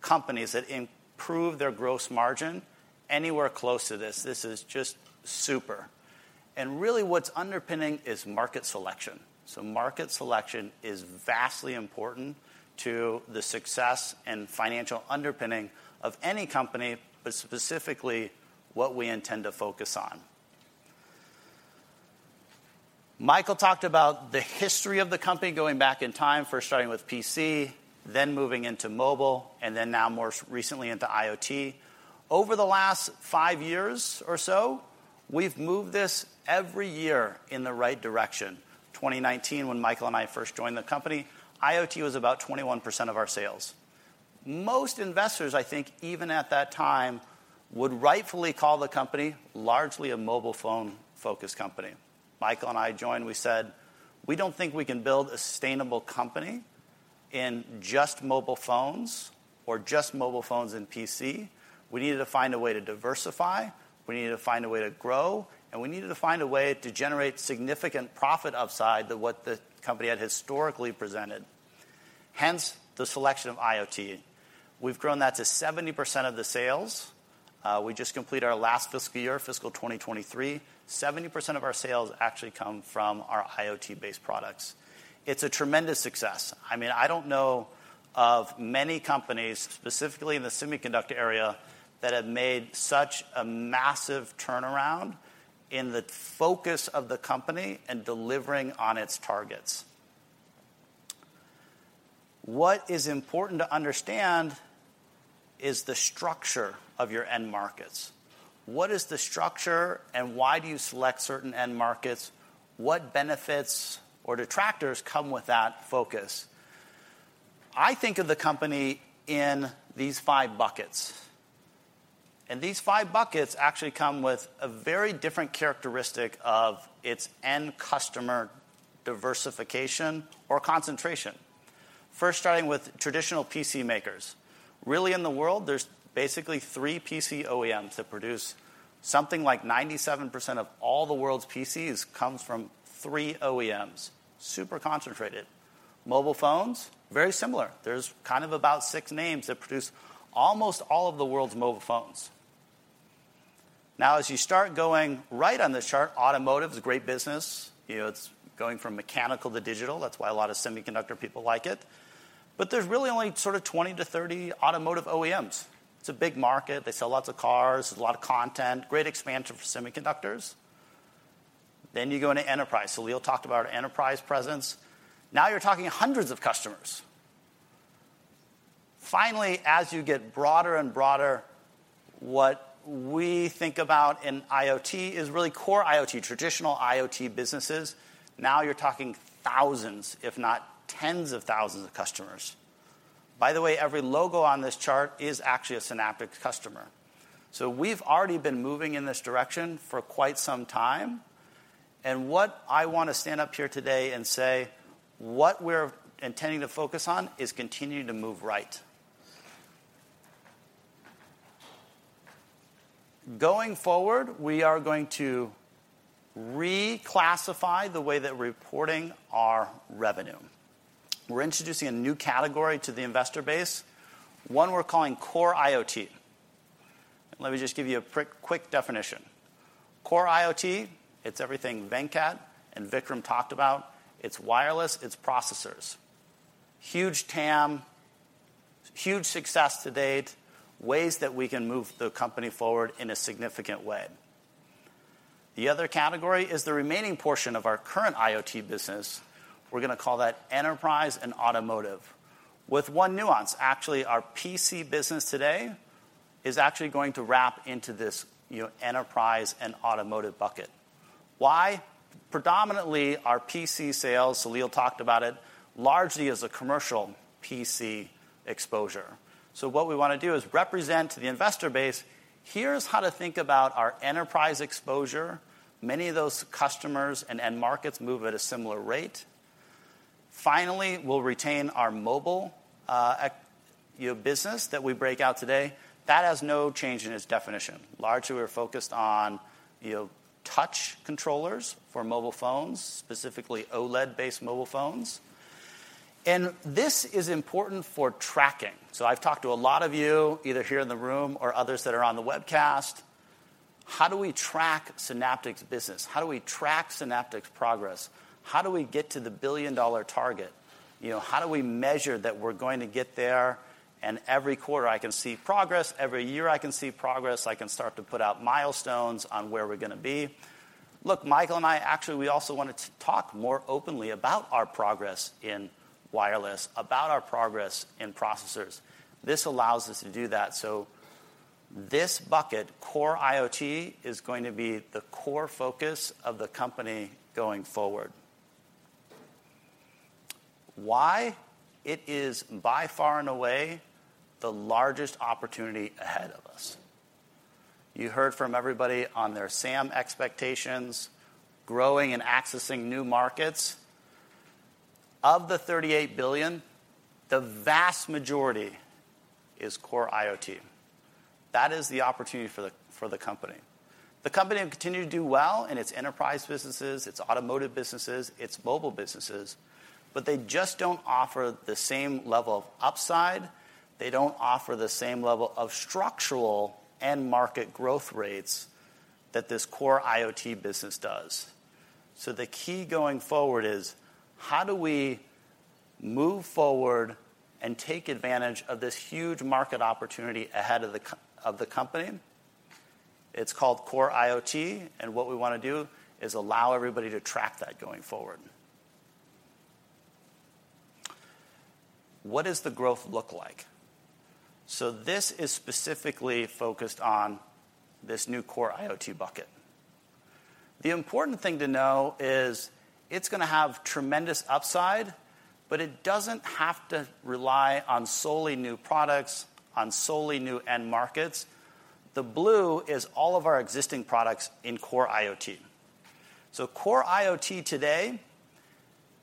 companies that improved their gross margin anywhere close to this. This is just super. And really, what's underpinning is market selection. So market selection is vastly important to the success and financial underpinning of any company, but specifically what we intend to focus on. Michael talked about the history of the company going back in time, first starting with PC, then moving into mobile, and then now more recently into IoT. Over the last 5 years or so, we've moved this every year in the right direction. 2019, when Michael and I first joined the company, IoT was about 21% of our sales. Most investors, I think, even at that time, would rightfully call the company largely a mobile phone-focused company. Michael and I joined, we said, "We don't think we can build a sustainable company in just mobile phones or just mobile phones and PC. We needed to find a way to diversify, we needed to find a way to grow, and we needed to find a way to generate significant profit upside to what the company had historically presented."... hence the selection of IoT. We've grown that to 70% of the sales. We just completed our last fiscal year, fiscal 2023. 70% of our sales actually come from our IoT-based products. It's a tremendous success. I mean, I don't know of many companies, specifically in the semiconductor area, that have made such a massive turnaround in the focus of the company and delivering on its targets. What is important to understand is the structure of your end markets. What is the structure, and why do you select certain end markets? What benefits or detractors come with that focus? I think of the company in these five buckets, and these five buckets actually come with a very different characteristic of its end customer diversification or concentration. First, starting with traditional PC makers. Really, in the world, there's basically three PC OEMs that produce something like 97% of all the world's PCs comes from three OEMs. Super concentrated. Mobile phones, very similar. There's kind of about six names that produce almost all of the world's mobile phones. Now, as you start going right on the chart, automotive is a great business. You know, it's going from mechanical to digital. That's why a lot of semiconductor people like it. But there's really only sort of 20-30 automotive OEMs. It's a big market. They sell lots of cars, there's a lot of content, great expansion for semiconductors. Then you go into enterprise. Salil talked about our enterprise presence. Now you're talking hundreds of customers. Finally, as you get broader and broader, what we think about in IoT is really core IoT, traditional IoT businesses. Now you're talking thousands, if not tens of thousands of customers. By the way, every logo on this chart is actually a Synaptics customer. So we've already been moving in this direction for quite some time, and what I want to stand up here today and say, what we're intending to focus on is continuing to move right. Going forward, we are going to reclassify the way that we're reporting our revenue. We're introducing a new category to the investor base, one we're calling core IoT. Let me just give you a quick definition. Core IoT, it's everything Venkat and Vikram talked about. It's wireless, it's processors. Huge TAM, huge success to date, ways that we can move the company forward in a significant way. The other category is the remaining portion of our current IoT business. We're going to call that enterprise and automotive, with one nuance. Actually, our PC business today is actually going to wrap into this, you know, enterprise and automotive bucket. Why? Predominantly, our PC sales, Salil talked about it, largely is a commercial PC exposure. So what we want to do is represent to the investor base, here's how to think about our enterprise exposure. Many of those customers and end markets move at a similar rate. Finally, we'll retain our mobile, you know, business that we break out today. That has no change in its definition. Largely, we're focused on, you know, touch controllers for mobile phones, specifically OLED-based mobile phones. This is important for tracking. I've talked to a lot of you, either here in the room or others that are on the webcast. How do we track Synaptics' business? How do we track Synaptics' progress? How do we get to the billion-dollar target? You know, how do we measure that we're going to get there, and every quarter, I can see progress, every year, I can see progress, I can start to put out milestones on where we're going to be? Look, Michael and I, actually, we also wanted to talk more openly about our progress in wireless, about our progress in processors. This allows us to do that, so this bucket, core IoT, is going to be the core focus of the company going forward. Why? It is by far and away the largest opportunity ahead of us. You heard from everybody on their SAM expectations, growing and accessing new markets. Of the $38 billion, the vast majority is core IoT. That is the opportunity for the, for the company. The company will continue to do well in its enterprise businesses, its automotive businesses, its mobile businesses, but they just don't offer the same level of upside. They don't offer the same level of structural and market growth rates that this core IoT business does. So the key going forward is: how do we move forward and take advantage of this huge market opportunity ahead for the company? It's called core IoT, and what we want to do is allow everybody to track that going forward. What does the growth look like? So this is specifically focused on this new core IoT bucket. The important thing to know is it's going to have tremendous upside, but it doesn't have to rely on solely new products, on solely new end markets. The blue is all of our existing products in core IoT. So core IoT today,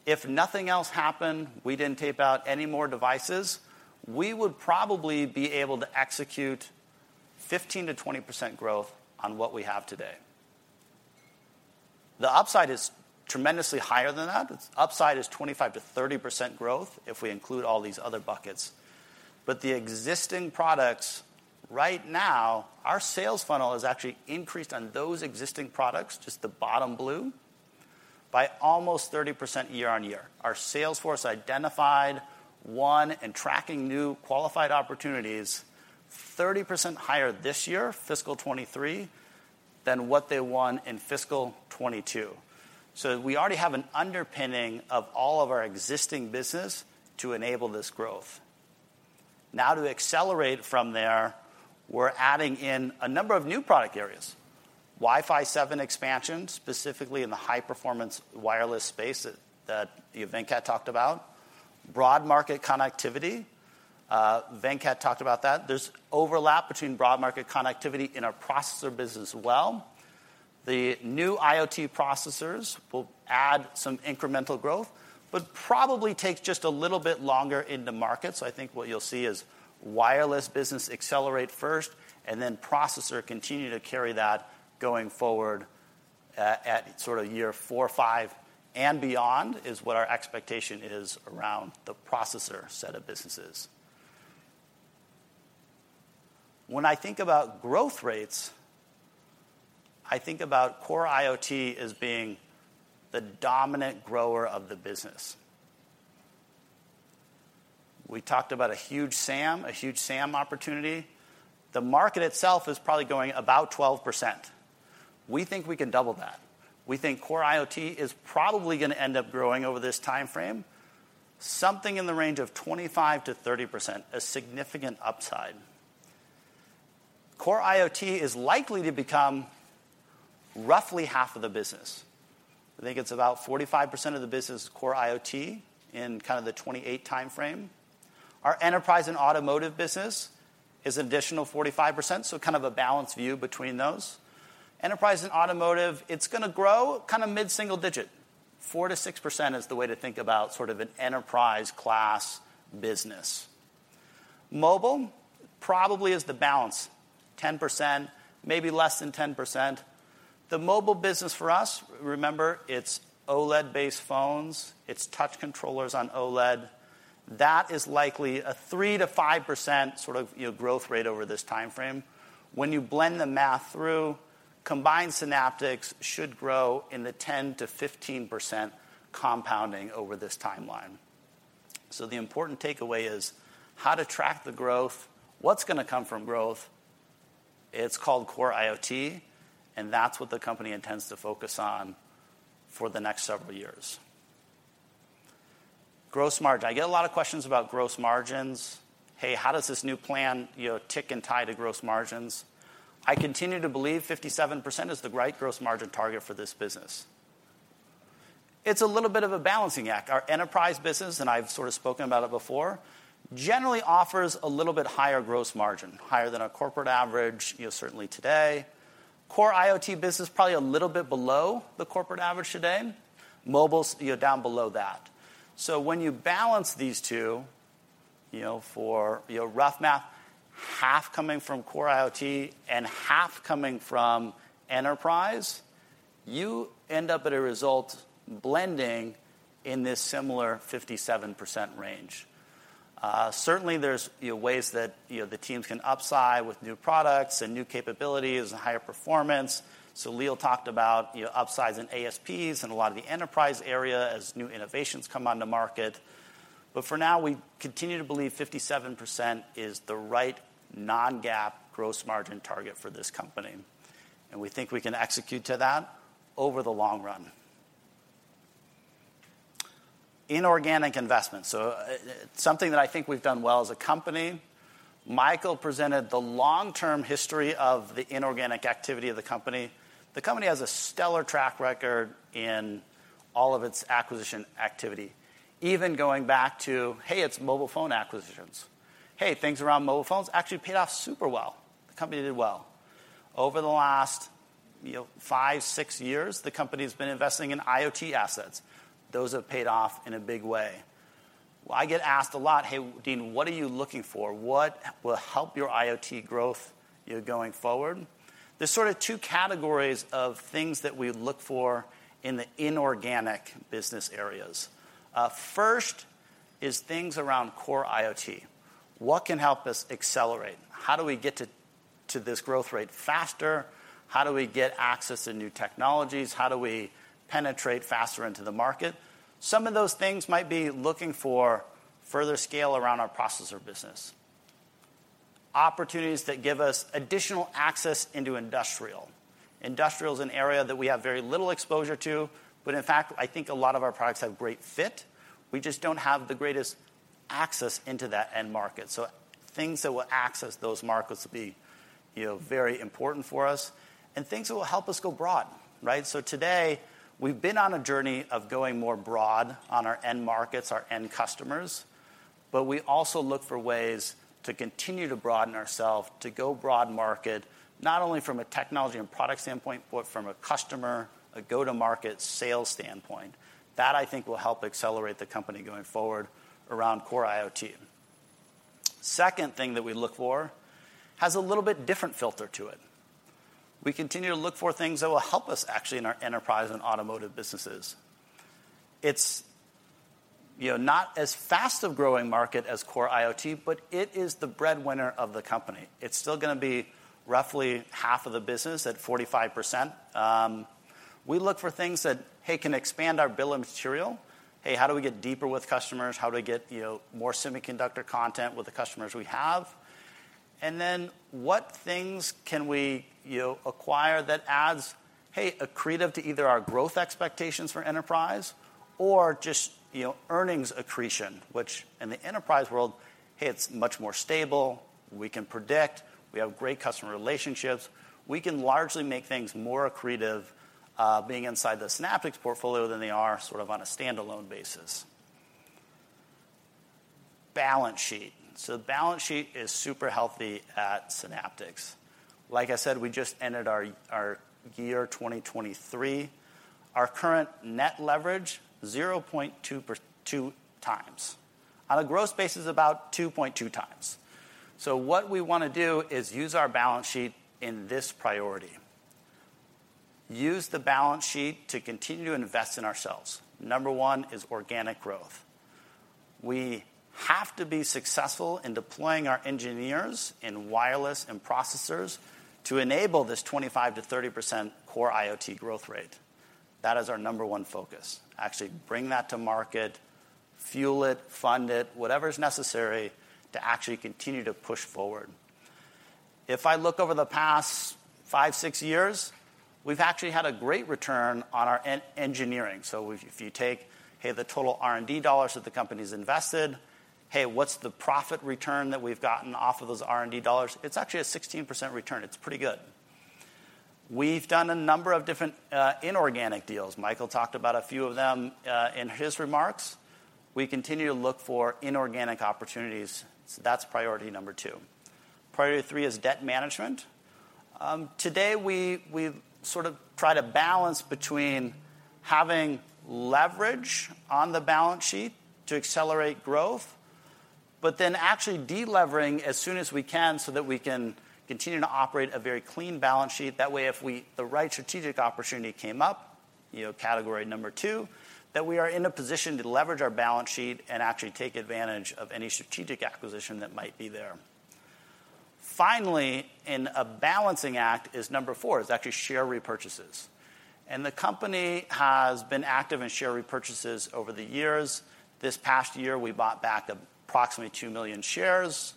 if nothing else happened, we didn't tape out any more devices, we would probably be able to execute 15%-20% growth on what we have today... The upside is tremendously higher than that. The upside is 25%-30% growth if we include all these other buckets. But the existing products, right now, our sales funnel has actually increased on those existing products, just the bottom blue, by almost 30% year-on-year. Our sales force identified and tracking new qualified opportunities, 30% higher this year, fiscal 2023, than what they won in fiscal 2022. So we already have an underpinning of all of our existing business to enable this growth. Now, to accelerate from there, we're adding in a number of new product areas. Wi-Fi seven expansion, specifically in the high-performance wireless space that Venkat talked about. Broad market connectivity. Venkat talked about that. There's overlap between broad market connectivity and our processor business as well. The new IoT processors will add some incremental growth, but probably take just a little bit longer in the market. So I think what you'll see is wireless business accelerate first, and then processor continue to carry that going forward, at sort of year 4 or 5 and beyond, is what our expectation is around the processor set of businesses. When I think about growth rates, I think about core IoT as being the dominant grower of the business. We talked about a huge SAM, a huge SAM opportunity. The market itself is probably going about 12%. We think we can double that. We think core IoT is probably going to end up growing over this timeframe, something in the range of 25%-30%, a significant upside. Core IoT is likely to become roughly half of the business. I think it's about 45% of the business, core IoT, in kind of the 2028 timeframe. Our enterprise and automotive business is an additional 45%, so kind of a balanced view between those. Enterprise and automotive, it's going to grow kind of mid-single digit. 4%-6% is the way to think about sort of an enterprise-class business. Mobile probably is the balance, 10%, maybe less than 10%. The mobile business for us, remember, it's OLED-based phones, it's touch controllers on OLED. That is likely a 3%-5% sort of, you know, growth rate over this timeframe. When you blend the math through, combined Synaptics should grow in the 10%-15% compounding over this timeline. So the important takeaway is how to track the growth, what's going to come from growth? It's called core IoT, and that's what the company intends to focus on for the next several years. Gross margin. I get a lot of questions about gross margins. "Hey, how does this new plan, you know, tick and tie to gross margins?" I continue to believe 57% is the right gross margin target for this business. It's a little bit of a balancing act. Our enterprise business, and I've sort of spoken about it before, generally offers a little bit higher gross margin, higher than our corporate average, you know, certainly today. Core IoT business, probably a little bit below the corporate average today. Mobile's, you know, down below that. So when you balance these two, you know, for, you know, rough math, half coming from core IoT and half coming from enterprise, you end up at a result blending in this similar 57% range. Certainly there's, you know, ways that, you know, the teams can upsize with new products and new capabilities and higher performance. So Leo talked about, you know, upsizing ASPs in a lot of the enterprise area as new innovations come on the market. But for now, we continue to believe 57% is the right non-GAAP gross margin target for this company, and we think we can execute to that over the long run. Inorganic investment. So, something that I think we've done well as a company. Michael presented the long-term history of the inorganic activity of the company. The company has a stellar track record in all of its acquisition activity, even going back to, hey, its mobile phone acquisitions. Hey, things around mobile phones actually paid off super well. The company did well. Over the last, you know, 5, 6 years, the company has been investing in IoT assets. Those have paid off in a big way. I get asked a lot, "Hey, Dean, what are you looking for? What will help your IoT growth, you know, going forward?" There's sort of two categories of things that we look for in the inorganic business areas. First is things around core IoT. What can help us accelerate? How do we get to this growth rate faster? How do we get access to new technologies? How do we penetrate faster into the market? Some of those things might be looking for further scale around our processor business. Opportunities that give us additional access into industrial. Industrial is an area that we have very little exposure to, but in fact, I think a lot of our products have great fit. We just don't have the greatest access into that end market. So things that will access those markets will be, you know, very important for us, and things that will help us go broad, right? So today, we've been on a journey of going more broad on our end markets, our end customers, but we also look for ways to continue to broaden ourself, to go broad market, not only from a technology and product standpoint, but from a customer, a go-to-market sales standpoint. That, I think, will help accelerate the company going forward around core IoT. Second thing that we look for has a little bit different filter to it. We continue to look for things that will help us actually in our enterprise and automotive businesses. It's, you know, not as fast a growing market as core IoT, but it is the breadwinner of the company. It's still gonna be roughly half of the business at 45%. We look for things that, hey, can expand our bill of material. Hey, how do we get deeper with customers? How do we get, you know, more semiconductor content with the customers we have? And then what things can we, you know, acquire that adds, hey, accretive to either our growth expectations for enterprise or just, you know, earnings accretion, which in the enterprise world, hey, it's much more stable. We can predict. We have great customer relationships. We can largely make things more accretive, being inside the Synaptics portfolio than they are sort of on a standalone basis. Balance sheet. So the balance sheet is super healthy at Synaptics. Like I said, we just ended our year 2023. Our current net leverage, 0.2 to 2 times. On a gross basis, about 2.2 times. So what we wanna do is use our balance sheet in this priority. Use the balance sheet to continue to invest in ourselves. Number one is organic growth. We have to be successful in deploying our engineers in wireless and processors to enable this 25%-30% core IoT growth rate. That is our number one focus. Actually bring that to market, fuel it, fund it, whatever is necessary to actually continue to push forward. If I look over the past 5, 6 years, we've actually had a great return on our engineering. So if, if you take, hey, the total R&D dollars that the company's invested, hey, what's the profit return that we've gotten off of those R&D dollars? It's actually a 16% return. It's pretty good. We've done a number of different inorganic deals. Michael talked about a few of them in his remarks. We continue to look for inorganic opportunities, so that's priority number 2. Priority 3 is debt management. Today, we, we've sort of tried to balance between having leverage on the balance sheet to accelerate growth, but then actually delevering as soon as we can so that we can continue to operate a very clean balance sheet. That way, if the right strategic opportunity came up, you know, category number two, that we are in a position to leverage our balance sheet and actually take advantage of any strategic acquisition that might be there. Finally, in a balancing act, is number four, is actually share repurchases. The company has been active in share repurchases over the years. This past year, we bought back approximately 2 million shares.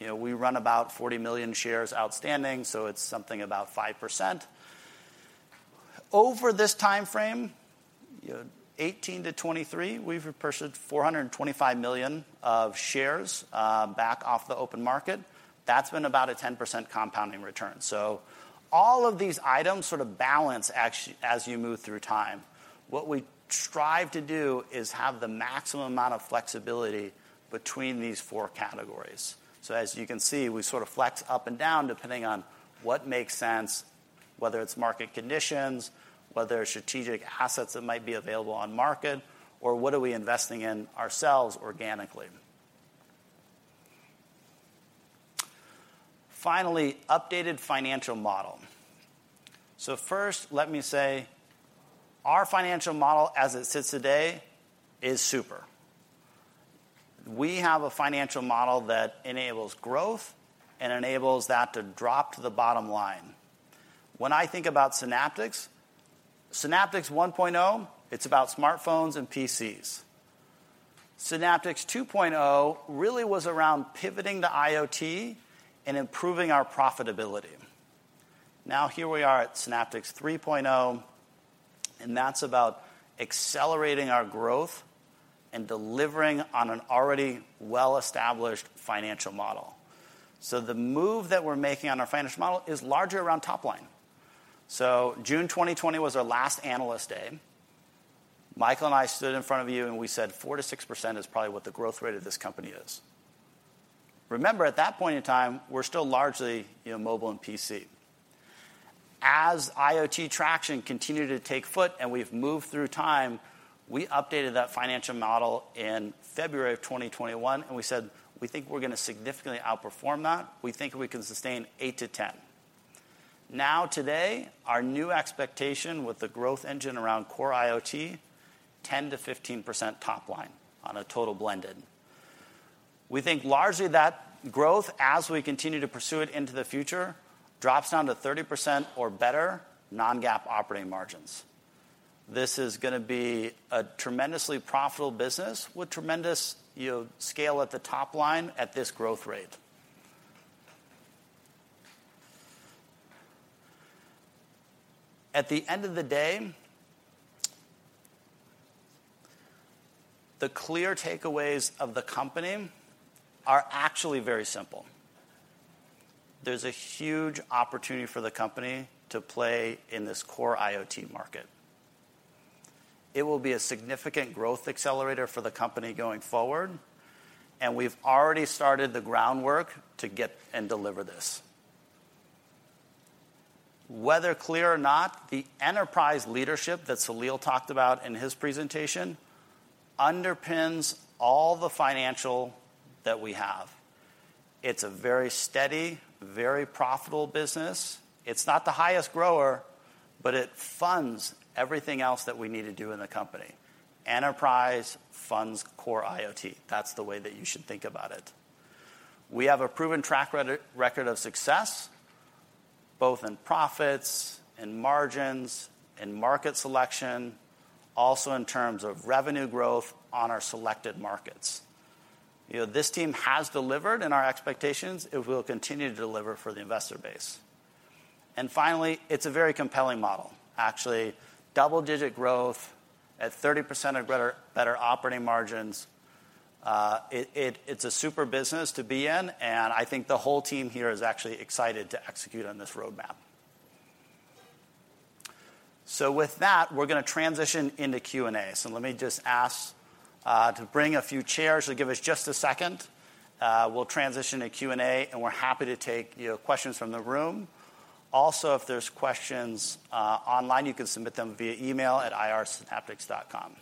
You know, we run about 40 million shares outstanding, so it's something about 5%. Over this timeframe, you know, 2018-2023, we've repurchased $425 million of shares back off the open market. That's been about a 10% compounding return. So all of these items sort of balance act as you move through time. What we strive to do is have the maximum amount of flexibility between these four categories. So as you can see, we sort of flex up and down, depending on what makes sense, whether it's market conditions, whether strategic assets that might be available on market, or what are we investing in ourselves organically? Finally, updated financial model. So first, let me say our financial model as it sits today is super. We have a financial model that enables growth and enables that to drop to the bottom line. When I think about Synaptics, Synaptics 1.0, it's about smartphones and PCs. Synaptics 2.0 really was around pivoting to IoT and improving our profitability. Now, here we are at Synaptics 3.0, and that's about accelerating our growth and delivering on an already well-established financial model. So the move that we're making on our financial model is largely around top line. So June 2020 was our last analyst day. Michael and I stood in front of you, and we said, "4%-6% is probably what the growth rate of this company is." Remember, at that point in time, we're still largely, you know, mobile and PC. As IoT traction continued to take root and we've moved through time, we updated that financial model in February of 2021, and we said, "We think we're gonna significantly outperform that. We think we can sustain 8%-10%." Now, today, our new expectation with the growth engine around core IoT, 10%-15% top line on a total blended. We think largely that growth, as we continue to pursue it into the future, drops down to 30% or better non-GAAP operating margins. This is gonna be a tremendously profitable business with tremendous, you know, scale at the top line at this growth rate. At the end of the day, the clear takeaways of the company are actually very simple. There's a huge opportunity for the company to play in this core IoT market. It will be a significant growth accelerator for the company going forward, and we've already started the groundwork to get and deliver this... Whether clear or not, the enterprise leadership that Salil talked about in his presentation underpins all the financial that we have. It's a very steady, very profitable business. It's not the highest grower, but it funds everything else that we need to do in the company. Enterprise funds core IoT. That's the way that you should think about it. We have a proven track record of success, both in profits, in margins, in market selection, also in terms of revenue growth on our selected markets. You know, this team has delivered in our expectations, it will continue to deliver for the investor base. Finally, it's a very compelling model. Actually, double-digit growth at 30% or better, better operating margins. It's a super business to be in, and I think the whole team here is actually excited to execute on this roadmap. So with that, we're gonna transition into Q&A. So let me just ask to bring a few chairs, so give us just a second. We'll transition to Q&A, and we're happy to take, you know, questions from the room. Also, if there's questions online, you can submit them via email at ir@synaptics.com.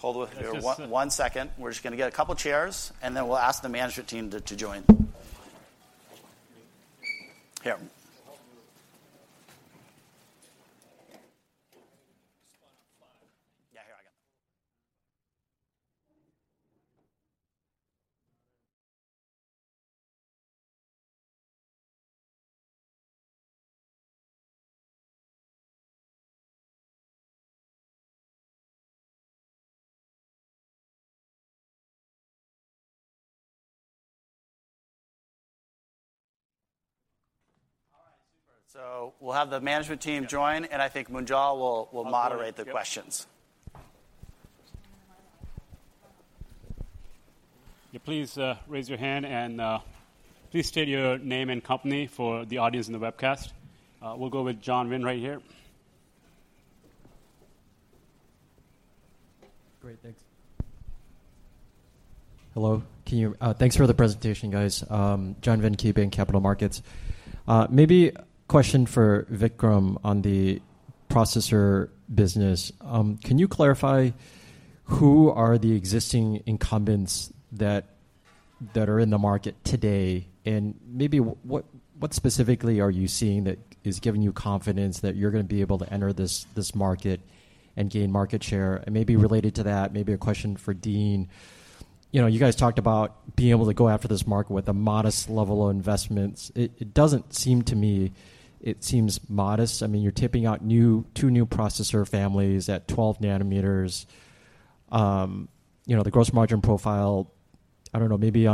Hold it one second. We're just gonna get a couple chairs, and then we'll ask the management team to join. Here. We'll help you. Yeah, here I go. All right, super. So we'll have the management team join, and I think Munjal will moderate the questions. Yeah, please raise your hand, and please state your name and company for the audience in the webcast. We'll go with John Vinh right here. Great, thanks. Hello. Thanks for the presentation, guys. John Vinh, KeyBanc Capital Markets. Maybe a question for Vikram on the processor business. Can you clarify who are the existing incumbents that are in the market today? And maybe what specifically are you seeing that is giving you confidence that you're gonna be able to enter this market and gain market share? And maybe related to that, maybe a question for Dean. You know, you guys talked about being able to go after this market with a modest level of investments. It doesn't seem to me it seems modest. I mean, you're taping out 2 new processor families at 12 nanometers. You know, the gross margin profile, I don't know, maybe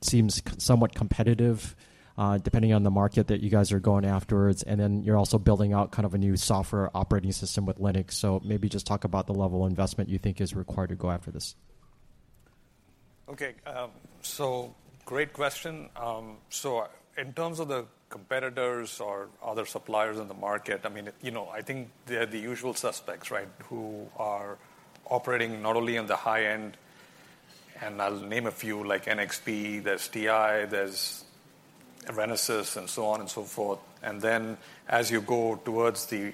seems somewhat competitive, depending on the market that you guys are going after. And then you're also building out kind of a new software operating system with Linux. So maybe just talk about the level of investment you think is required to go after this. Okay, so great question. So in terms of the competitors or other suppliers in the market, I mean, you know, I think they're the usual suspects, right? Who are operating not only on the high end, and I'll name a few, like NXP, there's TI, there's Renesas, and so on and so forth. And then as you go towards the,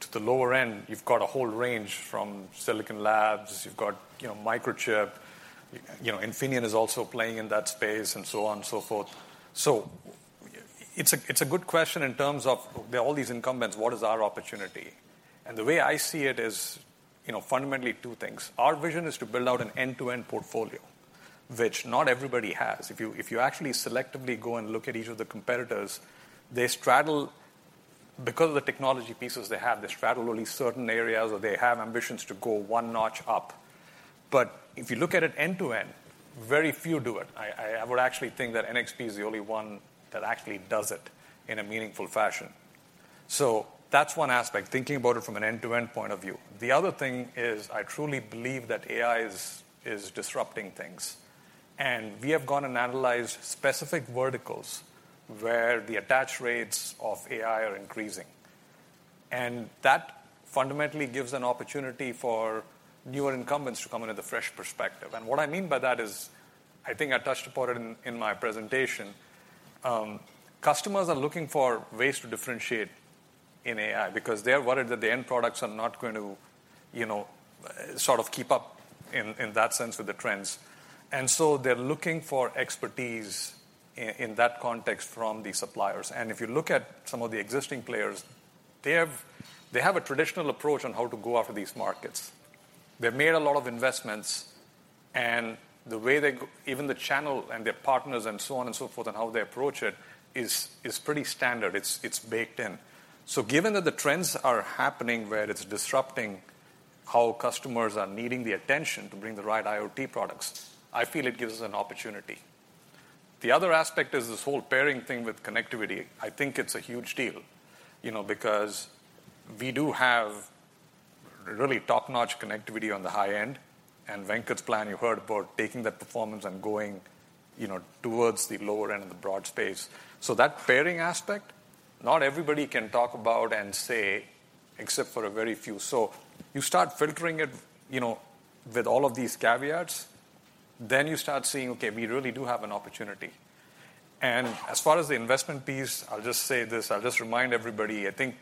to the lower end, you've got a whole range from Silicon Labs, you've got, you know, Microchip, you know, Infineon is also playing in that space, and so on and so forth. So it's a, it's a good question in terms of there are all these incumbents, what is our opportunity? And the way I see it is, you know, fundamentally two things. Our vision is to build out an end-to-end portfolio, which not everybody has. If you, if you actually selectively go and look at each of the competitors, they straddle, because of the technology pieces they have, they straddle only certain areas, or they have ambitions to go one notch up. But if you look at it end-to-end, very few do it. I, I would actually think that NXP is the only one that actually does it in a meaningful fashion. So that's one aspect, thinking about it from an end-to-end point of view. The other thing is, I truly believe that AI is, is disrupting things. And we have gone and analyzed specific verticals where the attach rates of AI are increasing. And that fundamentally gives an opportunity for newer incumbents to come in with a fresh perspective. And what I mean by that is, I think I touched upon it in my presentation, customers are looking for ways to differentiate in AI because they are worried that the end products are not going to, you know, sort of keep up in that sense with the trends. And so they're looking for expertise in that context from the suppliers. And if you look at some of the existing players, they have a traditional approach on how to go after these markets. They've made a lot of investments, and the way they go, even the channel and their partners and so on and so forth, and how they approach it is pretty standard. It's baked in. So given that the trends are happening, where it's disrupting how customers are needing the attention to bring the right IoT products, I feel it gives us an opportunity. The other aspect is this whole pairing thing with connectivity. I think it's a huge deal, you know, because we do have really top-notch connectivity on the high end, and Venkat's plan, you heard about taking that performance and going, you know, towards the lower end of the broad space. So that pairing aspect, not everybody can talk about and say, except for a very few. So you start filtering it, you know, with all of these caveats, then you start seeing, okay, we really do have an opportunity. And as far as the investment piece, I'll just say this, I'll just remind everybody, I think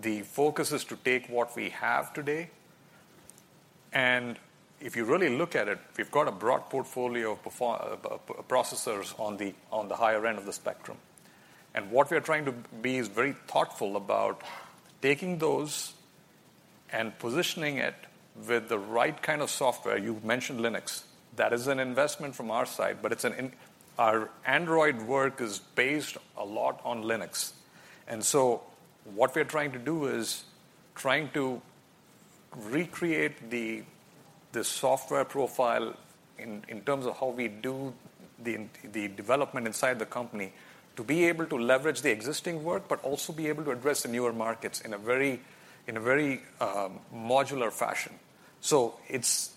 the focus is to take what we have today, and if you really look at it, we've got a broad portfolio of performance processors on the, on the higher end of the spectrum. And what we are trying to be is very thoughtful about taking those and positioning it with the right kind of software. You've mentioned Linux. That is an investment from our side, but our Android work is based a lot on Linux. What we are trying to do is to recreate the software profile in terms of how we do the development inside the company, to be able to leverage the existing work, but also be able to address the newer markets in a very modular fashion. So it's.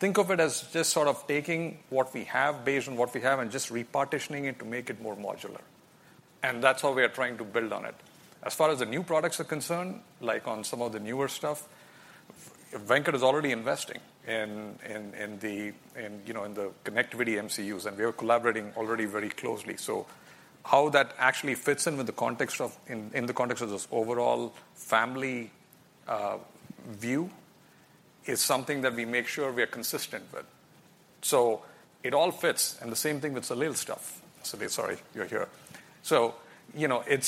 Think of it as just sort of taking what we have, based on what we have, and just repartitioning it to make it more modular. And that's how we are trying to build on it. As far as the new products are concerned, like on some of the newer stuff, Venkat is already investing in, you know, the connectivity MCUs, and we are collaborating already very closely. So how that actually fits in with the context of, in the context of this overall family view, is something that we make sure we are consistent with. So it all fits, and the same thing with the little stuff. Sorry, you're here. So, you know, it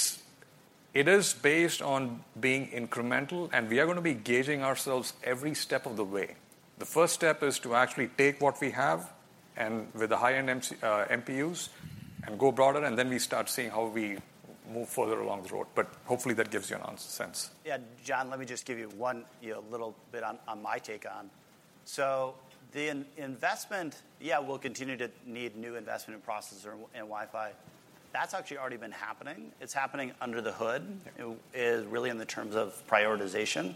is based on being incremental, and we are gonna be gauging ourselves every step of the way. The first step is to actually take what we have and with the high-end MC, MPUs and go broader, and then we start seeing how we move further along the road. But hopefully, that gives you an answer sense. Yeah, John, let me just give you one, you know, little bit on my take on. So the investment, yeah, we'll continue to need new investment in processor and Wi-Fi. That's actually already been happening. It's happening under the hood, is really in the terms of prioritization.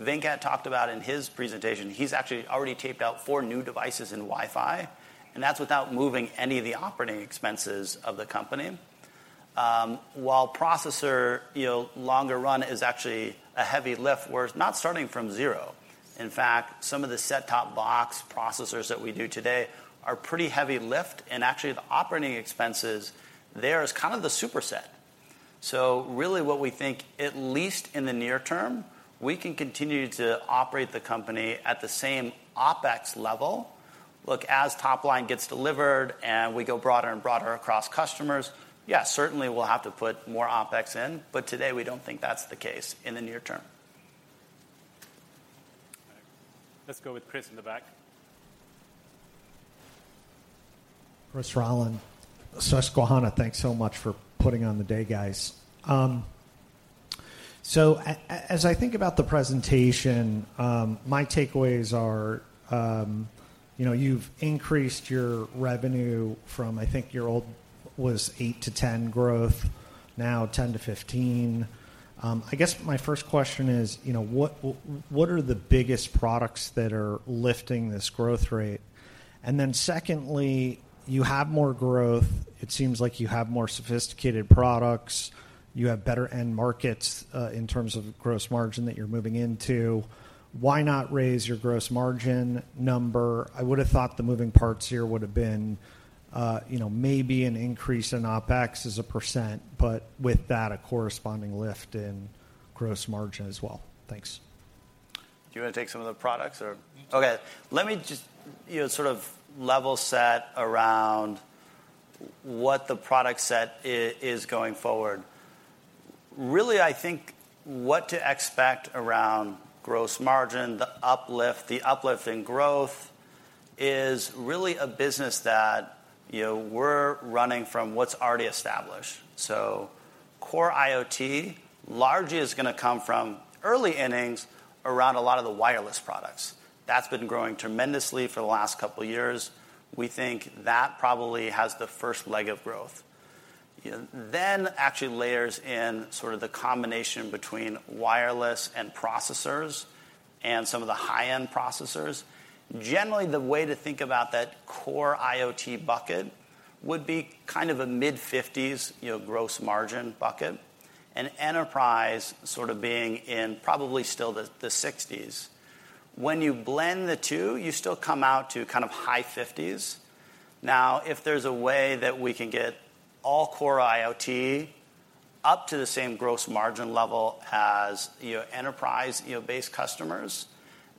Venkat talked about in his presentation, he's actually already taped out four new devices in Wi-Fi, and that's without moving any of the operating expenses of the company. While processor, you know, longer run is actually a heavy lift, where it's not starting from zero. In fact, some of the set-top box processors that we do today are pretty heavy lift, and actually, the operating expenses there is kind of the superset. So really, what we think, at least in the near term, we can continue to operate the company at the same OpEx level. Look, as top line gets delivered and we go broader and broader across customers, yeah, certainly we'll have to put more OpEx in, but today we don't think that's the case in the near term. Let's go with Chris in the back. Chris Rolland, Susquehanna, thanks so much for putting on the day, guys. So as I think about the presentation, my takeaways are, you know, you've increased your revenue from, I think your old was 8%-10% growth, now 10%-15%. I guess my first question is, you know, what, what are the biggest products that are lifting this growth rate? And then secondly, you have more growth. It seems like you have more sophisticated products. You have better end markets, in terms of gross margin that you're moving into. Why not raise your gross margin number? I would have thought the moving parts here would have been, you know, maybe an increase in OpEx as a %, but with that, a corresponding lift in gross margin as well. Thanks. Do you want to take some of the products or...? Okay, let me just, you know, sort of level set around what the product set is going forward. Really, I think what to expect around gross margin, the uplift, the uplift in growth, is really a business that, you know, we're running from what's already established. So core IoT largely is gonna come from early innings around a lot of the wireless products. That's been growing tremendously for the last couple of years. We think that probably has the first leg of growth. You know, then actually layers in sort of the combination between wireless and processors and some of the high-end processors. Generally, the way to think about that core IoT bucket would be kind of a mid-50s, you know, gross margin bucket, and enterprise sort of being in probably still the 60s. When you blend the two, you still come out to kind of high 50s. Now, if there's a way that we can get all core IoT up to the same gross margin level as, you know, enterprise, you know, base customers,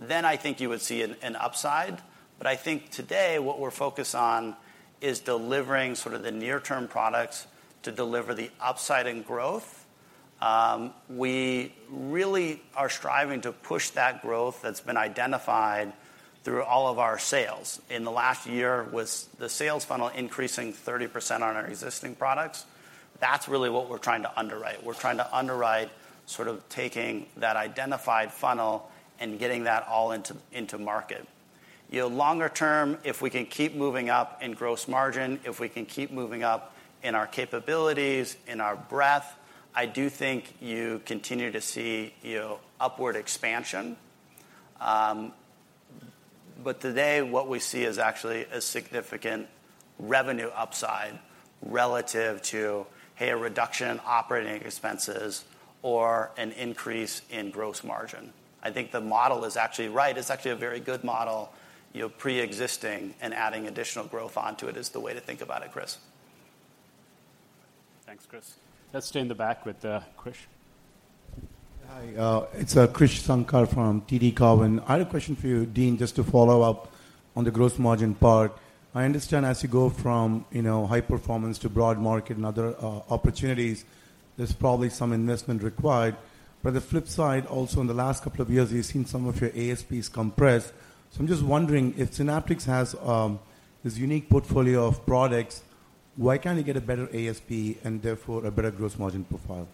then I think you would see an upside. But I think today what we're focused on is delivering sort of the near-term products to deliver the upside in growth. We really are striving to push that growth that's been identified through all of our sales. In the last year, with the sales funnel increasing 30% on our existing products, that's really what we're trying to underwrite. We're trying to underwrite sort of taking that identified funnel and getting that all into market. You know, longer term, if we can keep moving up in gross margin, if we can keep moving up in our capabilities, in our breadth, I do think you continue to see, you know, upward expansion. But today, what we see is actually a significant revenue upside relative to, hey, a reduction in operating expenses or an increase in gross margin. I think the model is actually right. It's actually a very good model, you know, preexisting, and adding additional growth onto it is the way to think about it, Chris. Thanks, Chris. Let's stay in the back with Krish. Hi, it's Krish Sankar from TD Cowen. I had a question for you, Dean, just to follow up on the growth margin part. I understand as you go from, you know, high performance to broad market and other opportunities, there's probably some investment required. But the flip side, also in the last couple of years, we've seen some of your ASPs compress. So I'm just wondering, if Synaptics has this unique portfolio of products, why can't it get a better ASP and therefore a better gross margin profile?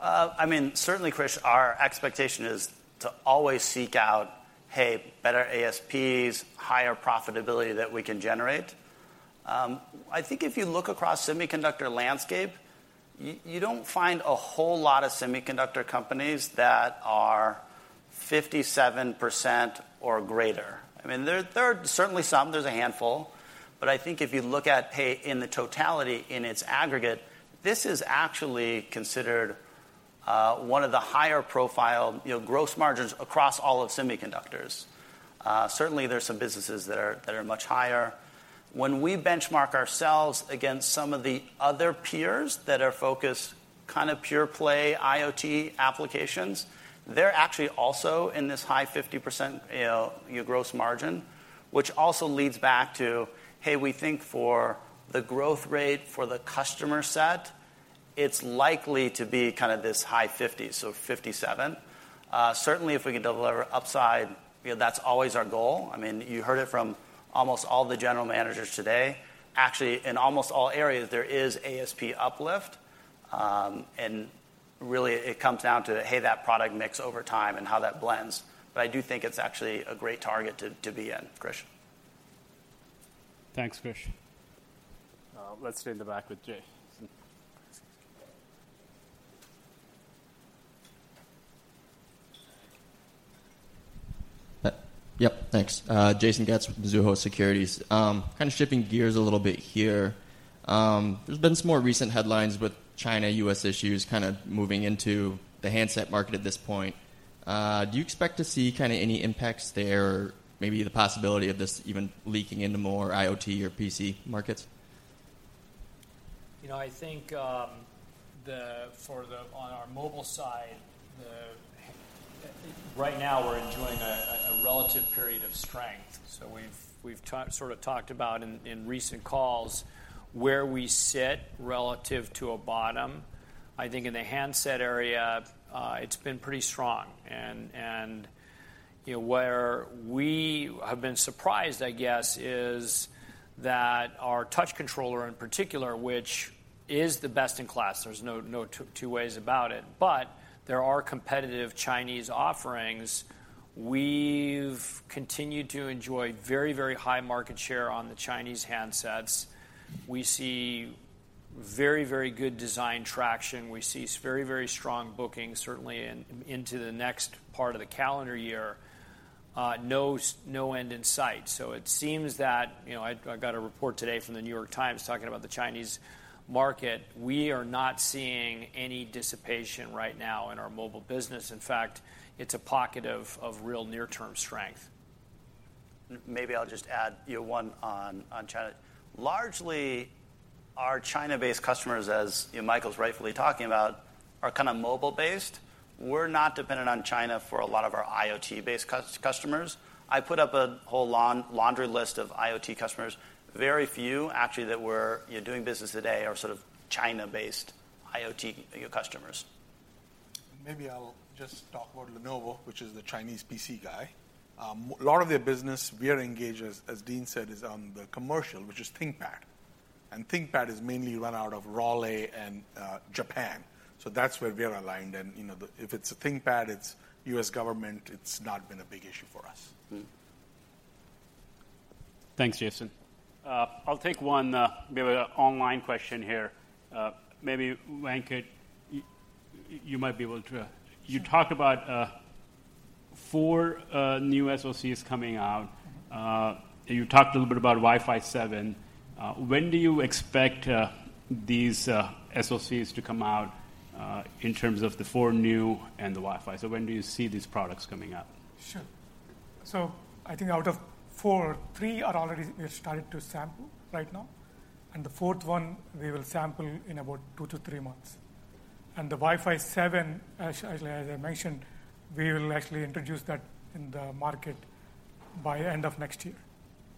I mean, certainly, Krish, our expectation is to always seek out, hey, better ASPs, higher profitability that we can generate. I think if you look across semiconductor landscape, you don't find a whole lot of semiconductor companies that are 57% or greater. I mean, there are certainly some, there's a handful, but I think if you look at, hey, in the totality, in its aggregate, this is actually considered one of the higher profile, you know, gross margins across all of semiconductors. Certainly, there's some businesses that are much higher. When we benchmark ourselves against some of the other peers that are focused, kind of, pure play IoT applications, they're actually also in this high 50%, you know, your gross margin, which also leads back to, hey, we think for the growth rate for the customer set, it's likely to be kind of this high 50, so 57%. Certainly, if we can deliver upside, you know, that's always our goal. I mean, you heard it from almost all the general managers today. Actually, in almost all areas, there is ASP uplift, and really, it comes down to, hey, that product mix over time and how that blends. But I do think it's actually a great target to be in, Krish. Thanks, Krish. Let's stay in the back with Jason. Yep, thanks. Jason Getz from Mizuho Securities. Kind of shifting gears a little bit here. There's been some more recent headlines with China, U.S. issues, kind of moving into the handset market at this point. Do you expect to see kind of any impacts there, maybe the possibility of this even leaking into more IoT or PC markets? You know, I think for the on our mobile side, the right now, we're enjoying a relative period of strength. So we've sort of talked about in recent calls where we sit relative to a bottom. I think in the handset area, it's been pretty strong. And you know, where we have been surprised, I guess, is that our touch controller, in particular, which is the best in class, there's no two ways about it, but there are competitive Chinese offerings. We've continued to enjoy very, very high market share on the Chinese handsets. We see very, very good design traction. We see very, very strong bookings, certainly into the next part of the calendar year. No end in sight. It seems that, you know, I, I got a report today from The New York Times talking about the Chinese market. We are not seeing any dissipation right now in our mobile business. In fact, it's a pocket of, of real near-term strength. Maybe I'll just add, you know, one on China. Largely, our China-based customers, as, you know, Michael's rightfully talking about, are kind of mobile-based. We're not dependent on China for a lot of our IoT-based customers. I put up a whole laundry list of IoT customers. Very few, actually, that we're, you know, doing business today are sort of China-based IoT, you know, customers. Maybe I'll just talk about Lenovo, which is the Chinese PC guy. A lot of their business, we are engaged, as Dean said, is on the commercial, which is ThinkPad, and ThinkPad is mainly run out of Raleigh and Japan. So that's where we are aligned, and, you know, if it's a ThinkPad, it's U.S. government, it's not been a big issue for us. Mm-hmm. Thanks, Jason. I'll take one, we have an online question here. Maybe, Venkat, you might be able to... You talked about four new SoCs coming out, and you talked a little bit about Wi-Fi seven. When do you expect these SoCs to come out, in terms of the four new and the Wi-Fi? So when do you see these products coming out? Sure. So I think out of 4, 3 are already, we have started to sample right now, and the fourth one, we will sample in about 2 to 3 months. And the Wi-Fi seven, as I mentioned, we will actually introduce that in the market by end of next year,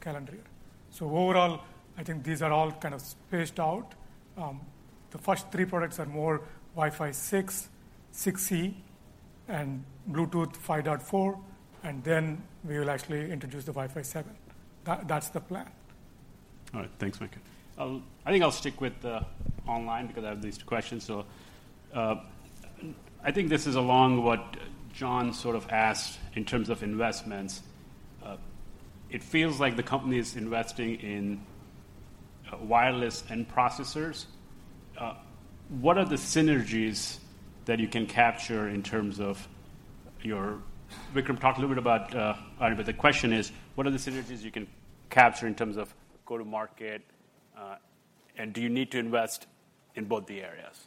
calendar year. So overall, I think these are all kind of spaced out. The first three products are more Wi-Fi 6, 6E, and Bluetooth 5.4, and then we will actually introduce the Wi-Fi seven. That, that's the plan. All right. Thanks, Venkat. I think I'll stick with the online because I have these two questions. So, I think this is along what John sort of asked in terms of investments. It feels like the company is investing in wireless and processors. What are the synergies that you can capture in terms of your-Vikram talked a little bit about, but the question is: what are the synergies you can capture in terms of go-to-market, and do you need to invest in both the areas?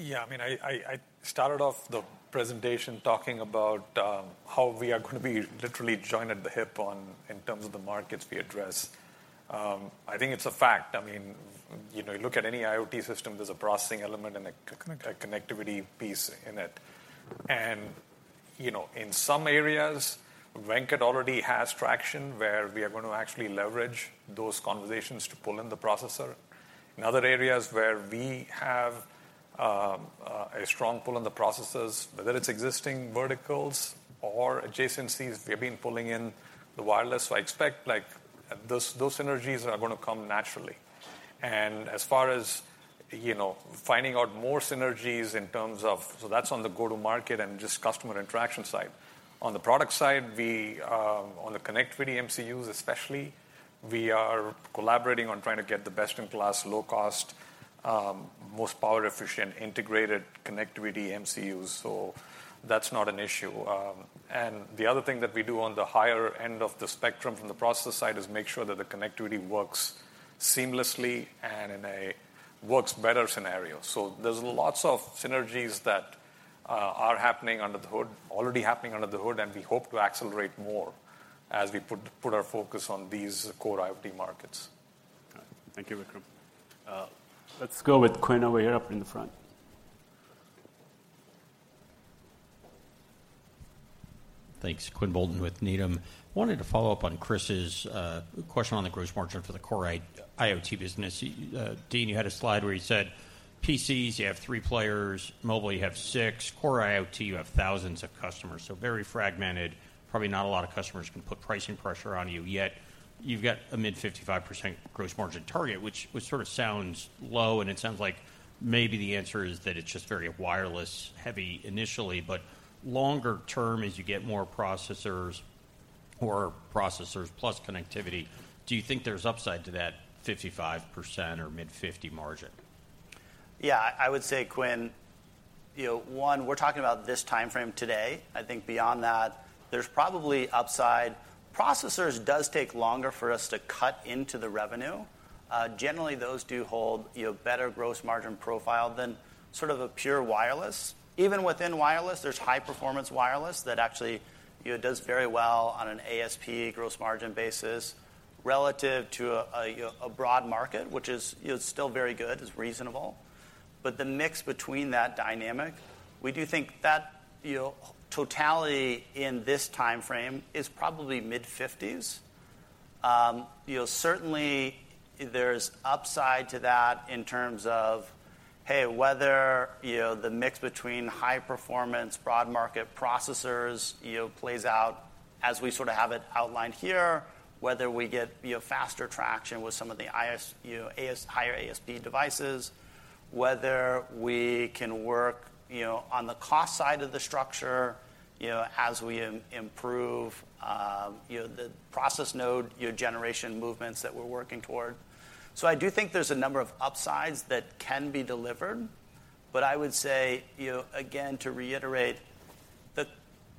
Yeah, I mean, I started off the presentation talking about how we are gonna be literally joined at the hip on, in terms of the markets we address. I think it's a fact. I mean, you know, you look at any IoT system, there's a processing element and a connectivity piece in it. And, you know, in some areas, Venkat already has traction, where we are going to actually leverage those conversations to pull in the processor. In other areas where we have a strong pull on the processors, whether it's existing verticals or adjacencies, we have been pulling in the wireless. So I expect, like, those synergies are gonna come naturally. And as far as, you know, finding out more synergies in terms of—so that's on the go-to-market and just customer interaction side. On the product side, we on the connectivity MCUs especially, we are collaborating on trying to get the best-in-class, low-cost, most power-efficient, integrated connectivity MCUs, so that's not an issue. And the other thing that we do on the higher end of the spectrum from the processor side, is make sure that the connectivity works seamlessly and in a works-better scenario. So there's lots of synergies that are happening under the hood, already happening under the hood, and we hope to accelerate more as we put our focus on these core IoT markets. Thank you, Vikram. Let's go with Quinn over here up in the front. Thanks. Quinn Bolton with Needham. Wanted to follow up on Chris's question on the gross margin for the core IoT business. Dean, you had a slide where you said, PCs, you have three players; mobile, you have six; core IoT, you have thousands of customers, so very fragmented, probably not a lot of customers can put pricing pressure on you, yet you've got a mid-55% gross margin target, which sort of sounds low, and it sounds like maybe the answer is that it's just very wireless-heavy initially. But longer term, as you get more processors or processors plus connectivity, do you think there's upside to that 55% or mid-50% margin? Yeah, I, I would say, Quinn, you know, one, we're talking about this timeframe today. I think beyond that, there's probably upside. Processors does take longer for us to cut into the revenue. Generally, those do hold, you know, better gross margin profile than sort of a pure wireless. Even within wireless, there's high-performance wireless that actually, you know, does very well on an ASP gross margin basis relative to a, a, you know, a broad market, which is, you know, still very good, is reasonable. But the mix between that dynamic, we do think that, you know, totality in this timeframe is probably mid-50s%. You know, certainly, there's upside to that in terms of, hey, whether, you know, the mix between high performance, broad market processors, you know, plays out as we sort of have it outlined here, whether we get, you know, faster traction with some of the IoT, you know, SoCs, higher ASP devices, whether we can work, you know, on the cost side of the structure, you know, as we improve, you know, the process node, you know, generation movements that we're working toward. So I do think there's a number of upsides that can be delivered, but I would say, you know, again, to reiterate,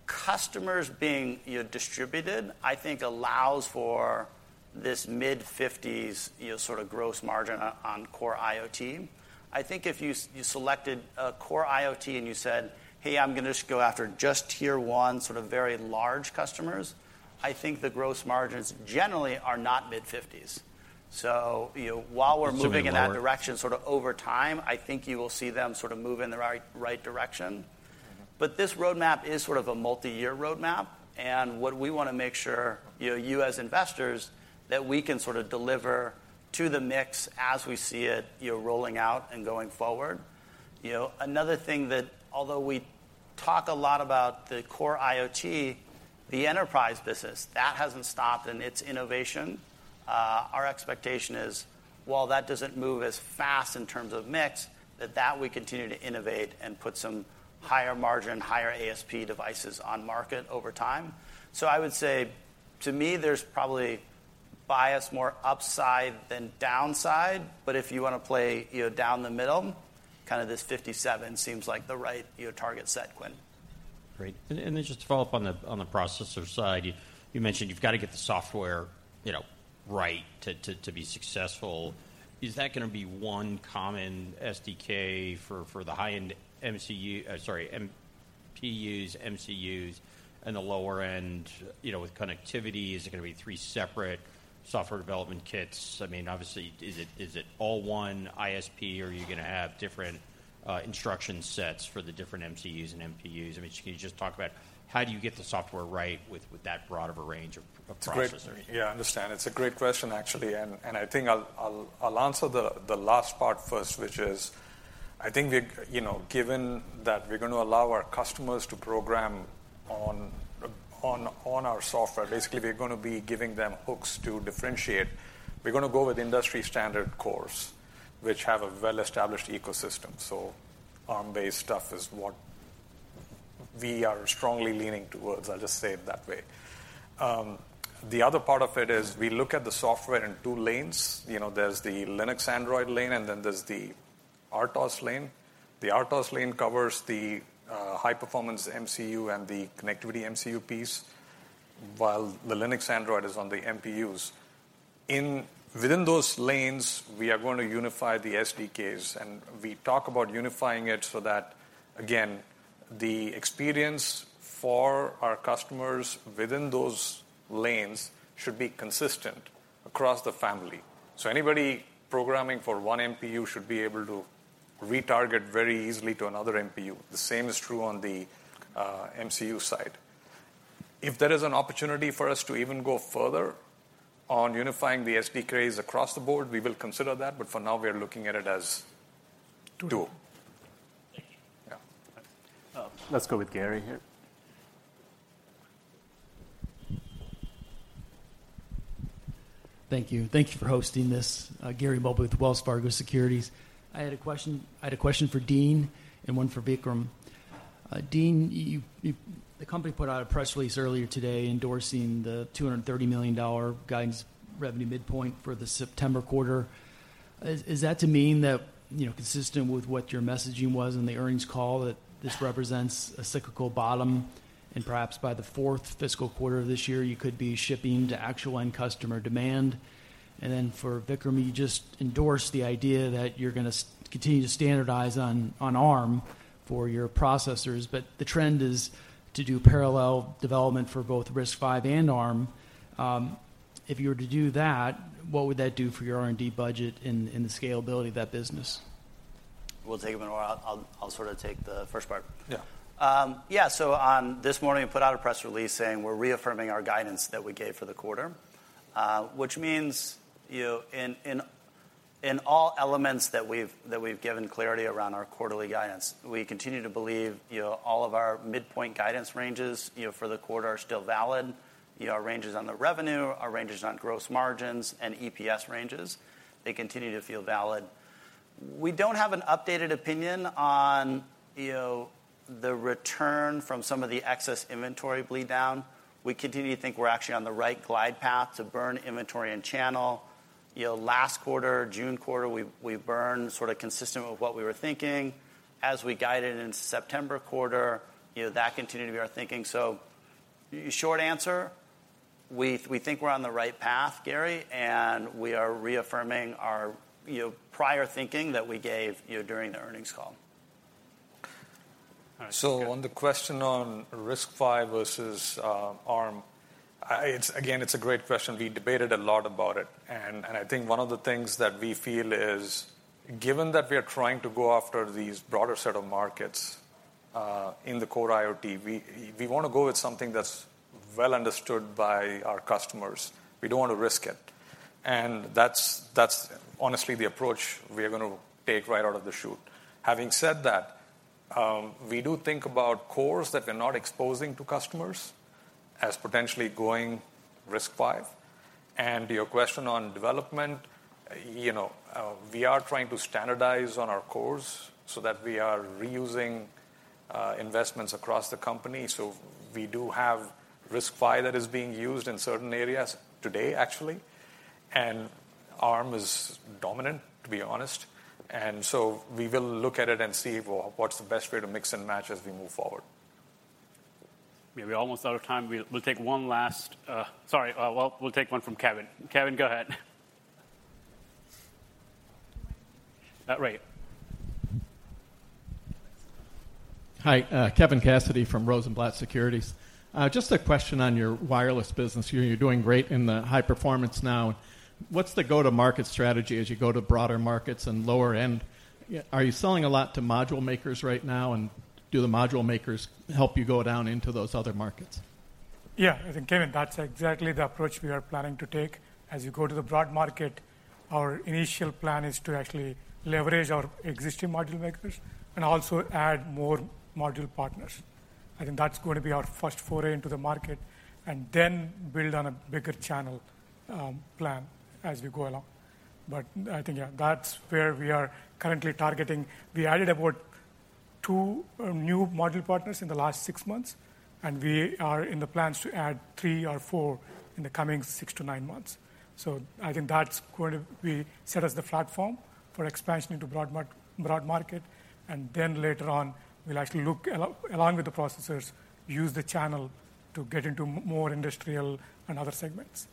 the customers being, you know, distributed, I think allows for this mid-50s% sort of gross margin on core IoT. I think if you selected core IoT, and you said, "Hey, I'm gonna just go after just tier one, sort of very large customers," I think the gross margins generally are not mid-50s%. So, you know, while we're- Still lower?... moving in that direction, sort of over time, I think you will see them sort of move in the right, right direction. Mm-hmm. But this roadmap is sort of a multi-year roadmap, and what we wanna make sure, you know, you as investors, that we can sort of deliver to the mix as we see it, you know, rolling out and going forward. You know, another thing that, although we talk a lot about the core IoT, the enterprise business, that hasn't stopped in its innovation. Our expectation is, while that doesn't move as fast in terms of mix, that that we continue to innovate and put some higher margin, higher ASP devices on market over time. So I would say, to me, there's probably bias more upside than downside, but if you wanna play, you know, down the middle, kind of this 57 seems like the right, you know, target set, Quinn. Great. And then just to follow up on the processor side, you mentioned you've got to get the software, you know, right to be successful. Is that gonna be one common SDK for the high-end MCU, MPUs, MCUs, and the lower-end, you know, with connectivity? Is it gonna be three separate software development kits? I mean, obviously, is it all one ISA, or are you gonna have different instruction sets for the different MCUs and MPUs? I mean, can you just talk about how do you get the software right with that broad of a range of processors? It's great. Yeah, I understand. It's a great question, actually, and I think I'll answer the last part first, which is, I think we're, you know, given that we're gonna allow our customers to program on our software, basically, we're gonna be giving them hooks to differentiate. We're gonna go with industry standard cores, which have a well-established ecosystem, so Arm-based stuff is what we are strongly leaning towards, I'll just say it that way. The other part of it is we look at the software in two lanes. You know, there's the Linux Android lane, and then there's the RTOS lane. The RTOS lane covers the high-performance MCU and the connectivity MCU piece, while the Linux Android is on the MPUs. Within those lanes, we are going to unify the SDKs, and we talk about unifying it so that, again, the experience for our customers within those lanes should be consistent across the family. So anybody programming for one MPU should be able to retarget very easily to another MPU. The same is true on the MCU side. If there is an opportunity for us to even go further on unifying the SDKs across the board, we will consider that, but for now, we are looking at it as two. Thank you. Yeah. Let's go with Gary here. Thank you. Thank you for hosting this. Gary Mobley with Wells Fargo Securities. I had a question for Dean and one for Vikram. Dean, the company put out a press release earlier today endorsing the $230 million guidance revenue midpoint for the September quarter. Is that to mean that, you know, consistent with what your messaging was on the earnings call, that this represents a cyclical bottom, and perhaps by the fourth fiscal quarter of this year, you could be shipping to actual end customer demand? And then for Vikram, you just endorsed the idea that you're gonna continue to standardize on Arm for your processors, but the trend is to do parallel development for both RISC-V and Arm. If you were to do that, what would that do for your R&D budget and the scalability of that business? We'll take them in order. I'll sort of take the first part. Yeah. Yeah, so this morning, we put out a press release saying we're reaffirming our guidance that we gave for the quarter, which means, you know, in all elements that we've given clarity around our quarterly guidance, we continue to believe, you know, all of our midpoint guidance ranges, you know, for the quarter are still valid. You know, our ranges on the revenue, our ranges on gross margins and EPS ranges, they continue to feel valid. We don't have an updated opinion on, you know, the return from some of the excess inventory bleed down. We continue to think we're actually on the right glide path to burn inventory and channel. You know, last quarter, June quarter, we burned sort of consistent with what we were thinking. As we guided into September quarter, you know, that continued to be our thinking. Short answer, we think we're on the right path, Gary, and we are reaffirming our, you know, prior thinking that we gave, you know, during the earnings call. So on the question on RISC-V versus, Arm, it's again, it's a great question. We debated a lot about it, and, and I think one of the things that we feel is, given that we are trying to go after these broader set of markets, in the core IoT, we, we want to go with something that's well understood by our customers. We don't want to risk it. And that's, that's honestly the approach we are going to take right out of the chute. Having said that, we do think about cores that we're not exposing to customers as potentially going RISC-V. And your question on development, you know, we are trying to standardize on our cores so that we are reusing, investments across the company. So we do have RISC-V that is being used in certain areas today, actually, and Arm is dominant, to be honest. And so we will look at it and see what's the best way to mix and match as we move forward. We're almost out of time. We'll take one last. Sorry, well, we'll take one from Kevin. Kevin, go ahead. Right. Hi, Kevin Cassidy from Rosenblatt Securities. Just a question on your wireless business. You're doing great in the high performance now. What's the go-to-market strategy as you go to broader markets and lower end? Are you selling a lot to module makers right now, and do the module makers help you go down into those other markets? Yeah, I think, Kevin, that's exactly the approach we are planning to take. As you go to the broad market, our initial plan is to actually leverage our existing module makers and also add more module partners. I think that's going to be our first foray into the market, and then build on a bigger channel plan as we go along. But I think, yeah, that's where we are currently targeting. We added about 2 new module partners in the last 6 months, and we are in the plans to add 3 or 4 in the coming 6 to 9 months. So I think that's going to be set as the platform for expansion into broad market, and then later on, we'll actually look, along with the processors, use the channel to get into more industrial and other segments. So-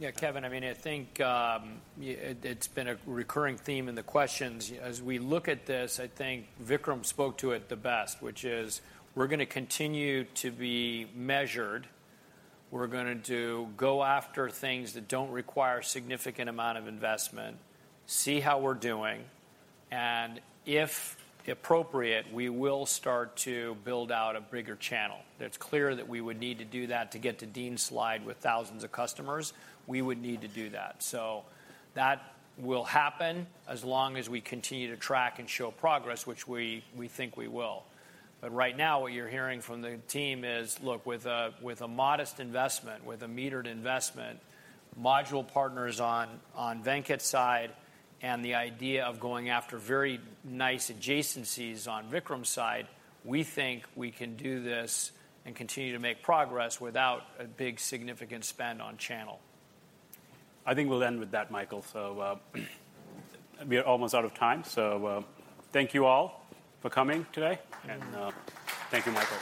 Yeah, Kevin, I mean, I think, it, it's been a recurring theme in the questions. As we look at this, I think Vikram spoke to it the best, which is, we're gonna continue to be measured. We're going to go after things that don't require a significant amount of investment, see how we're doing, and if appropriate, we will start to build out a bigger channel. It's clear that we would need to do that to get to Dean's slide with thousands of customers. We would need to do that. So that will happen as long as we continue to track and show progress, which we, we think we will. But right now, what you're hearing from the team is, look, with a, with a modest investment, with a metered investment, module partners on, on Venkat's side, and the idea of going after very nice adjacencies on Vikram's side, we think we can do this and continue to make progress without a big, significant spend on channel. I think we'll end with that, Michael. So, we are almost out of time. So, thank you all for coming today, and, thank you, Michael.